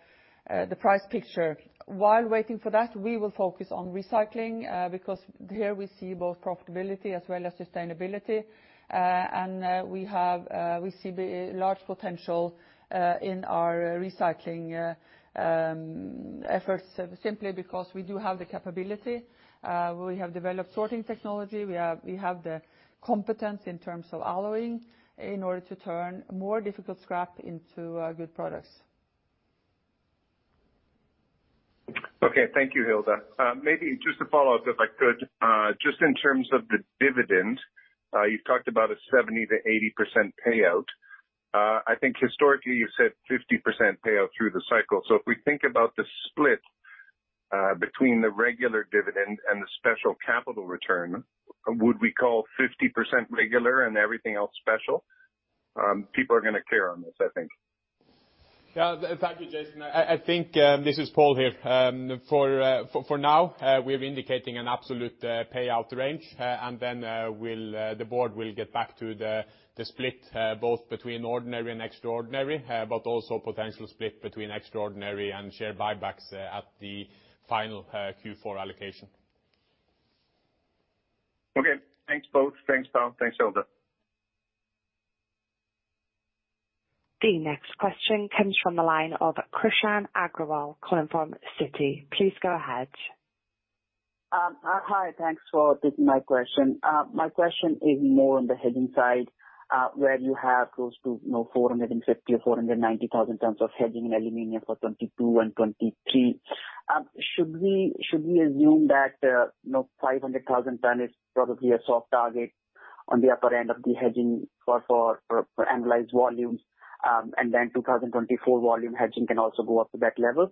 price picture. While waiting for that, we will focus on recycling because here we see both profitability as well as sustainability. We see the large potential in our recycling efforts simply because we do have the capability. We have developed sorting technology. We have the competence in terms of alloying in order to turn more difficult scrap into good products. Okay. Thank you, Hilde. Maybe just to follow up, if I could, just in terms of the dividend, you've talked about a 70%-80% payout. I think historically you said 50% payout through the cycle. If we think about the split, between the regular dividend and the special capital return, would we call 50% regular and everything else special? People are gonna care on this, I think. Yeah. Thank you, Jason. I think this is Paul here. For now, we're indicating an absolute payout range. The board will get back to the split both between ordinary and extraordinary, but also potential split between extraordinary and share buybacks at the final Q4 allocation. Okay. Thanks both. Thanks, Pål. Thanks, Hilde. The next question comes from the line of Krishan Agarwal calling from Citi. Please go ahead. Hi, thanks for taking my question. My question is more on the hedging side, where you have close to, you know, 450 or 490,000 tons of hedging in aluminum for 2022 and 2023. Should we assume that, you know, 500,000 ton is probably a soft target on the upper end of the hedging for annualized volumes? 2024 volume hedging can also go up to that level.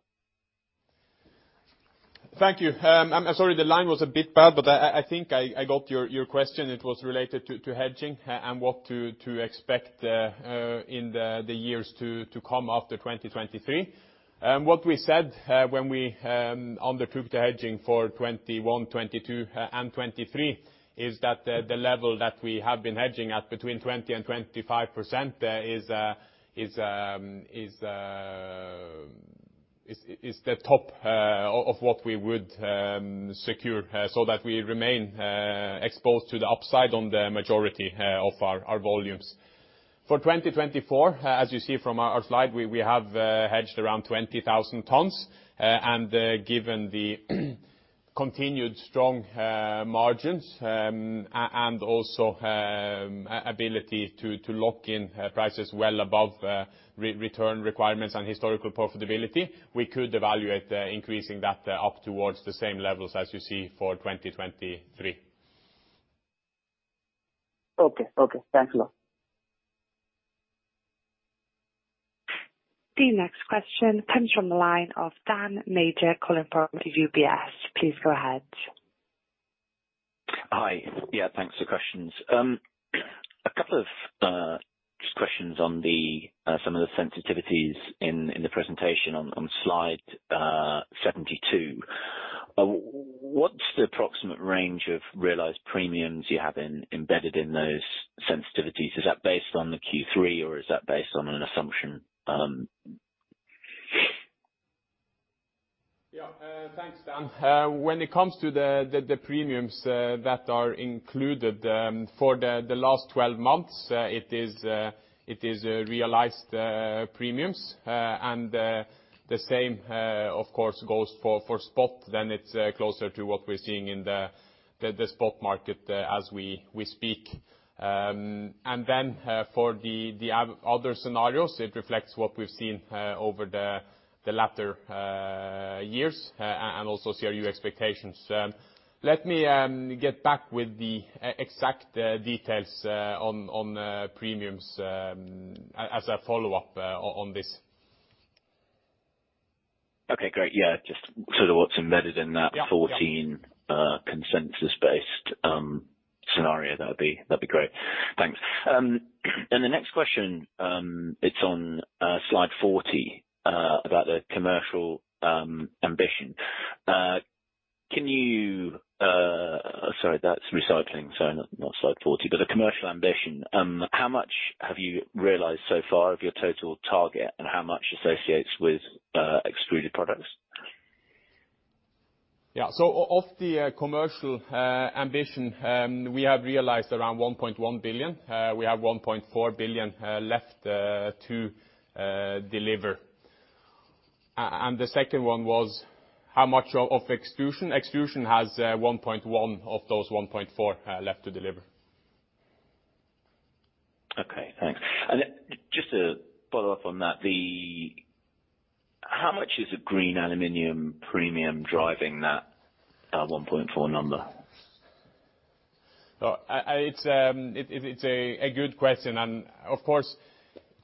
Thank you. I'm sorry the line was a bit bad, but I think I got your question. It was related to hedging and what to expect in the years to come after 2023. What we said when we on the future hedging for 2021, 2022 and 2023 is that the level that we have been hedging at between 20%-25% is the top of what we would secure so that we remain exposed to the upside on the majority of our volumes. For 2024, as you see from our slide, we have hedged around 20,000 tons. Given the continued strong margins and also ability to lock in prices well above return requirements and historical profitability, we could evaluate increasing that up towards the same levels as you see for 2023. Okay. Thanks a lot. The next question comes from the line of Daniel Major calling from UBS. Please go ahead. Hi. Yeah, thanks for questions. A couple of just questions on some of the sensitivities in the presentation on slide 72. What's the approximate range of realized premiums you have embedded in those sensitivities? Is that based on the Q3 or is that based on an assumption? Yeah. Thanks, Dan. When it comes to the premiums that are included for the last 12 months, it is realized premiums. The same, of course, goes for spot, then it's closer to what we're seeing in the spot market as we speak. For the other scenarios, it reflects what we've seen over the latter years and also CRU expectations. Let me get back with the exact details on premiums as a follow-up on this. Okay, great. Yeah, just sort of what's embedded in that. Yeah. -fourteen, consensus-based scenario. That'd be great. Thanks. Then the next question, it's on slide 40 about the commercial ambition. Can you. Sorry, that's recycling. Sorry, not slide 40, but the commercial ambition. How much have you realized so far of your total target, and how much associates with extruded products? Of the commercial ambition, we have realized around 1.1 billion. We have 1.4 billion left to deliver. The second one was how much of extrusion? Extrusion has 1.1 of those 1.4 left to deliver. Okay, thanks. Just to follow up on that, how much is the green aluminum premium driving that 1.4 number? It's a good question. Of course,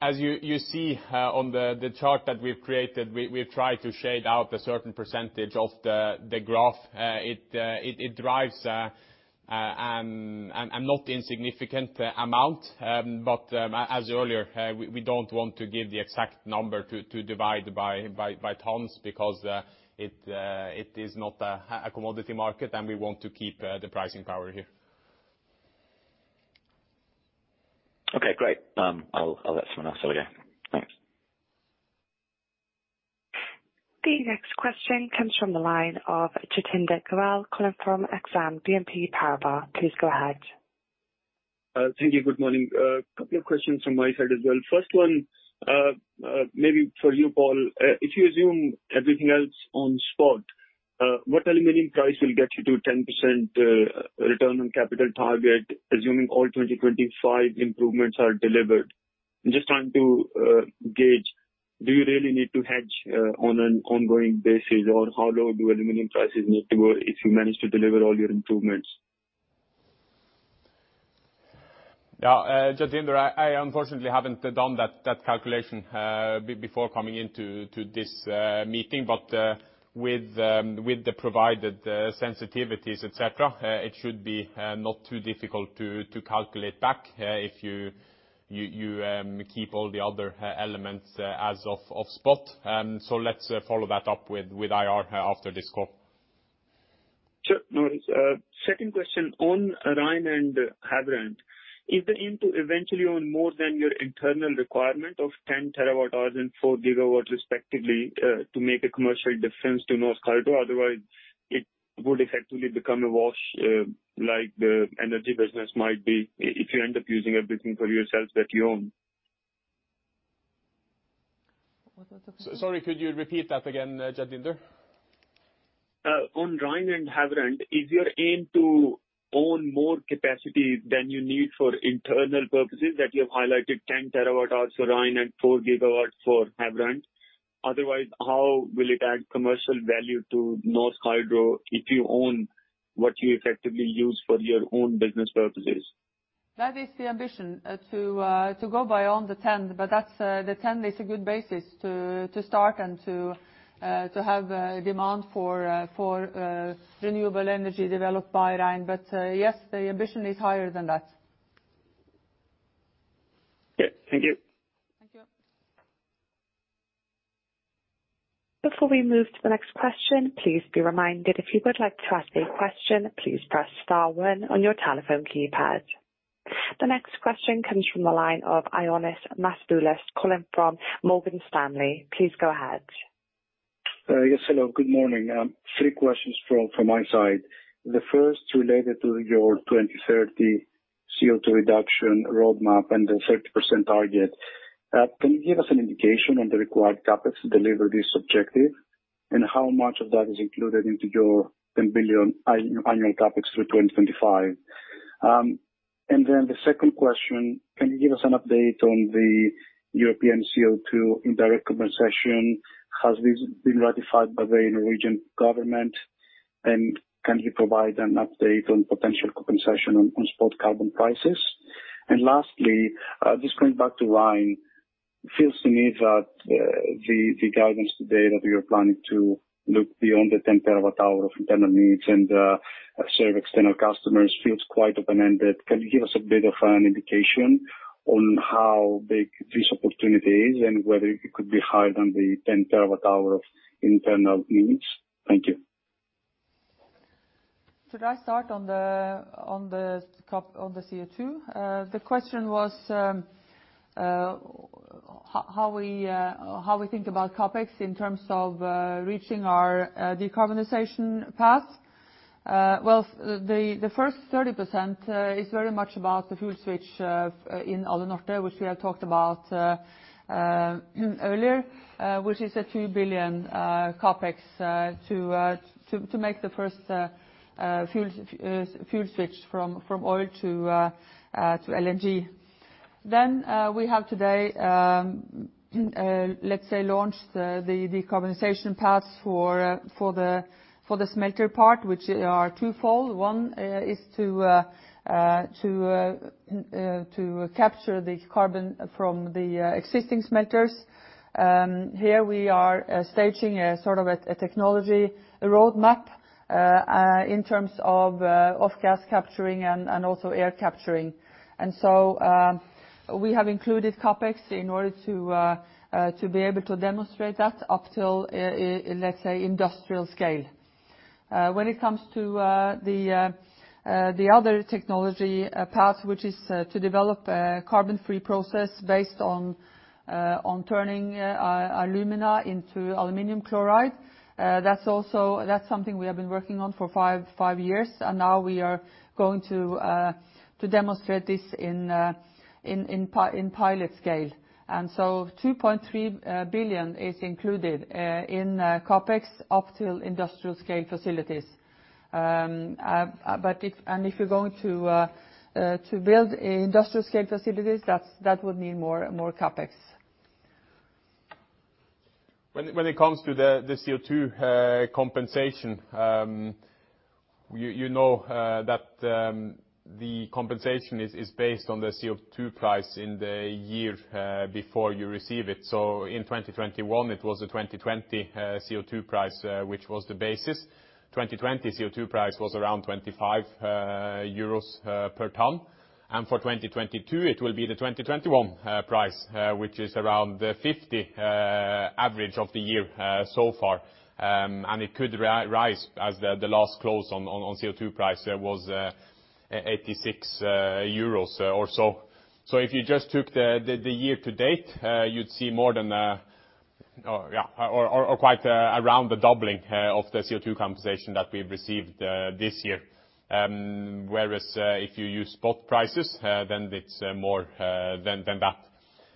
as you see, on the chart that we've created, we've tried to shade out a certain percentage of the graph. It drives a not insignificant amount. As earlier, we don't want to give the exact number to divide by tons because it is not a commodity market, and we want to keep the pricing power here. Okay, great. I'll let someone else have a go. Thanks. The next question comes from the line of Jatinder Goel calling from Exane BNP Paribas. Please go ahead. Thank you. Good morning. A couple of questions from my side as well. First one, maybe for you, Paul. If you assume everything else on spot, what aluminum price will get you to 10% return on capital target, assuming all 2025 improvements are delivered? I'm just trying to gauge, do you really need to hedge on an ongoing basis, or how low do aluminum prices need to go if you manage to deliver all your improvements? Yeah. Jatinder, I unfortunately haven't done that calculation before coming into this meeting. With the provided sensitivities, et cetera, it should be not too difficult to calculate back if you keep all the other elements as of spot. Let's follow that up with IR after this call. Sure. No worries. Second question on REIN and Havrand. Is the aim to eventually own more than your internal requirement of 10 TWh and 4 GW respectively, to make a commercial difference to Norsk Hydro? Otherwise, it would effectively become a wash, like the energy business might be if you end up using everything for yourself that you own. Sorry, could you repeat that again, Jatinder? On REIN and Havrand, is your aim to own more capacity than you need for internal purposes that you have highlighted 10 TWh for REIN and 4 GW for Havrand? Otherwise, how will it add commercial value to Norsk Hydro if you own what you effectively use for your own business purposes? That is the ambition to go beyond the 10. That's the 10 is a good basis to start and to have demand for renewable energy developed by REIN. Yes, the ambition is higher than that. Okay, thank you. Thank you. Before we move to the next question, please be reminded, if you would like to ask a question, please press star one on your telephone keypad. The next question comes from the line of Ioannis Masvoulas calling from Morgan Stanley. Please go ahead. Yes. Hello, good morning. Three questions from my side. The first related to your 2030 CO2 reduction roadmap and the 30% target. Can you give us an indication on the required CapEx to deliver this objective, and how much of that is included into your 10 billion annual CapEx through 2025? And then the second question, can you give us an update on the European CO2 indirect compensation? Has this been ratified by the Norwegian government? And can you provide an update on potential compensation on spot carbon prices? And lastly, just going back to REIN, it feels to me that the guidance today that you're planning to look beyond the 10 TWh of internal needs and serve external customers feels quite open-ended. Can you give us a bit of an indication on how big this opportunity is and whether it could be higher than the 10 TWh of internal needs? Thank you. Should I start on the top? On the CO2? The question was, how we think about CapEx in terms of reaching our decarbonization path. Well, the first 30% is very much about the fuel switch in Alunorte, which we have talked about earlier, which is a 2 billion CapEx to make the first fuel switch from oil to LNG. We have today launched the decarbonization paths for the smelter part, which are twofold. One is to capture the carbon from the existing smelters. Here we are staging a sort of a technology roadmap in terms of off-gas capturing and also air capturing. We have included CapEx in order to be able to demonstrate that up till let's say industrial scale. When it comes to the other technology path, which is to develop a carbon-free process based on turning alumina into aluminum chloride, that's also. That's something we have been working on for five years, and now we are going to demonstrate this in pilot scale. 2.3 billion is included in CapEx up till industrial scale facilities. But if... If you're going to build industrial-scale facilities, that would need more CapEx. When it comes to the CO2 compensation, you know that the compensation is based on the CO2 price in the year before you receive it. In 2021, it was a 2020 CO2 price which was the basis. 2020 CO2 price was around 25 euros per ton. For 2022, it will be the 2021 price which is around 50 average of the year so far. It could rise as the last close on CO2 price was 86 euros or so. If you just took the year to date, you'd see more than or quite around the doubling of the CO2 compensation that we've received this year. Whereas, if you use spot prices, then it's more than that.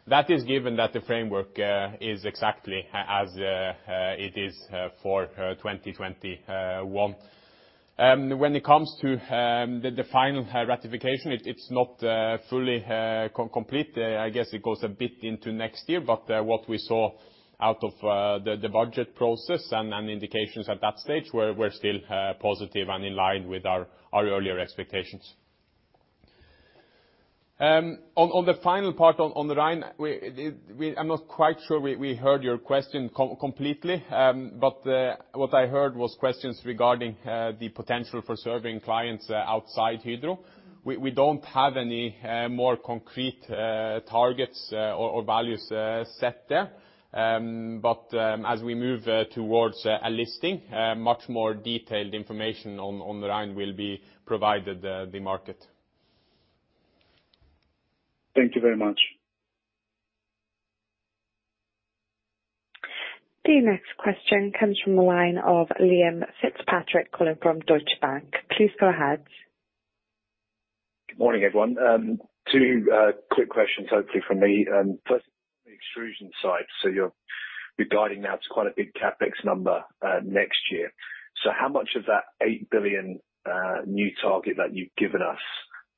That is given that the framework is exactly as it is for 2021. When it comes to the final ratification, it's not fully complete. I guess it goes a bit into next year, but what we saw out of the budget process and indications at that stage were still positive and in line with our earlier expectations. On the final part on REIN, I'm not quite sure we heard your question completely. What I heard was questions regarding the potential for serving clients outside Hydro. We don't have any more concrete targets or values set there. As we move towards a listing, much more detailed information on REIN will be provided to the market. Thank you very much. The next question comes from the line of Liam Fitzpatrick calling from Deutsche Bank. Please go ahead. Good morning, everyone. Two quick questions hopefully from me. First the extrusion side. You're guiding now to quite a big CapEx number next year. How much of that 8 billion new target that you've given us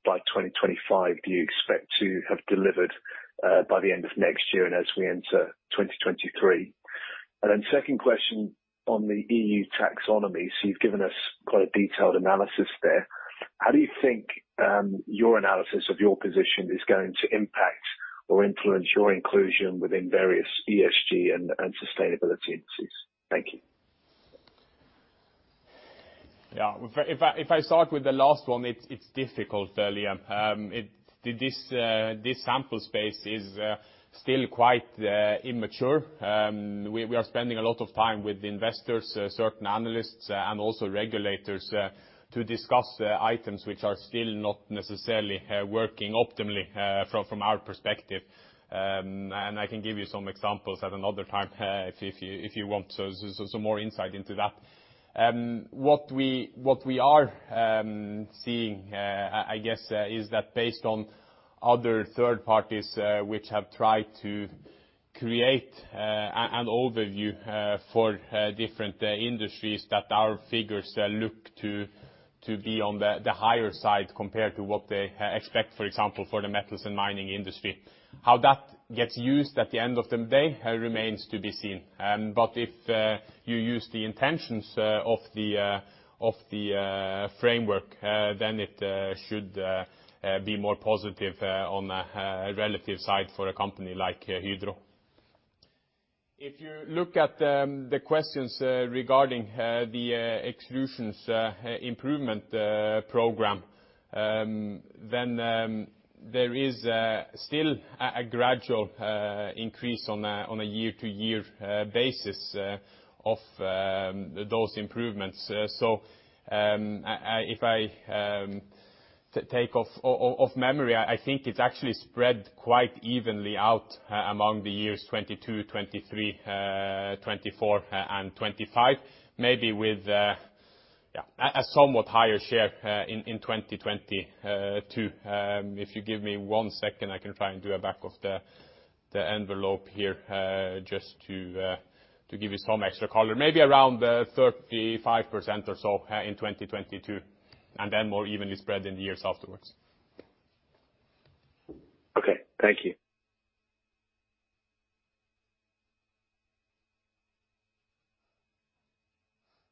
by 2025 do you expect to have delivered by the end of next year and as we enter 2023? Second question on the EU taxonomy. You've given us quite a detailed analysis there. How do you think your analysis of your position is going to impact or influence your inclusion within various ESG and sustainability indices? Thank you. If I start with the last one, it's difficult, Liam. This sample space is still quite immature. We are spending a lot of time with investors, certain analysts and also regulators to discuss items which are still not necessarily working optimally from our perspective. I can give you some examples at another time if you want some more insight into that. What we are seeing, I guess is that based on other third parties which have tried to create an overview for different industries that our figures look to be on the higher side compared to what they expect, for example, for the metals and mining industry. How that gets used at the end of the day remains to be seen. If you use the intentions of the framework, then it should be more positive on a relative side for a company like Hydro. If you look at the questions regarding the Extrusions improvement program, then there is still a gradual increase on a year-to-year basis of those improvements. If I take off memory, I think it's actually spread quite evenly out among the years 2022, 2023, 2024 and 2025, maybe with a somewhat higher share in 2022. If you give me one second, I can try and do a back-of-the-envelope here, just to give you some extra color. Maybe around 35% or so in 2022, and then more evenly spread in the years afterwards. Okay, thank you.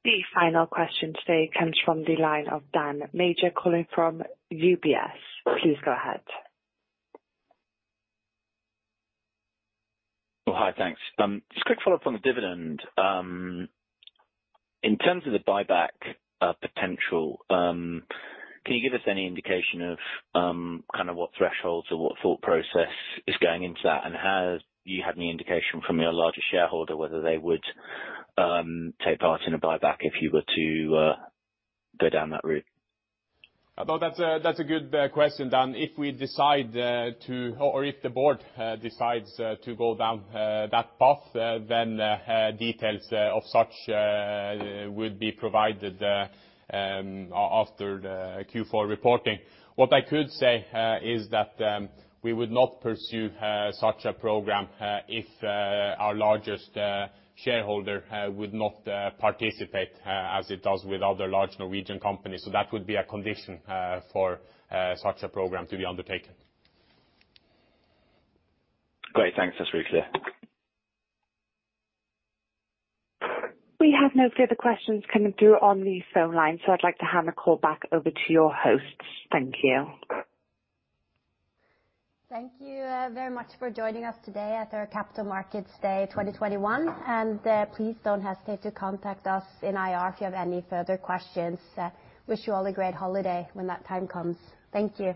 The final question today comes from the line of Daniel Major calling from UBS. Please go ahead. Oh, hi. Thanks. Just a quick follow-up on the dividend. In terms of the buyback potential, can you give us any indication of kind of what thresholds or what thought process is going into that? Have you had any indication from your largest shareholder whether they would take part in a buyback if you were to go down that route? No, that's a good question, Dan. If we decide or if the board decides to go down that path, then details of such will be provided after the Q4 reporting. What I could say is that we would not pursue such a program if our largest shareholder would not participate as it does with other large Norwegian companies. That would be a condition for such a program to be undertaken. Great. Thanks. That's really clear. We have no further questions coming through on the phone line, so I'd like to hand the call back over to your hosts. Thank you. Thank you, very much for joining us today at our Capital Markets Day 2021. Please don't hesitate to contact us in IR if you have any further questions. Wish you all a great holiday when that time comes. Thank you.